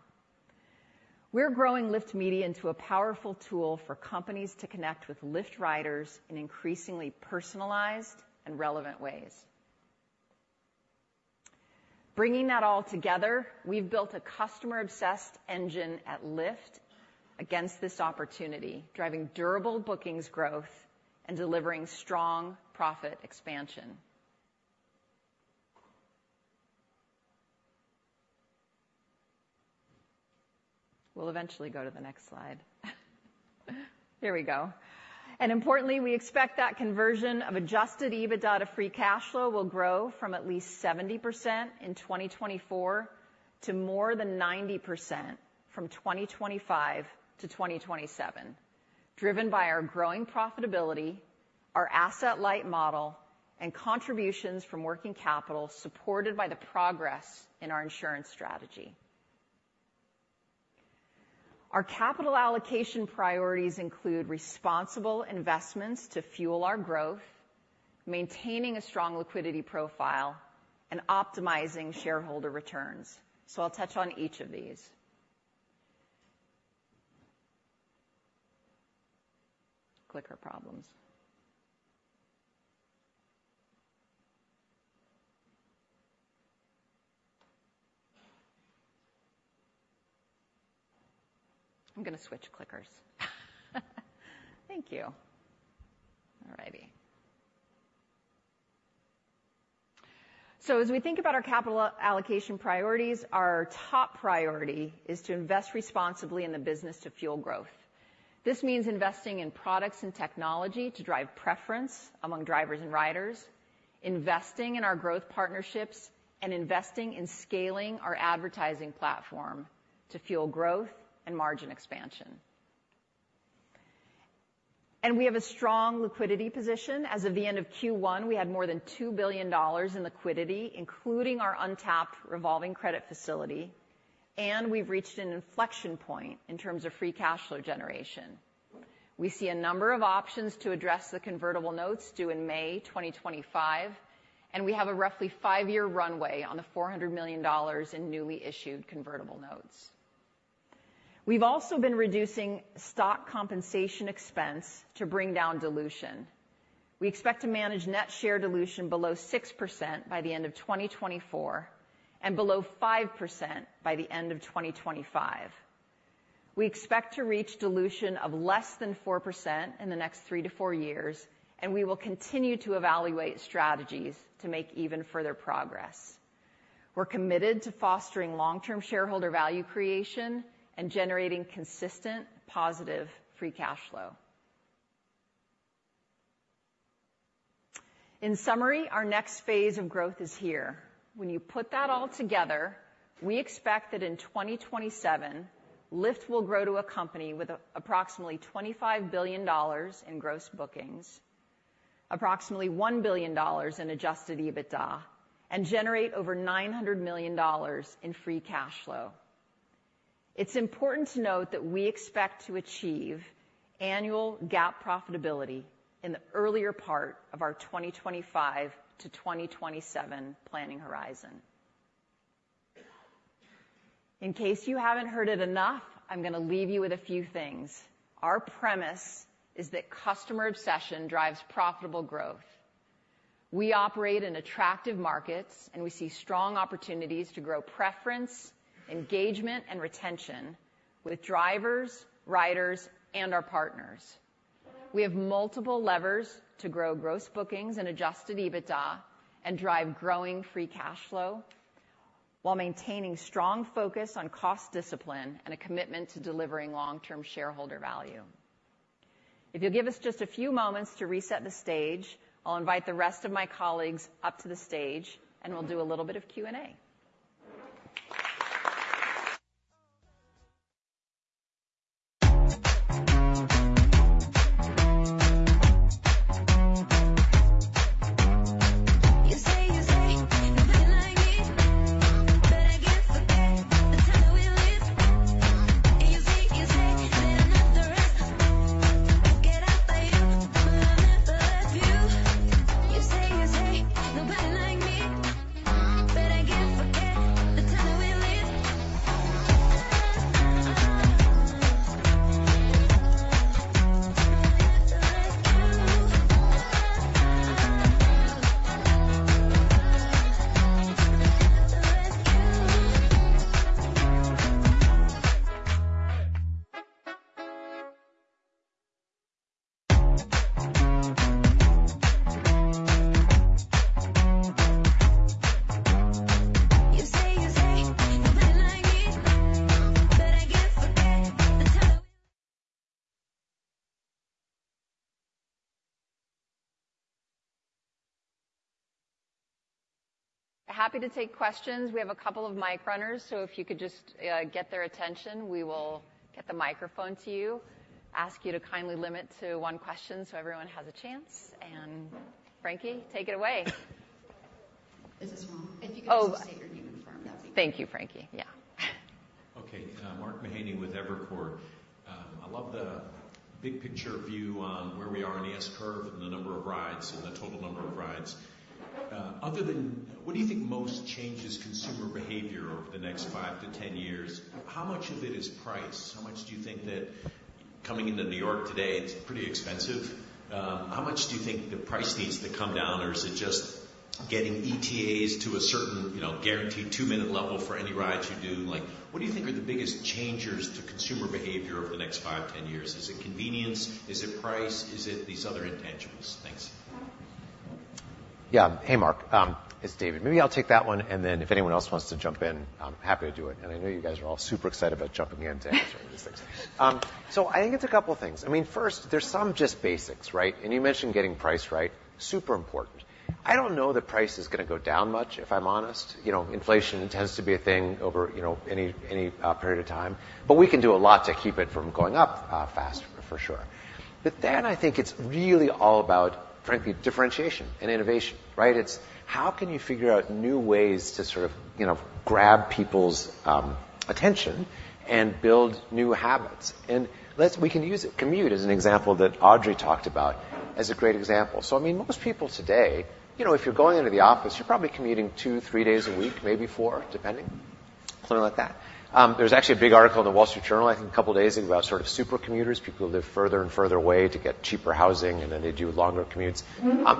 We're growing Lyft Media into a powerful tool for companies to connect with Lyft riders in increasingly personalized and relevant ways. Bringing that all together, we've built a customer-obsessed engine at Lyft against this opportunity, driving durable bookings growth and delivering strong profit expansion. We'll eventually go to the next slide. There we go. Importantly, we expect that conversion of Adjusted EBITDA to Free Cash Flow will grow from at least 70% in 2024 to more than 90% from 2025 to 2027, driven by our growing profitability, our asset-light model, and contributions from working capital, supported by the progress in our insurance strategy. Our capital allocation priorities include responsible investments to fuel our growth, maintaining a strong liquidity profile, and optimizing shareholder returns. I'll touch on each of these. Clicker problems. I'm gonna switch clickers. Thank you. All righty. As we think about our capital allocation priorities, our top priority is to invest responsibly in the business to fuel growth. This means investing in products and technology to drive preference among drivers and riders, investing in our growth partnerships, and investing in scaling our advertising platform to fuel growth and margin expansion. We have a strong liquidity position. As of the end of Q1, we had more than $2 billion in liquidity, including our untapped revolving credit facility, and we've reached an inflection point in terms of free cash flow generation. We see a number of options to address the convertible notes due in May 2025, and we have a roughly five year runway on the $400 million in newly issued convertible notes. We've also been reducing stock compensation expense to bring down dilution. We expect to manage net share dilution below 6% by the end of 2024, and below 5% by the end of 2025. We expect to reach dilution of less than 4% in the next three to four 4 years, and we will continue to evaluate strategies to make even further progress. We're committed to fostering long-term shareholder value creation and generating consistent, positive free cash flow. In summary, our next phase of growth is here. When you put that all together, we expect that in 2027, Lyft will grow to a company with approximately $25 billion in gross bookings, approximately $1 billion in adjusted EBITDA, and generate over $900 million in free cash flow. It's important to note that we expect to achieve annual GAAP profitability in the earlier part of our 2025 to 2027 planning horizon. In case you haven't heard it enough, I'm gonna leave you with a few things. Our premise is that customer obsession drives profitable growth. We operate in attractive markets, and we see strong opportunities to grow preference, engagement, and retention with drivers, riders, and our partners. We have multiple levers to grow gross bookings and adjusted EBITDA and drive growing free cash flow, while maintaining strong focus on cost discipline and a commitment to delivering long-term shareholder value. If you'll give us just a few moments to reset the stage, I'll invite the rest of my colleagues up to the stage, and we'll do a little bit of Q&A. Happy to take questions. We have a couple of mic runners, so if you could just get their attention, we will get the microphone to you. Ask you to kindly limit to one question so everyone has a chance, and Frankie, take it away. If you could- Oh. Just state your name and firm, that'd be- Thank you, Frankie. Yeah. Okay. Mark Mahaney with Evercore. I love the big picture view on where we are in the S-curve and the number of rides, and the total number of rides. Other than What do you think most changes consumer behavior over the next five to 10 years? How much of it is price? How much do you think that... Coming into New York today, it's pretty expensive. How much do you think the price needs to come down, or is it just getting ETAs to a certain, you know, guaranteed two-minute level for any rides you do? Like, what do you think are the biggest changers to consumer behavior over the next five, 10 years? Is it convenience? Is it price? Is it these other intangibles? Thanks. Yeah. Hey, Mark, it's David. Maybe I'll take that one, and then if anyone else wants to jump in, I'm happy to do it, and I know you guys are all super excited about jumping in to answer these things. So I think it's a couple things. I mean, first, there's some just basics, right? And you mentioned getting price right. Super important. I don't know that price is gonna go down much, if I'm honest. You know, inflation tends to be a thing over, you know, any period of time. But we can do a lot to keep it from going up, fast, for sure. But then I think it's really all about, frankly, differentiation and innovation, right? It's how can you figure out new ways to sort of, you know, grab people's attention and build new habits? Let's use Commute as an example that Audrey talked about, as a great example. So I mean, most people today, you know, if you're going into the office, you're probably commuting two, three days a week, maybe four, depending, something like that. There's actually a big article in the Wall Street Journal, I think, a couple of days ago, about sort of super commuters, people who live further and further away to get cheaper housing, and then they do longer commutes.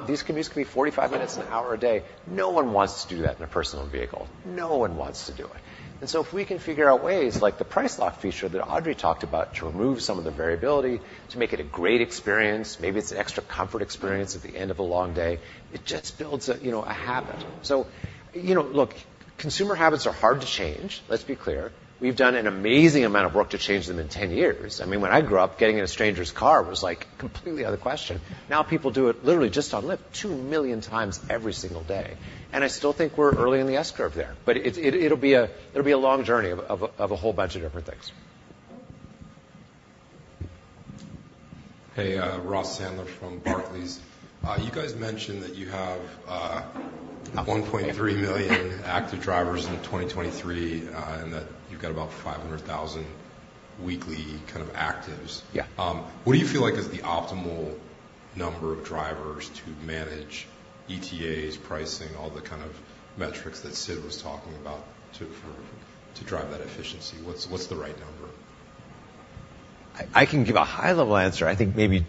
These commutes can be 45 minutes, an hour a day. No one wants to do that in a personal vehicle. No one wants to do it. So if we can figure out ways, like the price lock feature that Audrey talked about, to remove some of the variability, to make it a great experience, maybe it's an Extra Comfort experience at the end of a long day, it just builds a, you know, a habit. So, you know, look, consumer habits are hard to change. Let's be clear. We've done an amazing amount of work to change them in 10 years. I mean, when I grew up, getting in a stranger's car was, like, completely out of the question. Now, people do it literally just on Lyft, two million times every single day. And I still think we're early in the S-curve there. But it's, it'll be a long journey of a whole bunch of different things. Hey, Ross Sandler from Barclays. You guys mentioned that you have 1.3 million active drivers in 2023, and that you've got about 500,000 weekly kind of actives. Yeah. What do you feel like is the optimal number of drivers to manage ETAs, pricing, all the kind of metrics that Sid was talking about to drive that efficiency? What's the right number? I can give a high-level answer. I think maybe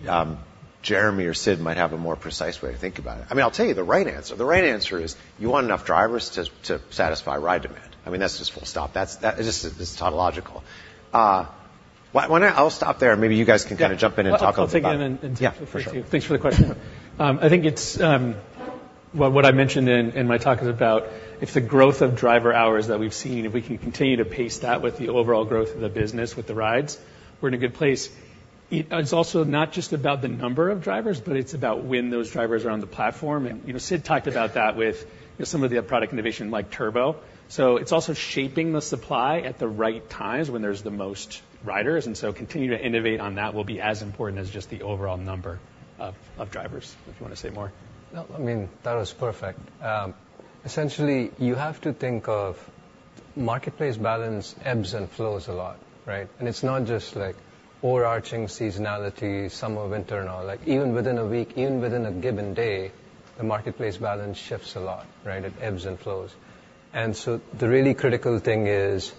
Jeremy or Sid might have a more precise way to think about it. I mean, I'll tell you the right answer. The right answer is, you want enough drivers to satisfy ride demand. I mean, that's just full stop. That's it. It's just tautological. Why don't I. I'll stop there, and maybe you guys can kind of jump in and talk a little about- Yeah. I'll take it and, Yeah, for sure. Thanks for the question. I think it's, well, what I mentioned in my talk is about if the growth of driver hours that we've seen, if we can continue to pace that with the overall growth of the business, with the rides, we're in a good place. It's also not just about the number of drivers, but it's about when those drivers are on the platform. And, you know, Sid talked about that with some of the product innovation like Turbo. So it's also shaping the supply at the right times when there's the most riders, and so continuing to innovate on that will be as important as just the overall number of drivers. If you want to say more. No, I mean, that was perfect. Essentially, you have to think of marketplace balance ebbs and flows a lot, right? And it's not just, like, overarching seasonality, summer, winter and all. Like, even within a week, even within a given day, the marketplace balance shifts a lot, right? It ebbs and flows. And so the really critical thing is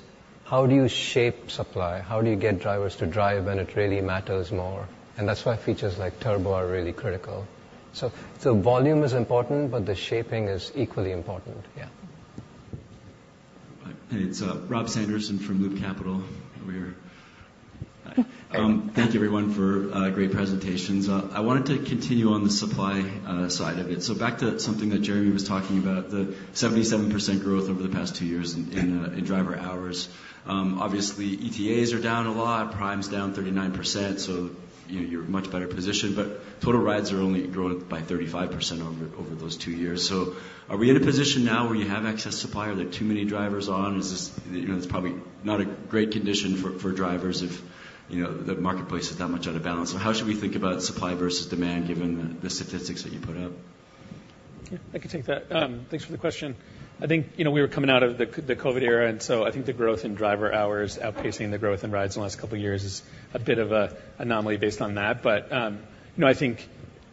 how do you shape supply? How do you get drivers to drive, and it really matters more? And that's why features like Turbo are really critical. So, so volume is important, but the shaping is equally important. Yeah. Hi. It's Rob Sanderson from Loop Capital. Over here Thank you, everyone, for great presentations. I wanted to continue on the supply side of it. So back to something that Jeremy was talking about, the 77% growth over the past two years in- Yeah In driver hours. Obviously, ETAs are down a lot, Prime's down 39%, so you're, you're much better positioned, but total rides are only growing by 35% over those two years. So are we in a position now where you have excess supply? Are there too many drivers on? Is this? You know, it's probably not a great condition for drivers if, you know, the marketplace is that much out of balance. So how should we think about supply versus demand, given the statistics that you put up? Yeah, I can take that. Thanks for the question. I think, you know, we were coming out of the, the COVID era, and so I think the growth in driver hours outpacing the growth in rides in the last couple of years is a bit of an anomaly based on that. But, you know, I think,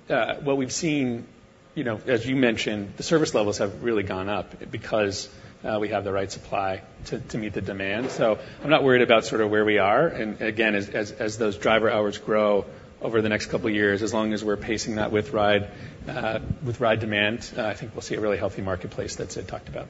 what we've seen, you know, as you mentioned, the service levels have really gone up because we have the right supply to, to meet the demand. So I'm not worried about sort of where we are. And again, as, as, as those driver hours grow over the next couple of years, as long as we're pacing that with ride, with ride demand, I think we'll see a really healthy marketplace that Sid talked about.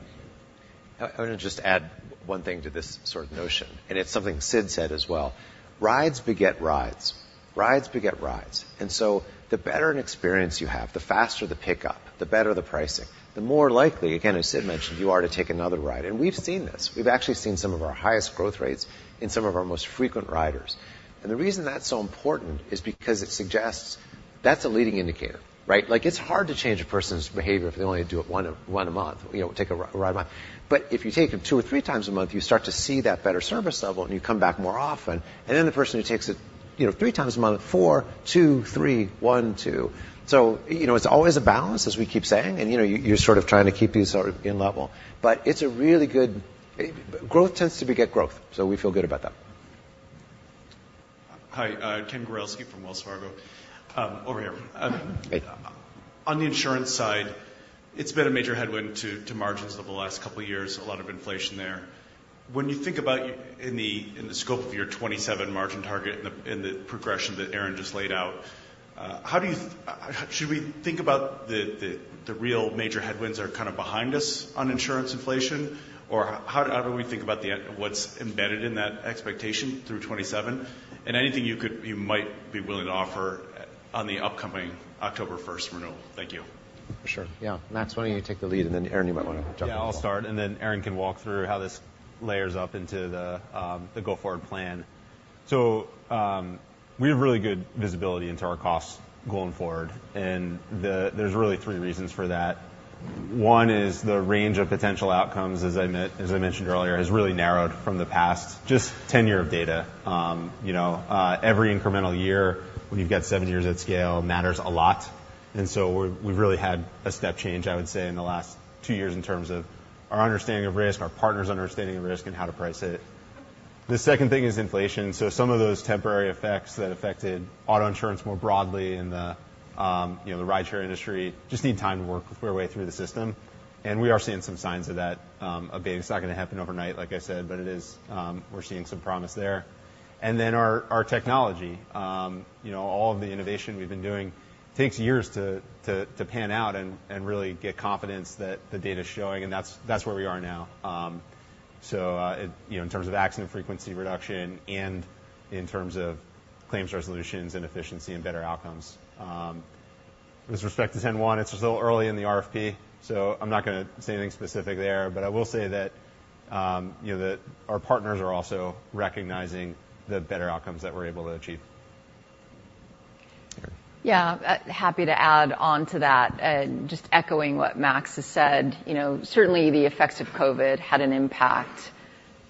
I want to just add one thing to this sort of notion, and it's something Sid said as well: rides beget rides. Rides beget rides. And so the better an experience you have, the faster the pickup, the better the pricing, the more likely, again, as Sid mentioned, you are to take another ride. And we've seen this. We've actually seen some of our highest growth rates in some of our most frequent riders. And the reason that's so important is because it suggests that's a leading indicator, right? Like, it's hard to change a person's behavior if they only do it one a month, you know, take a ride a month. But if you take them two or three times a month, you start to see that better service level, and you come back more often. And then the person who takes it, you know, three times a month, four, two, three, one, two. So, you know, it's always a balance, as we keep saying, and, you know, you're sort of trying to keep these sort of in level. But it's a really good. Growth tends to beget growth, so we feel good about that. Hi, Ken Gawrelski from Wells Fargo. Over here. Hey. On the insurance side, it's been a major headwind to margins over the last couple of years, a lot of inflation there. When you think about in the scope of your 2027 margin target and the progression that Erin just laid out, how do you should we think about the real major headwinds are kind of behind us on insurance inflation? Or how do we think about what's embedded in that expectation through 2027? And anything you could, you might be willing to offer on the upcoming October first renewal. Thank you. For sure. Yeah. Max, why don't you take the lead, and then, Erin, you might want to jump in. Yeah, I'll start, and then Erin can walk through how this layers up into the go-forward plan. So, we have really good visibility into our costs going forward, and there's really three reasons for that. One is the range of potential outcomes, as I mentioned earlier, has really narrowed from the past, just 10 years of data. You know, every incremental year, when you've got seven years at scale, matters a lot. And so we've really had a step change, I would say, in the last two years in terms of our understanding of risk, our partners' understanding of risk, and how to price it. The second thing is inflation. So some of those temporary effects that affected auto insurance more broadly in the, you know, the rideshare industry, just need time to work our way through the system, and we are seeing some signs of that, okay. It's not gonna happen overnight, like I said, but it is, We're seeing some promise there. And then our technology. You know, all of the innovation we've been doing takes years to pan out and really get confidence that the data is showing, and that's where we are now. So, in terms of accident frequency reduction and in terms of claims resolutions and efficiency and better outcomes. With respect to 10-one, it's still early in the RFP, so I'm not gonna say anything specific there, but I will say that, you know, that our partners are also recognizing the better outcomes that we're able to achieve. Yeah, happy to add on to that, and just echoing what Max has said. You know, certainly, the effects of COVID had an impact,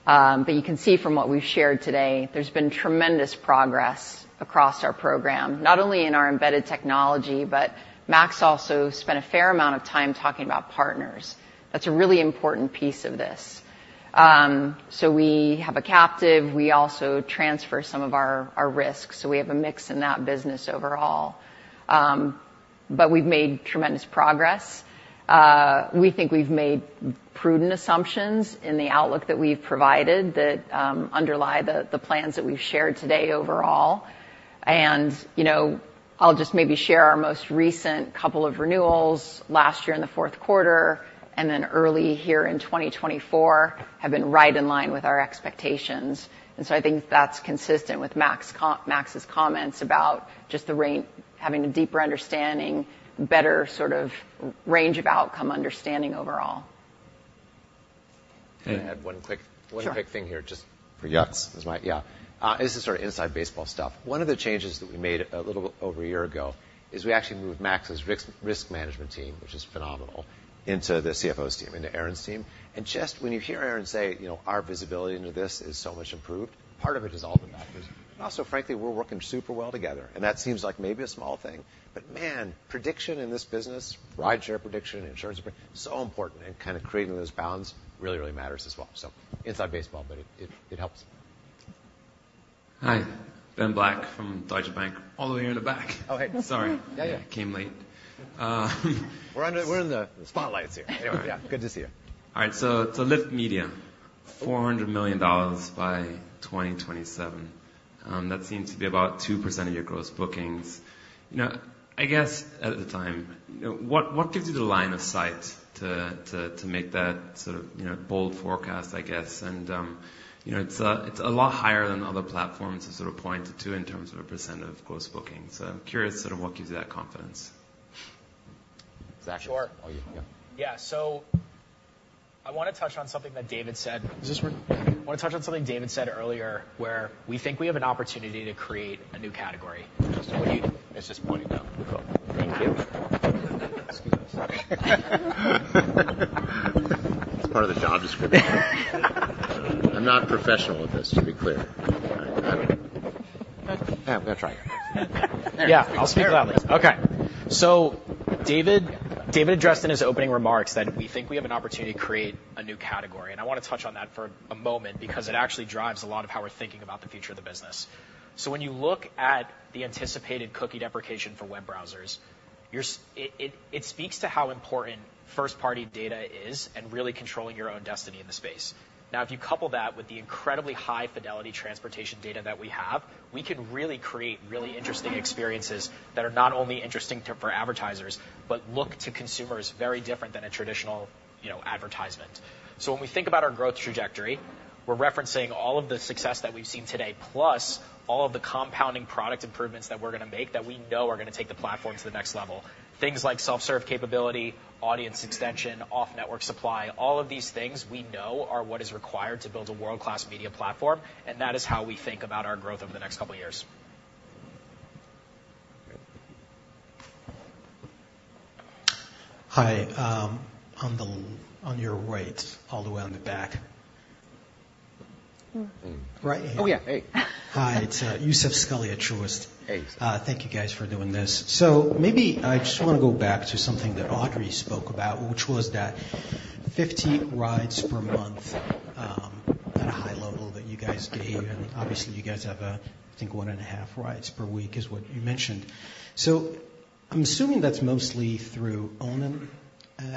but you can see from what we've shared today, there's been tremendous progress across our program, not only in our embedded technology, but Max also spent a fair amount of time talking about partners. That's a really important piece of this. So we have a captive. We also transfer some of our risks, so we have a mix in that business overall. But we've made tremendous progress. We think we've made prudent assumptions in the outlook that we've provided that underlie the plans that we've shared today overall. You know, I'll just maybe share our most recent couple of renewals last year in the fourth quarter, and then early here in 2024, have been right in line with our expectations. So I think that's consistent with Max's comments about just the range having a deeper understanding, better sort of range of outcome understanding overall. Can I add one quick- Sure. One quick thing here, just for yucks. Yeah. This is sort of inside baseball stuff. One of the changes that we made a little bit over a year ago is we actually moved Max's risk management team, which is phenomenal, into the CFO's team, into Erin's team. And just when you hear Erin say, you know, "Our visibility into this is so much improved," part of it is all that matters. Also, frankly, we're working super well together, and that seems like maybe a small thing, but man, prediction in this business, rideshare prediction, insurance prediction, so important, and kind of creating those bounds really, really matters as well. So inside baseball, but it helps. Hi, Ben Black from Deutsche Bank, all the way in the back. Oh, hey. Sorry. Yeah, yeah. I came late. We're in the spotlights here. Anyway, yeah, good to see you. All right, so Lyft Media, $400 million by 2027. That seems to be about 2% of your gross bookings. You know, I guess, at the time, you know, what gives you the line of sight to make that sort of, you know, bold forecast, I guess? And, you know, it's a lot higher than other platforms have sort of pointed to in terms of a % of gross bookings. So I'm curious sort of what gives you that confidence? Sure. Oh, yeah. Yeah, so I wanna touch on something that David said. I wanna touch on something David said earlier, where we think we have an opportunity to create a new category. It's just pointed out. Cool. Thank you. Excuse us. It's part of the job description. I'm not professional at this, to be clear. Yeah, I'm gonna try. Yeah, I'll speak loudly. Okay. So David, David addressed in his opening remarks that we think we have an opportunity to create a new category, and I wanna touch on that for a moment because it actually drives a lot of how we're thinking about the future of the business. So when you look at the anticipated cookie deprecation for web browsers, you're seeing it. It speaks to how important first-party data is and really controlling your own destiny in the space. Now, if you couple that with the incredibly high-fidelity transportation data that we have, we can really create really interesting experiences that are not only interesting to, for advertisers, but look to consumers very different than a traditional, you know, advertisement. So when we think about our growth trajectory, we're referencing all of the success that we've seen today, plus all of the compounding product improvements that we're gonna make, that we know are gonna take the platform to the next level. Things like self-serve capability, audience extension, off-network supply. All of these things we know are what is required to build a world-class media platform, and that is how we think about our growth over the next couple of years. Hi, on the, On your right, all the way on the back. Right here. Oh, yeah. Hey. Hi, it's Youssef Squali at Truist. Hey. Thank you guys for doing this. So maybe I just wanna go back to something that Audrey spoke about, which was that 15 rides per month, at a high level that you guys gave, and obviously you guys have, I think, 1.5 rides per week is what you mentioned. So I'm assuming that's mostly through owned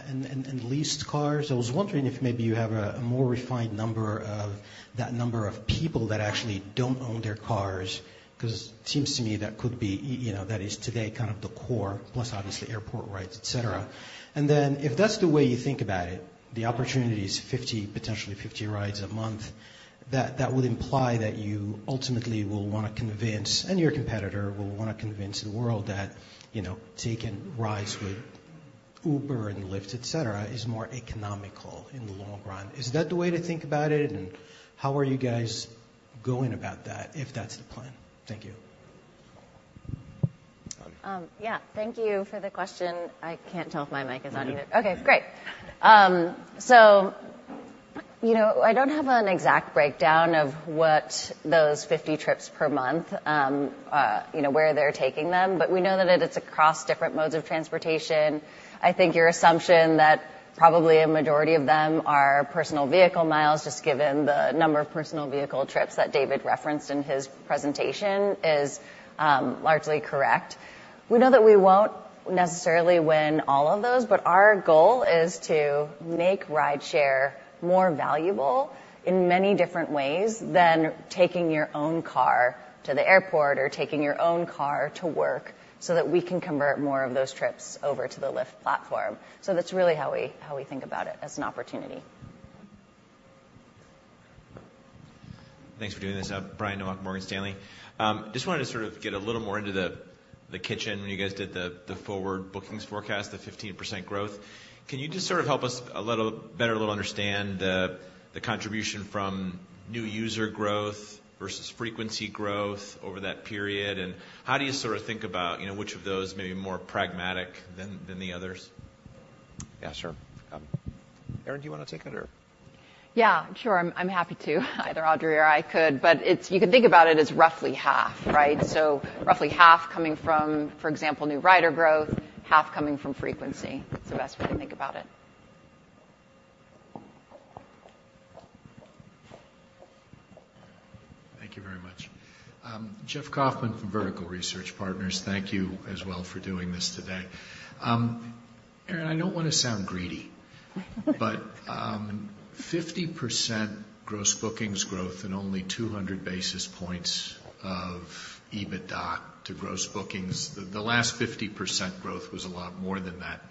and leased cars. I was wondering if maybe you have a more refined number of that number of people that actually don't own their cars, 'cause it seems to me that could be, you know, that is today kind of the core, plus obviously airport rides, etc. And then, if that's the way you think about it, the opportunity is 50, potentially 50 rides a month, that, that would imply that you ultimately will wanna convince, and your competitor will wanna convince the world that, you know, taking rides with Uber and Lyft, etc, is more economical in the long run. Is that the way to think about it? And how are you guys going about that, if that's the plan? Thank you. Um... Yeah. Thank you for the question. I can't tell if my mic is on either. Okay, great. So, you know, I don't have an exact breakdown of what those 50 trips per month, you know, where they're taking them, but we know that it is across different modes of transportation. I think your assumption that probably a majority of them are personal vehicle miles, just given the number of personal vehicle trips that David referenced in his presentation, is largely correct. We know that we won't necessarily win all of those, but our goal is to make rideshare more valuable in many different ways than taking your own car to the airport or taking your own car to work, so that we can convert more of those trips over to the Lyft platform. That's really how we think about it as an opportunity. Thanks for doing this. Brian Nowak, Morgan Stanley. Just wanted to sort of get a little more into the kitchen when you guys did the forward bookings forecast, the 15% growth. Can you just sort of help us a little better understand the contribution from new user growth versus frequency growth over that period? And how do you sort of think about, you know, which of those may be more pragmatic than the others? Yeah, sure. Erin, do you wanna take it or Yeah, sure. I'm happy to. Either Audrey or I could, but you can think about it as roughly half, right? So roughly half coming from, for example, new rider growth, half coming from frequency. That's the best way to think about it. Thank you very much. Jeff Kauffman from Vertical Research Partners. Thank you as well for doing this today. Erin, I don't want to sound greedy—but, 50% gross bookings growth and only two hundred basis points of EBITDA to gross bookings, the last 50% growth was a lot more than that.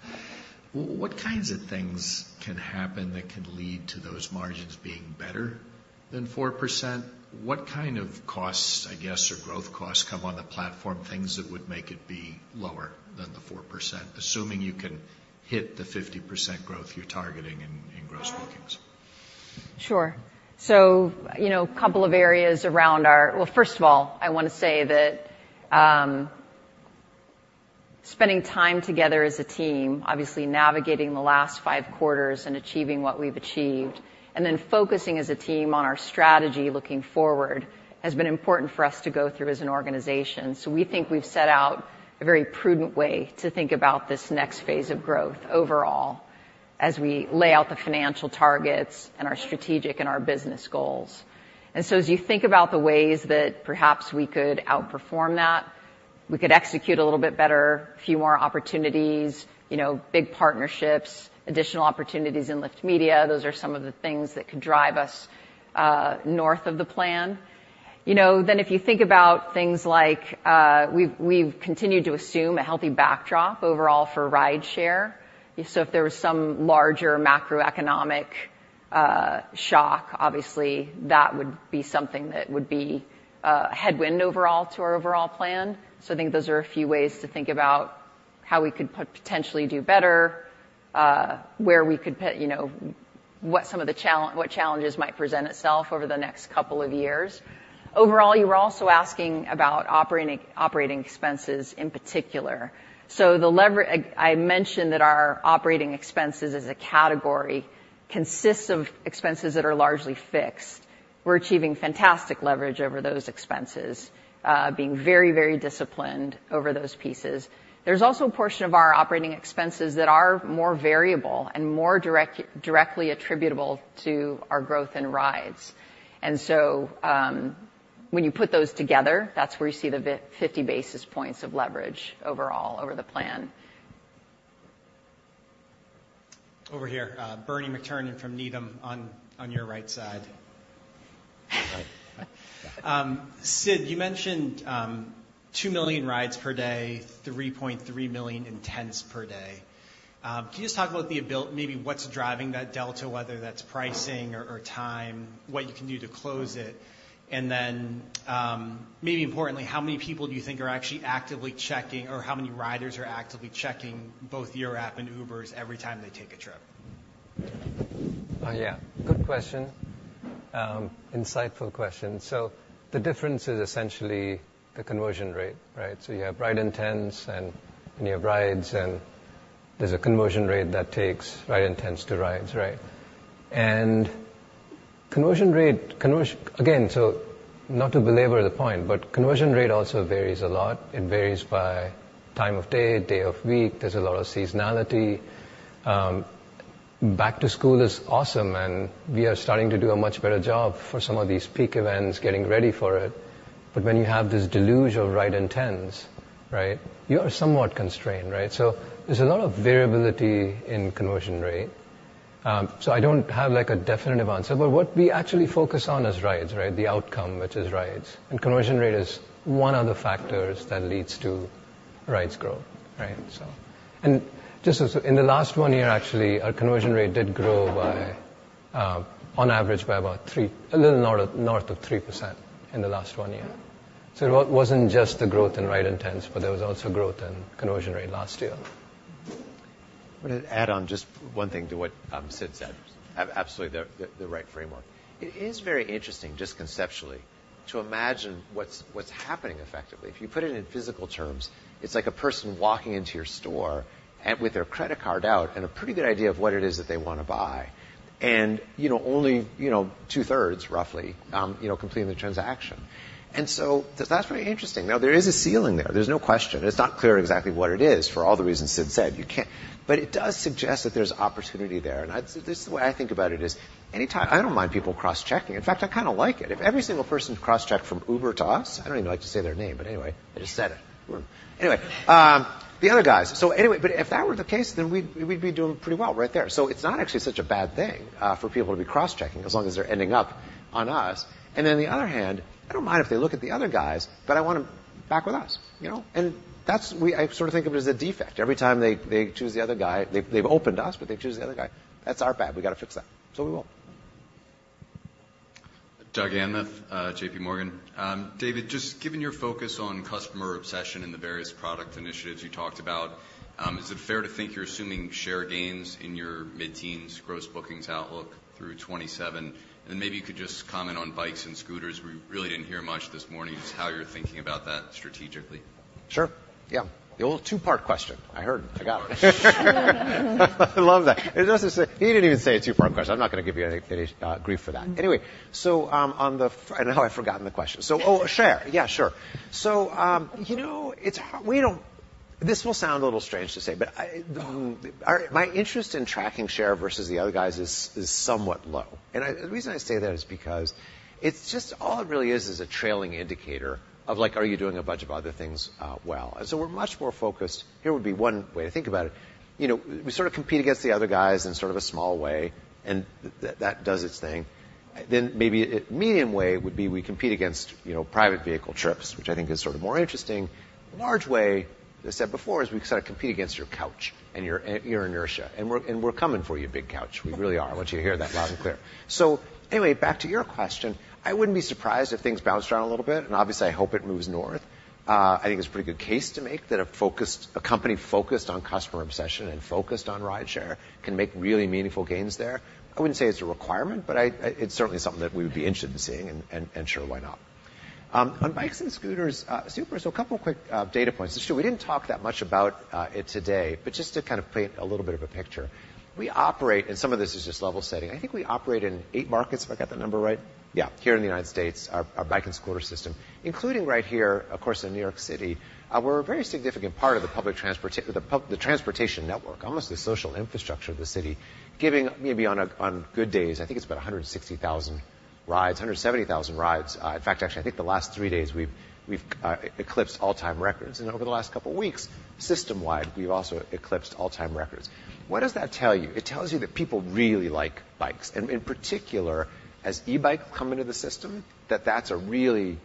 What kinds of things can happen that could lead to those margins being better than 4%? What kind of costs, I guess, or growth costs, come on the platform, things that would make it be lower than the four percent, assuming you can hit the fifty percent growth you're targeting in gross bookings? Sure. So, you know, couple of areas around our, Well, first of all, I wanna say that, spending time together as a team, obviously navigating the last five quarters and achieving what we've achieved, and then focusing as a team on our strategy looking forward, has been important for us to go through as an organization. So we think we've set out a very prudent way to think about this next phase of growth overall, as we lay out the financial targets and our strategic and our business goals. And so as you think about the ways that perhaps we could outperform that- we could execute a little bit better, a few more opportunities, you know, big partnerships, additional opportunities in Lyft Media. Those are some of the things that could drive us north of the plan. You know, then if you think about things like, we've continued to assume a healthy backdrop overall for ride share. So if there was some larger macroeconomic shock, obviously, that would be something that would be a headwind overall to our overall plan. So I think those are a few ways to think about how we could potentially do better, where we could, you know, what some of the challenges might present itself over the next couple of years. Overall, you were also asking about operating expenses in particular. So the leverage I mentioned that our operating expenses as a category consists of expenses that are largely fixed. We're achieving fantastic leverage over those expenses, being very, very disciplined over those pieces. There's also a portion of our operating expenses that are more variable and more directly attributable to our growth in rides. And so, when you put those together, that's where you see the 50 basis points of leverage overall over the plan. Over here, Bernie McTernan from Needham, on your right side. Right. Sid, you mentioned two million rides per day, 3.3 million intents per day. Can you just talk about maybe what's driving that delta, whether that's pricing or, or time, what you can do to close it? And then, maybe importantly, how many people do you think are actually actively checking, or how many riders are actively checking both your app and Uber's every time they take a trip? Yeah, good question. Insightful question. So the difference is essentially the conversion rate, right? So you have ride intents, and you have rides, and there's a conversion rate that takes ride intents to rides, right? And conversion rate, again, so not to belabor the point, but conversion rate also varies a lot. It varies by time of day, day of week. There's a lot of seasonality. Back to school is awesome, and we are starting to do a much better job for some of these peak events, getting ready for it. But when you have this deluge of ride intents, right, you are somewhat constrained, right? So there's a lot of variability in conversion rate. So I don't have, like, a definitive answer, but what we actually focus on is rides, right? The outcome, which is rides. And conversion rate is one of the factors that leads to rides growth, right? So, And just so, so in the last one year, actually, our conversion rate did grow by, on average by about three a little north of, north of 3% in the last one year. So it wasn't just the growth in ride intents, but there was also growth in conversion rate last year. I'm gonna add on just one thing to what Sid said. Absolutely the right framework. It is very interesting, just conceptually, to imagine what's happening effectively. If you put it in physical terms, it's like a person walking into your store with their credit card out and a pretty good idea of what it is that they wanna buy, and only, you know, two-thirds, roughly, completing the transaction. And so that's very interesting. Now, there is a ceiling there. There's no question. It's not clear exactly what it is for all the reasons Sid said. You can't, But it does suggest that there's opportunity there, and I'd, This is the way I think about it, is anytime I don't mind people cross-checking. In fact, I kinda like it. If every single person cross-checked from Uber to us, I don't even like to say their name, but anyway, I just said it. Anyway, the other guys. So anyway, but if that were the case, then we'd, we'd be doing pretty well right there. So it's not actually such a bad thing for people to be cross-checking, as long as they're ending up on us. And then on the other hand, I don't mind if they look at the other guys, but I want them back with us, you know? And that's, I sort of think of it as a defect. Every time they, they choose the other guy, they've, they've opened us, but they choose the other guy. That's our bad. We gotta fix that, so we will. Doug Anmuth, JPMorgan. David, just given your focus on customer obsession and the various product initiatives you talked about, is it fair to think you're assuming share gains in your mid-teens gross bookings outlook through 2027? And then maybe you could just comment on bikes and scooters. We really didn't hear much this morning, just how you're thinking about that strategically. Sure, yeah. The old two-part question. I heard. I got it. I love that. It doesn't say, He didn't even say a two-part question. I'm not gonna give you any, any, grief for that. Anyway, on the, Now I've forgotten the question. Oh, share. Yeah, sure. You know, it's, this will sound a little strange to say, but my interest in tracking share versus the other guys is somewhat low. The reason I say that is because it's just all it really is, a trailing indicator of, like, are you doing a bunch of other things well? So we're much more focused. Here would be one way to think about it. You know, we sort of compete against the other guys in sort of a small way, and that does its thing. Then maybe a medium way would be we compete against, you know, private vehicle trips, which I think is sort of more interesting. Large way, as I said before, is we sort of compete against your couch and your inertia, and we're coming for you, big couch. We really are. I want you to hear that loud and clear. So anyway, back to your question. I wouldn't be surprised if things bounced around a little bit, and obviously, I hope it moves north. I think it's a pretty good case to make that a focused company focused on customer obsession and focused on rideshare can make really meaningful gains there. I wouldn't say it's a requirement, but it's certainly something that we would be interested in seeing, and sure, why not? On bikes and scooters, super. So a couple quick data points. So we didn't talk that much about it today, but just to kind of paint a little bit of a picture. We operate, and some of this is just level setting. I think we operate in eight markets, if I got that number right? Yeah, here in the United States, our bikes and scooters system, including right here, of course, in New York City. We're a very significant part of the public transportation network, almost the social infrastructure of the city, giving maybe on good days, I think it's about 160,000 rides, 170,000 rides. In fact, actually, I think the last three days, we've eclipsed all-time records. Over the last couple of weeks, system-wide, we've also eclipsed all-time records. What does that tell you? It tells you that people really like bikes, and in particular, as e-bikes come into the system, that's a really,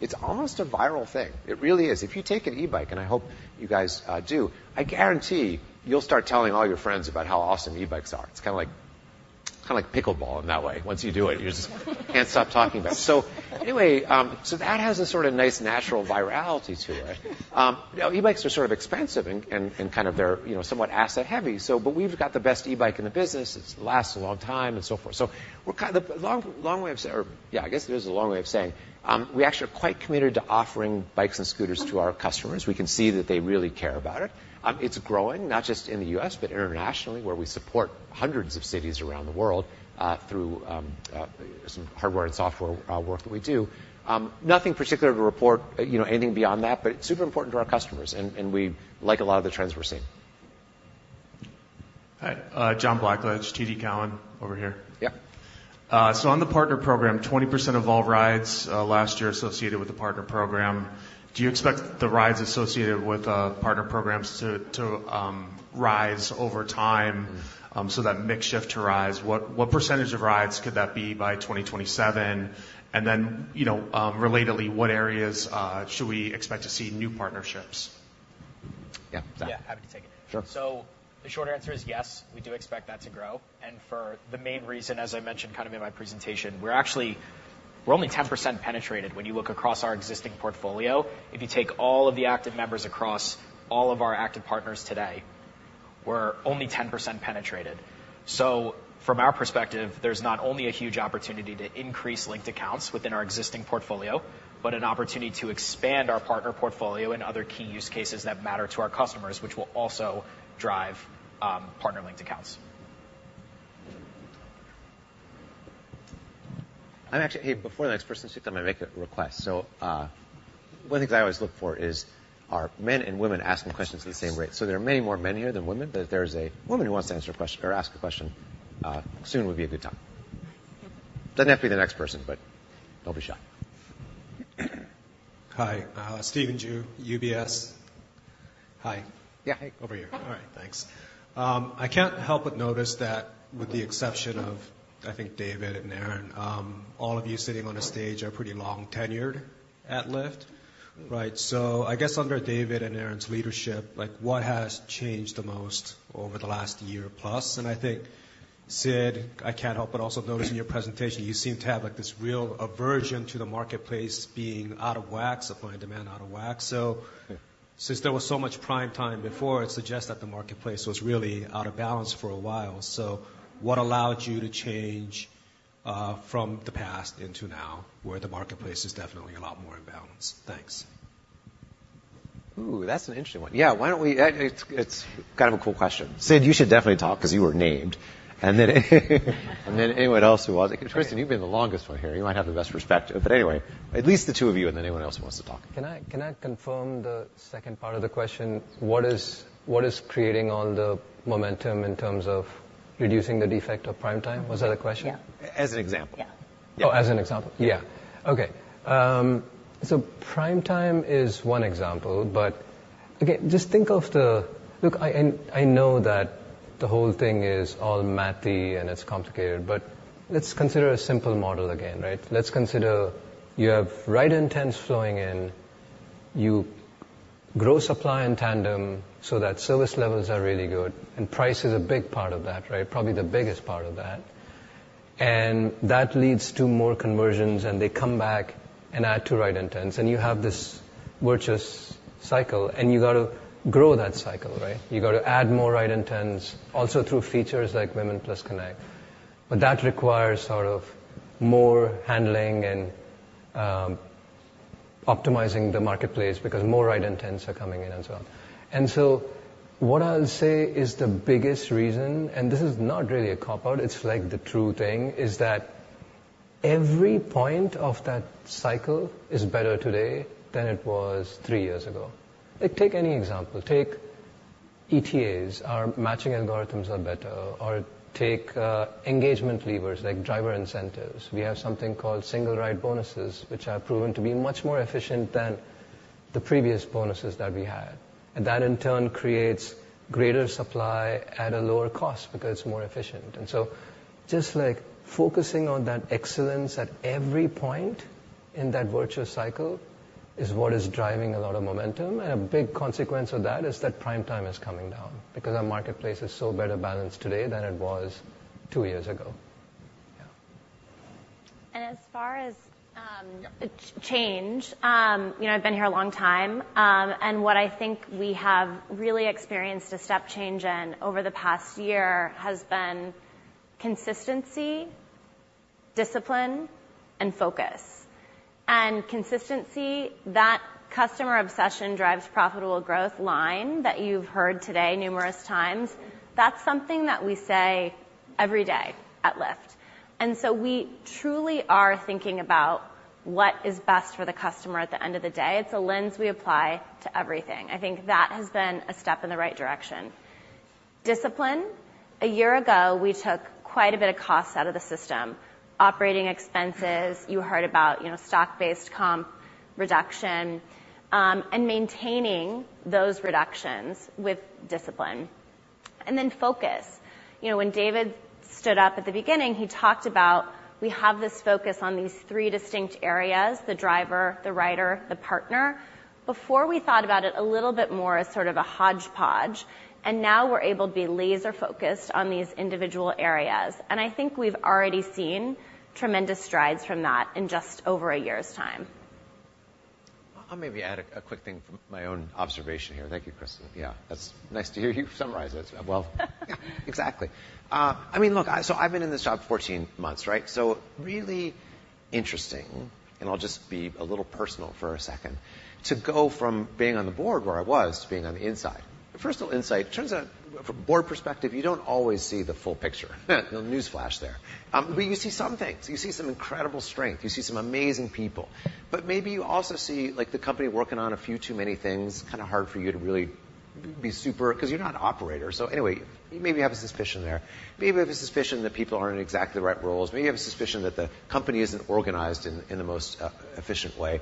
It's almost a viral thing. It really is. If you take an e-bike, and I hope you guys do, I guarantee you'll start telling all your friends about how awesome e-bikes are. It's kinda like, kinda like pickleball in that way. Once you do it, you just can't stop talking about it. So anyway, so that has a sort of nice natural virality to it. You know, e-bikes are sort of expensive and kind of they're, you know, somewhat asset-heavy, so, but we've got the best e-bike in the business. It lasts a long time, and so forth. So, the long way of saying, or, yeah, I guess there's a long way of saying, we actually are quite committed to offering bikes and scooters to our customers. We can see that they really care about it. It's growing, not just in the U.S., but internationally, where we support hundreds of cities around the world through some hardware and software work that we do. Nothing particular to report, you know, anything beyond that, but it's super important to our customers, and we like a lot of the trends we're seeing. Hi, John Blackledge, TD Cowen, over here. Yeah. So on the partner program, 20% of all rides last year associated with the partner program, do you expect the rides associated with partner programs to rise over time, so that mix shift to rise? What percentage of rides could that be by 2027? And then, you know, relatedly, what areas should we expect to see new partnerships? Yeah, Zach. Yeah, happy to take it. Sure. So the short answer is yes, we do expect that to grow, and for the main reason, as I mentioned kind of in my presentation, we're actually only 10% penetrated when you look across our existing portfolio. If you take all of the active members across all of our active partners today, we're only 10% penetrated. So from our perspective, there's not only a huge opportunity to increase linked accounts within our existing portfolio, but an opportunity to expand our partner portfolio in other key use cases that matter to our customers, which will also drive partner-linked accounts. I'm actually, Hey, before the next person speaks, I'm gonna make a request. So, one of the things I always look for is, are men and women asking questions at the same rate? So there are many more men here than women, but if there's a woman who wants to answer a question or ask a question, soon would be a good time. Doesn't have to be the next person, but don't be shy. Hi, Stephen Ju, UBS. Hi. Yeah. Over here. All right, thanks. I can't help but notice that with the exception of, I think, David and Erin, all of you sitting on the stage are pretty long-tenured at Lyft, right? So I guess under David and Erin's leadership, like, what has changed the most over the last year plus? And I think, Sid, I can't help but also notice in your presentation, you seem to have, like, this real aversion to the marketplace being out of whack, supply and demand out of whack. So Yeah. Since there was so much Prime Time before, it suggests that the Marketplace was really out of balance for a while. So what allowed you to change from the past into now, where the Marketplace is definitely a lot more in balance? Thanks. Ooh, that's an interesting one. Yeah, why don't we, It's, it's kind of a cool question. Sid, you should definitely talk because you were named, and then, and then anyone else who was. Kristin, you've been the longest one here. You might have the best perspective, but anyway, at least the two of you and then anyone else who wants to talk. Can I confirm the second part of the question? What is creating all the momentum in terms of reducing the defect of Prime Time? Was that the question? Yeah. As an example. Yeah. Oh, as an example. Yeah. Okay, so Prime Time is one example, but again, just think of the, Look, I know that the whole thing is all mathy, and it's complicated, but let's consider a simple model again, right? Let's consider you have ride intents flowing in. You grow supply in tandem so that service levels are really good, and price is a big part of that, right? Probably the biggest part of that. And that leads to more conversions, and they come back and add to ride intents, and you have this virtuous cycle, and you got to grow that cycle, right? You got to add more ride intents, also through features like Women+ Connect. But that requires sort of more handling and optimizing the marketplace because more ride intents are coming in as well. And so what I'll say is the biggest reason, and this is not really a cop-out, it's like the true thing, is that every point of that cycle is better today than it was three years ago. Like, take any example. Take ETAs. Our matching algorithms are better. Or take, engagement levers, like driver incentives. We have something called single ride bonuses, which are proven to be much more efficient than the previous bonuses that we had, and that, in turn, creates greater supply at a lower cost because it's more efficient. And so just like focusing on that excellence at every point in that virtuous cycle is what is driving a lot of momentum, and a big consequence of that is that Prime Time is coming down because our Marketplace is so better balanced today than it was two years ago. As far as change, you know, I've been here a long time, and what I think we have really experienced a step change in over the past year has been consistency, discipline, and focus. And consistency, that customer obsession drives profitable growth line that you've heard today numerous times, that's something that we say every day at Lyft. And so we truly are thinking about what is best for the customer at the end of the day. It's a lens we apply to everything. I think that has been a step in the right direction. Discipline. A year ago, we took quite a bit of costs out of the system. Operating expenses, you heard about, you know, stock-based comp reduction, and maintaining those reductions with discipline. And then focus. You know, when David stood up at the beginning, he talked about, we have this focus on these three distinct areas: the driver, the rider, the partner. Before, we thought about it a little bit more as sort of a hodgepodge, and now we're able to be laser-focused on these individual areas. And I think we've already seen tremendous strides from that in just over a year's time. I'll maybe add a quick thing from my own observation here. Thank you, Kristin. Yeah, that's nice to hear you summarize it. Well, yeah, exactly. I mean, look, so I've been in this job 14 months, right? So really interesting, and I'll just be a little personal for a second, to go from being on the board, where I was, to being on the inside. The personal insight, turns out, from board perspective, you don't always see the full picture. No newsflash there. But you see some things. You see some incredible strength. You see some amazing people. But maybe you also see, like, the company working on a few too many things, kind of hard for you to really be super 'cause you're not an operator, so anyway, you maybe have a suspicion there. Maybe you have a suspicion that people aren't in exactly the right roles. Maybe you have a suspicion that the company isn't organized in the most efficient way.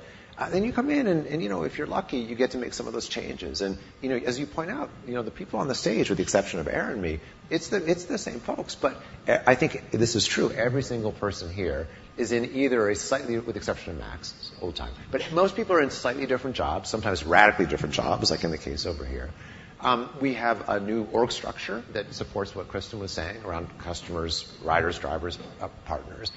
Then you come in and, you know, if you're lucky, you get to make some of those changes. And, you know, as you point out, you know, the people on the stage, with the exception of Erin and me, it's the same folks. But I think this is true, every single person here is in either a slightly, with the exception of Max, who's old time, but most people are in slightly different jobs, sometimes radically different jobs, like in the case over here. We have a new org structure that supports what Kristin was saying around customers, riders, drivers, partners.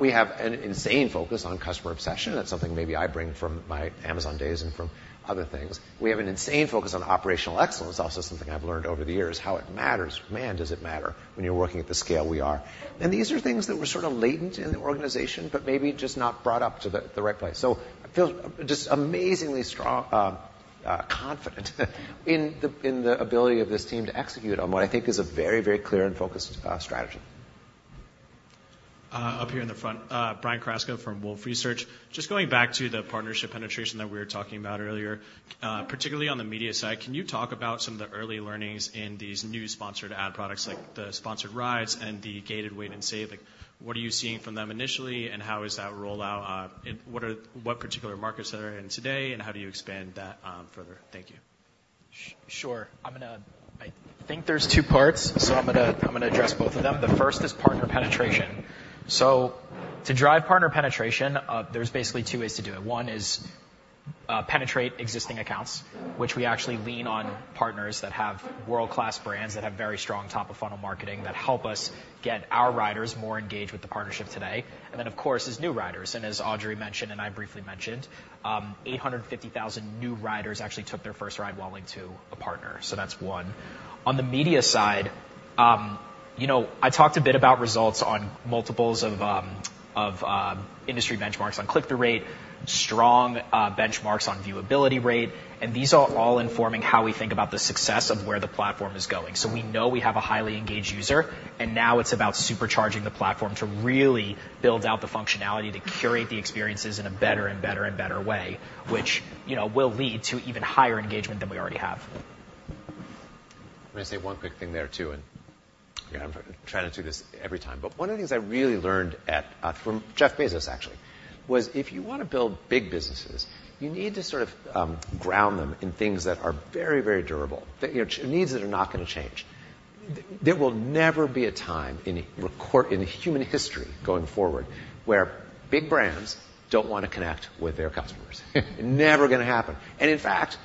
We have an insane focus on customer obsession. That's something maybe I bring from my Amazon days and from other things. We have an insane focus on operational excellence, also something I've learned over the years, how it matters. Man, does it matter when you're working at the scale we are. And these are things that were sort of latent in the organization, but maybe just not brought up to the right place. So I feel just amazingly strong, confident in the ability of this team to execute on what I think is a very, very clear and focused strategy. Up here in the front, Brian Kraska from Wolfe Research. Just going back to the partnership penetration that we were talking about earlier, particularly on the media side, can you talk about some of the early learnings in these new sponsored ad products, like the sponsored rides and the gated Wait & Save? Like, what are you seeing from them initially, and how is that rollout, and what particular markets are in today, and how do you expand that further? Thank you. Sure. I'm gonna. I think there's two parts, so I'm gonna address both of them. The first is partner penetration. So to drive partner penetration, there's basically two ways to do it. One is, penetrate existing accounts, which we actually lean on partners that have world-class brands, that have very strong top-of-funnel marketing, that help us get our riders more engaged with the partnership today. And then, of course, is new riders, and as Audrey mentioned, and I briefly mentioned, 850,000 new riders actually took their first ride while into a partner, so that's one. On the media side, you know, I talked a bit about results on multiples of industry benchmarks, on click-through rate, strong benchmarks on viewability rate, and these are all informing how we think about the success of where the platform is going. So we know we have a highly engaged user, and now it's about supercharging the platform to really build out the functionality, to curate the experiences in a better and better and better way, which, you know, will lead to even higher engagement than we already have. I'm gonna say one quick thing there, too, and, you know, I'm trying to do this every time. But one of the things I really learned at, from Jeff Bezos, actually, was if you want to build big businesses, you need to sort of ground them in things that are very, very durable, that, you know, needs that are not gonna change. There will never be a time in human history, going forward, where big brands don't wanna connect with their customers. Never gonna happen! And in fact,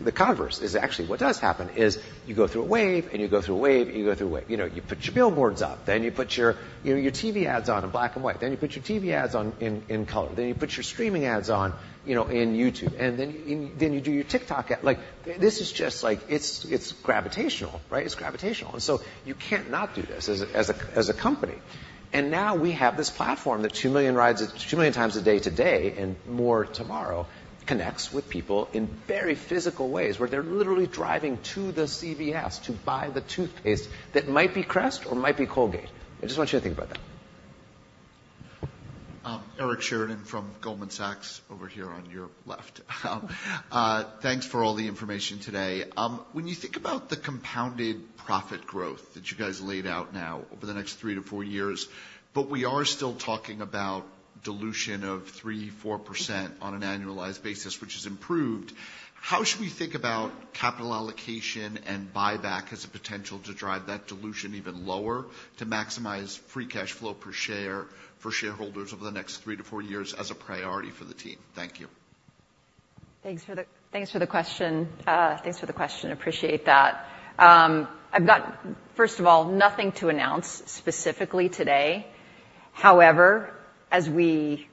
the converse is actually what does happen, is you go through a wave, and you go through a wave, and you go through a wave. You know, you put your billboards up, then you put your, you know, your TV ads on in black and white, then you put your TV ads on in, in color, then you put your streaming ads on, you know, in YouTube, and then you, then you do your TikTok ad. Like, this is just like, it's, it's gravitational, right? It's gravitational. And so you can't not do this as a, as a, as a company. And now we have this platform that two million rides, two million times a day today, and more tomorrow, connects with people in very physical ways, where they're literally driving to the CVS to buy the toothpaste that might be Crest or might be Colgate. I just want you to think about that. Eric Sheridan from Goldman Sachs over here on your left. Thanks for all the information today. When you think about the compounded profit growth that you guys laid out now over the next three to four years, but we are still talking about dilution of 3%, 4% on an annualized basis, which has improved, how should we think about capital allocation and buyback as a potential to drive that dilution even lower, to maximize free cash flow per share for shareholders over the next three to four years as a priority for the team? Thank you. Thanks for the question. Thanks for the question. Appreciate that. I've got, first of all, nothing to announce specifically today. However, as we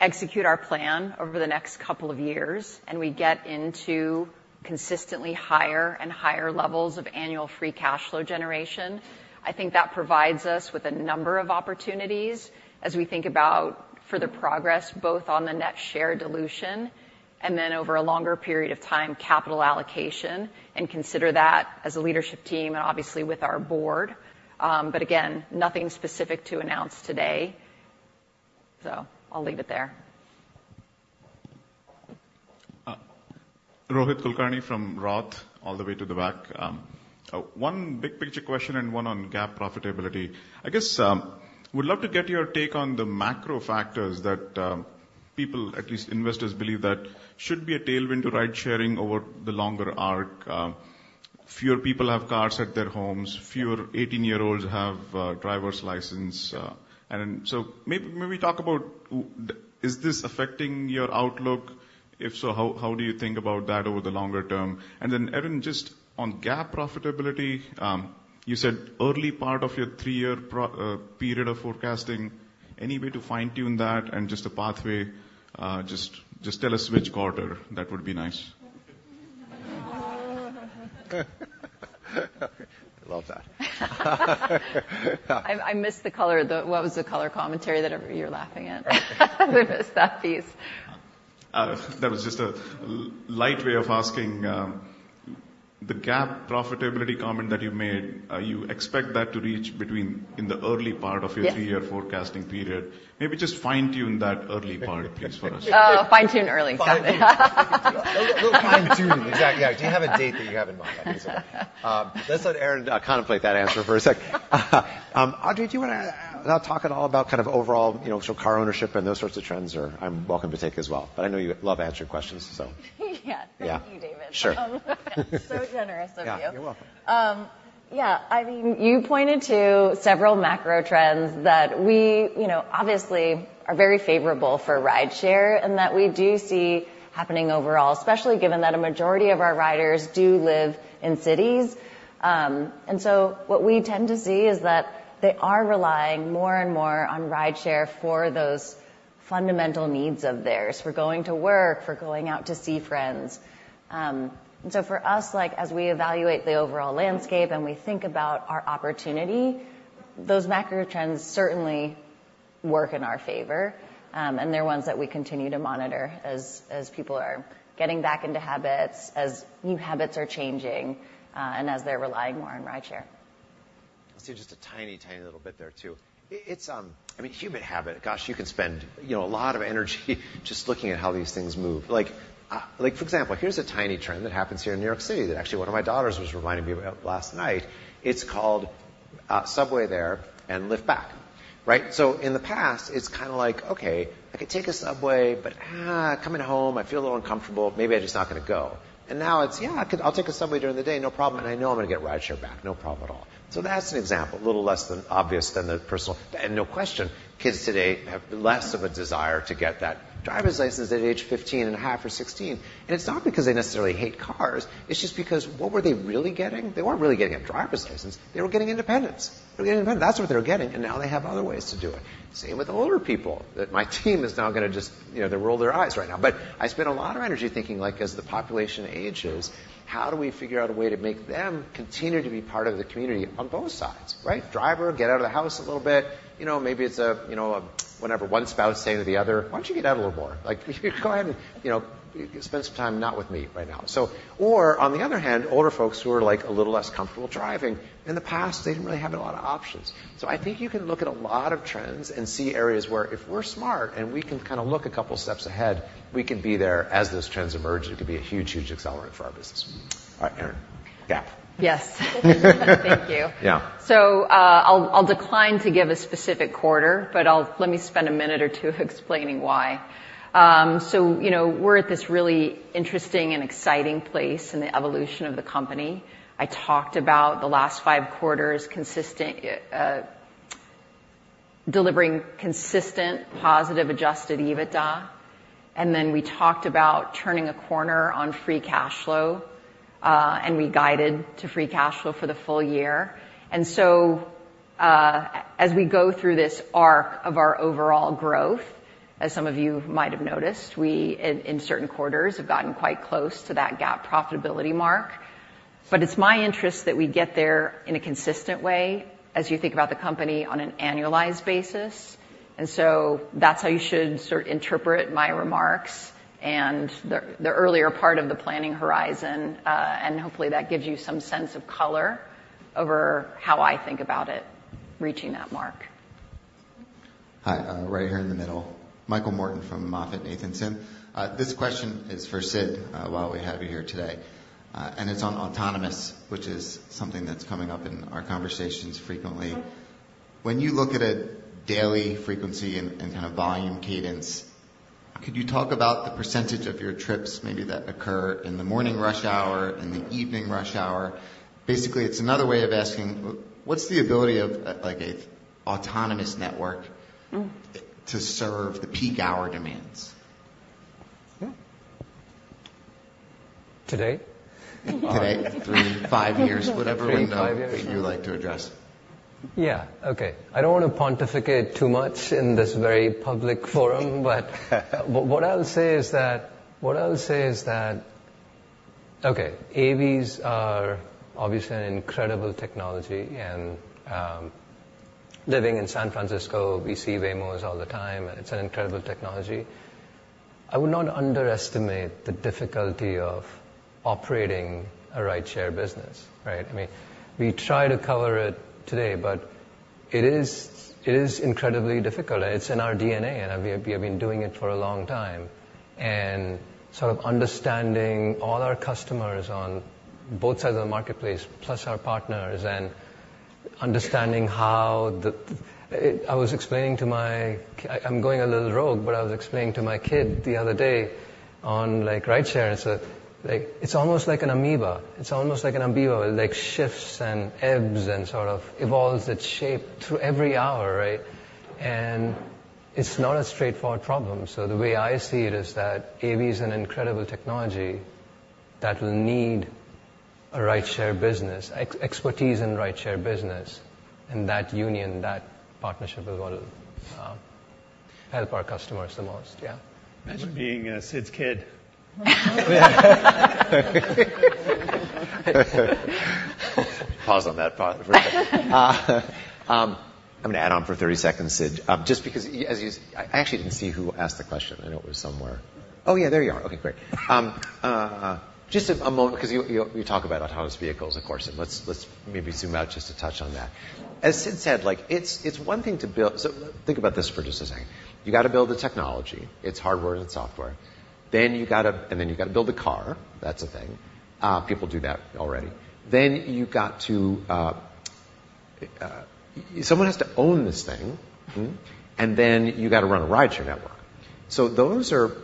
execute our plan over the next couple of years, and we get into consistently higher and higher levels of annual Free Cash Flow generation, I think that provides us with a number of opportunities as we think about further progress, both on the net share dilution, and then over a longer period of time, capital allocation, and consider that as a leadership team, and obviously with our board. But again, nothing specific to announce today, so I'll leave it there. Rohit Kulkarni from Roth, all the way to the back. One big picture question and one on GAAP profitability. I guess, would love to get your take on the macro factors that, people, at least investors, believe that should be a tailwind to ride-sharing over the longer arc. Fewer people have cars at their homes, fewer 18-year-olds have a driver's license, and so maybe talk about the. Is this affecting your outlook? If so, how, how do you think about that over the longer term? And then, Erin, just on GAAP profitability, you said early part of your three year period of forecasting. Any way to fine-tune that, and just a pathway, just, just tell us which quarter. That would be nice. Love that. I, I missed the color, though. What was the color commentary that every you're laughing at? I missed that piece. That was just a light way of asking the GAAP profitability comment that you made. You expect that to reach between, in the early part- Yes of your three-year forecasting period. Maybe just fine-tune that early part, please, for us. Oh, fine-tune early. Fine-tune. We'll fine-tune, exactly. Yeah. Do you have a date that you have in mind? Let's let Erin contemplate that answer for a sec. Audrey, do you wanna not talk at all about kind of overall, you know, show car ownership and those sorts of trends are. I'm welcome to take as well, but I know you love answering questions, so Yeah. Yeah. Thank you, David. Sure. So generous of you. Yeah. You're welcome. Yeah, I mean, you pointed to several macro trends that we, you know, obviously, are very favorable for rideshare, and that we do see happening overall, especially given that a majority of our riders do live in cities. And so what we tend to see is that they are relying more and more on rideshare for those fundamental needs of theirs, for going to work, for going out to see friends. So for us, like, as we evaluate the overall landscape, and we think about our opportunity, those macro trends certainly work in our favor. And they're ones that we continue to monitor as people are getting back into habits, as new habits are changing, and as they're relying more on rideshare. I'll say just a tiny, tiny little bit there, too. It's, I mean, human habit, gosh, you can spend, you know, a lot of energy just looking at how these things move. Like, like, for example, here's a tiny trend that happens here in New York City that actually one of my daughters was reminding me about last night. It's called, subway there and Lyft back, right? So in the past, it's kinda like, "Okay, I could take a subway, but, coming home, I feel a little uncomfortable. Maybe I'm just not gonna go." And now it's, "Yeah, I could... I'll take a subway during the day, no problem, and I know I'm gonna get a rideshare back. No problem at all." So that's an example, a little less than obvious than the personal... And no question, kids today have less of a desire to get that driver's license at age 15.5 or 16. And it's not because they necessarily hate cars. It's just because what were they really getting? They weren't really getting a driver's license. They were getting independence. They were getting independence. That's what they were getting, and now they have other ways to do it. Same with older people, that my team is now gonna just, you know, they'll roll their eyes right now. But I spend a lot of energy thinking, like, as the population ages, how do we figure out a way to make them continue to be part of the community on both sides, right? Driver, get out of the house a little bit. You know, maybe it's a, you know, a, whatever, one spouse saying to the other, "Why don't you get out a little more? Like, go ahead and, you know, spend some time not with me right now." So. Or on the other hand, older folks who are, like, a little less comfortable driving, in the past, they didn't really have a lot of options. So I think you can look at a lot of trends and see areas where if we're smart, and we can kinda look a couple steps ahead, we could be there as those trends emerge, and it could be a huge, huge accelerant for our business. All right, Erin, GAAP. Yes. Thank you. Yeah. So, I'll decline to give a specific quarter, but I'll. Let me spend a minute or two explaining why. So, you know, we're at this really interesting and exciting place in the evolution of the company. I talked about the last five quarters consistent, delivering consistent, positive, Adjusted EBITDA, and then we talked about turning a corner on free cash flow, and we guided to free cash flow for the full-year. And so, as we go through this arc of our overall growth, as some of you might have noticed, we in certain quarters have gotten quite close to that GAAP profitability mark. But it's my interest that we get there in a consistent way as you think about the company on an annualized basis. And so that's how you should sort of interpret my remarks and the earlier part of the planning horizon, and hopefully that gives you some sense of color over how I think about it, reaching that mark. Hi, right here in the middle. Michael Morton from MoffettNathanson. This question is for Sid, while we have you here today, and it's on autonomous, which is something that's coming up in our conversations frequently. When you look at a daily frequency and kind of volume cadence, could you talk about the percentage of your trips, maybe that occur in the morning rush hour, in the evening rush hour? Basically, it's another way of asking: What's the ability of, like, a autonomous network to serve the peak hour demands? Today? Today, three, five years, whatever window you'd like to address. Yeah. Okay. I don't wanna pontificate too much in this very public forum, but what I'll say is that... Okay, AVs are obviously an incredible technology, and, living in San Francisco, we see Waymos all the time. It's an incredible technology. I would not underestimate the difficulty of operating a rideshare business, right? I mean, we try to cover it today, but It is, it is incredibly difficult. It's in our DNA, and we have, we have been doing it for a long time. And sort of understanding all our customers on both sides of the marketplace, plus our partners, and understanding how it I was explaining to my I, I'm going a little rogue, but I was explaining to my kid the other day on, like, rideshare. And so, like, it's almost like an amoeba. It's almost like an amoeba, where it, like, shifts and ebbs and sort of evolves its shape through every hour, right? And it's not a straightforward problem. So the way I see it is that AV is an incredible technology that will need a rideshare business, expertise in rideshare business, and that union, that partnership, will help our customers the most. Yeah. Being Sid's kid. Pause on that part for a second. I'm gonna add on for 30 seconds, Sid. Just because as you, I actually didn't see who asked the question. I know it was somewhere. Oh, yeah, there you are. Okay, great. Just a moment, 'cause you talk about autonomous vehicles, of course, and let's maybe zoom out just to touch on that. As Sid said, like, it's one thing to build. So think about this for just a second. You got to build the technology. It's hardware and software. Then you got to build a car. That's a thing. People do that already. Then you've got to. Someone has to own this thing, and then you've got to run a rideshare network. So those are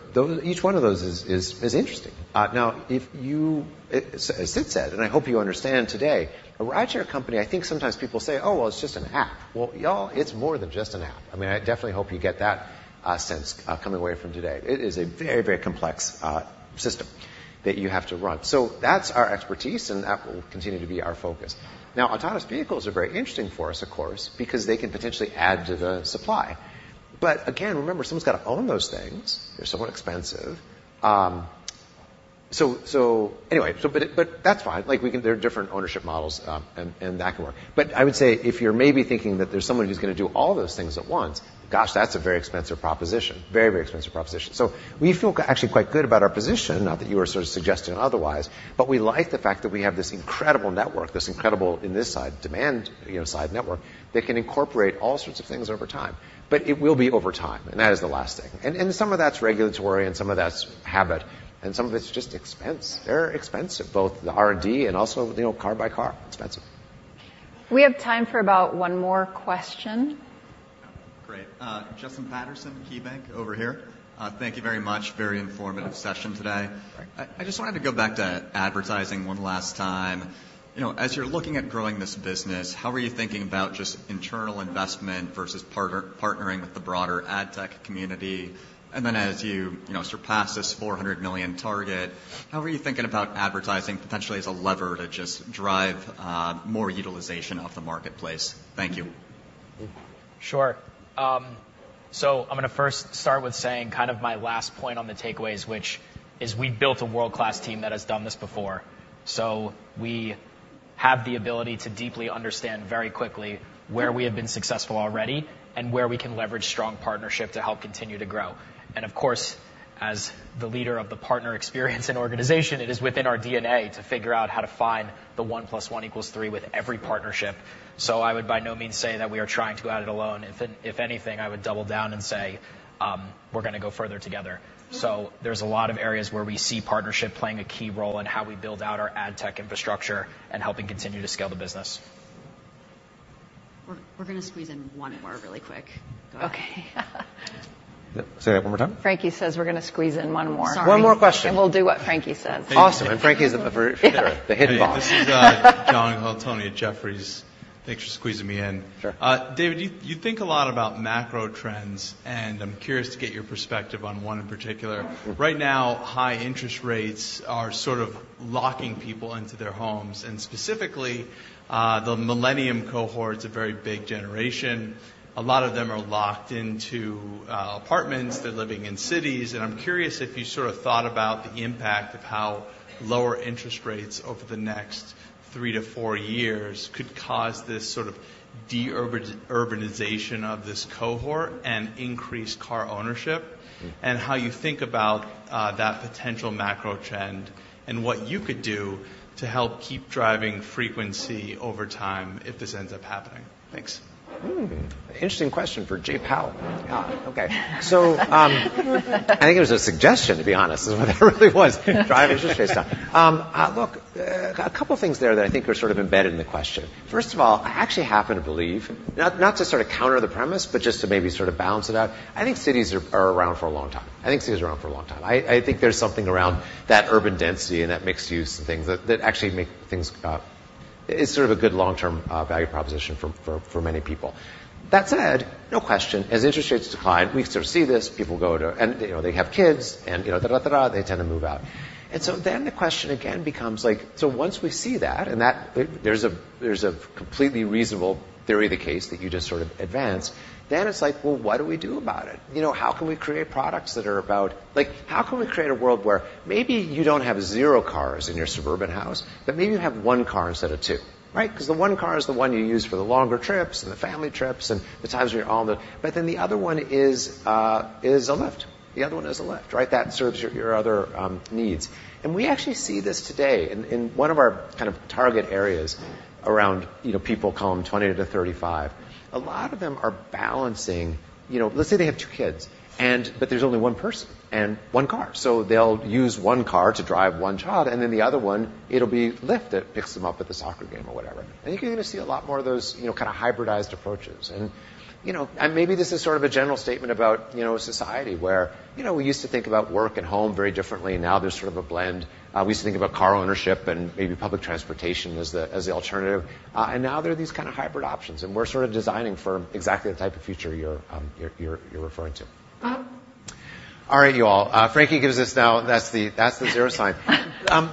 each one of those is interesting. Now, if you, as Sid said, and I hope you understand today, a rideshare company, I think sometimes people say, "Oh, well, it's just an app." Well, y'all, it's more than just an app. I mean, I definitely hope you get that sense coming away from today. It is a very, very complex system that you have to run. So that's our expertise, and that will continue to be our focus. Now, autonomous vehicles are very interesting for us, of course, because they can potentially add to the supply. But again, remember, someone's got to own those things. They're somewhat expensive. So anyway, but that's fine. Like, we can—there are different ownership models, and that can work. But I would say if you're maybe thinking that there's someone who's gonna do all those things at once, gosh, that's a very expensive proposition. Very, very expensive proposition. So we feel actually quite good about our position, not that you were sort of suggesting otherwise, but we like the fact that we have this incredible network, this incredible, in this side, demand, you know, side network, that can incorporate all sorts of things over time. But it will be over time, and that is the last thing. And some of that's regulatory, and some of that's habit, and some of it's just expense. They're expensive, both the R&D and also, you know, car by car, expensive. We have time for about one more question. Great. Justin Patterson, KeyBanc, over here. Thank you very much. Very informative session today. Right. I just wanted to go back to advertising one last time. You know, as you're looking at growing this business, how are you thinking about just internal investment versus partnering with the broader ad tech community? And then as you know, surpass this $400 million target, how are you thinking about advertising potentially as a lever to just drive more utilization of the marketplace? Thank you. Sure. So I'm gonna first start with saying kind of my last point on the takeaways, which is we've built a world-class team that has done this before. So we have the ability to deeply understand very quickly where we have been successful already and where we can leverage strong partnership to help continue to grow. And of course, as the leader of the partner experience and organization, it is within our DNA to figure out how to find the one plus one equals three with every partnership. So I would by no means say that we are trying to go at it alone. If anything, I would double down and say, we're gonna go further together. There's a lot of areas where we see partnership playing a key role in how we build out our ad tech infrastructure and helping continue to scale the business. We're gonna squeeze in one more really quick. Okay. Say that one more time. Frankie says we're gonna squeeze in one more. One more question. We'll do what Frankie says. Awesome, and Frankie is a very- Yeah. the hit bomb. This is, John Colantuoni at Jefferies. Thanks for squeezing me in. Sure. David, you, you think a lot about macro trends, and I'm curious to get your perspective on one in particular. Right now, high interest rates are sort of locking people into their homes, and specifically, the millennial cohort is a very big generation. A lot of them are locked into apartments. They're living in cities. And I'm curious if you sort of thought about the impact of how lower interest rates over the next three, four years could cause this sort of deurbanization of this cohort and increased car ownership, and how you think about that potential macro trend and what you could do to help keep driving frequency over time if this ends up happening. Thanks. Hmm. Interesting question for Jay Powell. Yeah. Okay. So, I think it was a suggestion, to be honest, is what it really was, drive interest rates down. Look, a couple of things there that I think are sort of embedded in the question. First of all, I actually happen to believe, not to sort of counter the premise, but just to maybe sort of balance it out, I think cities are around for a long time. I think cities are around for a long time. I think there's something around that urban density and that mixed use and things that actually make things, it's sort of a good long-term value proposition for many people. That said, no question, as interest rates decline, we sort of see this. People go to... And, you know, they have kids, and, you know, they tend to move out. And so then the question again becomes like: So once we see that, and there's a completely reasonable theory of the case that you just sort of advanced, then it's like, well, what do we do about it? You know, how can we create products that are about Like, how can we create a world where maybe you don't have zero cars in your suburban house, but maybe you have one car instead of two, right? 'Cause the one car is the one you use for the longer trips and the family trips and the times when you're all in the, But then the other one is a Lyft. The other one is a Lyft, right? That serves your other needs. And we actually see this today in one of our kind of target areas around, you know, people call them 20-35. A lot of them are balancing, you know. Let's say they have two kids, and but there's only one person and one car. So they'll use one car to drive one child, and then the other one, it'll be Lyft that picks them up at the soccer game or whatever. I think you're gonna see a lot more of those, you know, kind of hybridized approaches. And, you know, maybe this is sort of a general statement about, you know, a society where, you know, we used to think about work and home very differently, and now there's sort of a blend. We used to think about car ownership and maybe public transportation as the alternative, and now there are these kind of hybrid options, and we're sort of designing for exactly the type of future you're referring to. All right, you all. Frankie gives us now... That's the zero sign.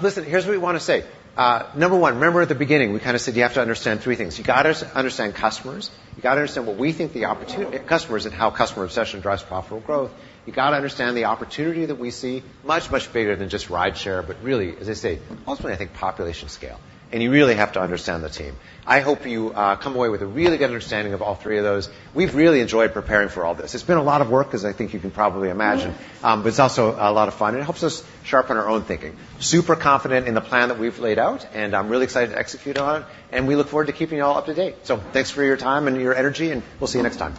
Listen, here's what we want to say. Number one, remember at the beginning, we kind of said you have to understand three things. You gotta understand customers, you gotta understand what we think the opportunity, customers, and how customer obsession drives profitable growth, you gotta understand the opportunity that we see, much, much bigger than just rideshare, but really, as I say, ultimately, I think population scale, and you really have to understand the team. I hope you come away with a really good understanding of all three of those. We've really enjoyed preparing for all this. It's been a lot of work, as I think you can probably imagine, but it's also a lot of fun, and it helps us sharpen our own thinking. Super confident in the plan that we've laid out, and I'm really excited to execute on it, and we look forward to keeping you all up to date. So thanks for your time and your energy, and we'll see you next time.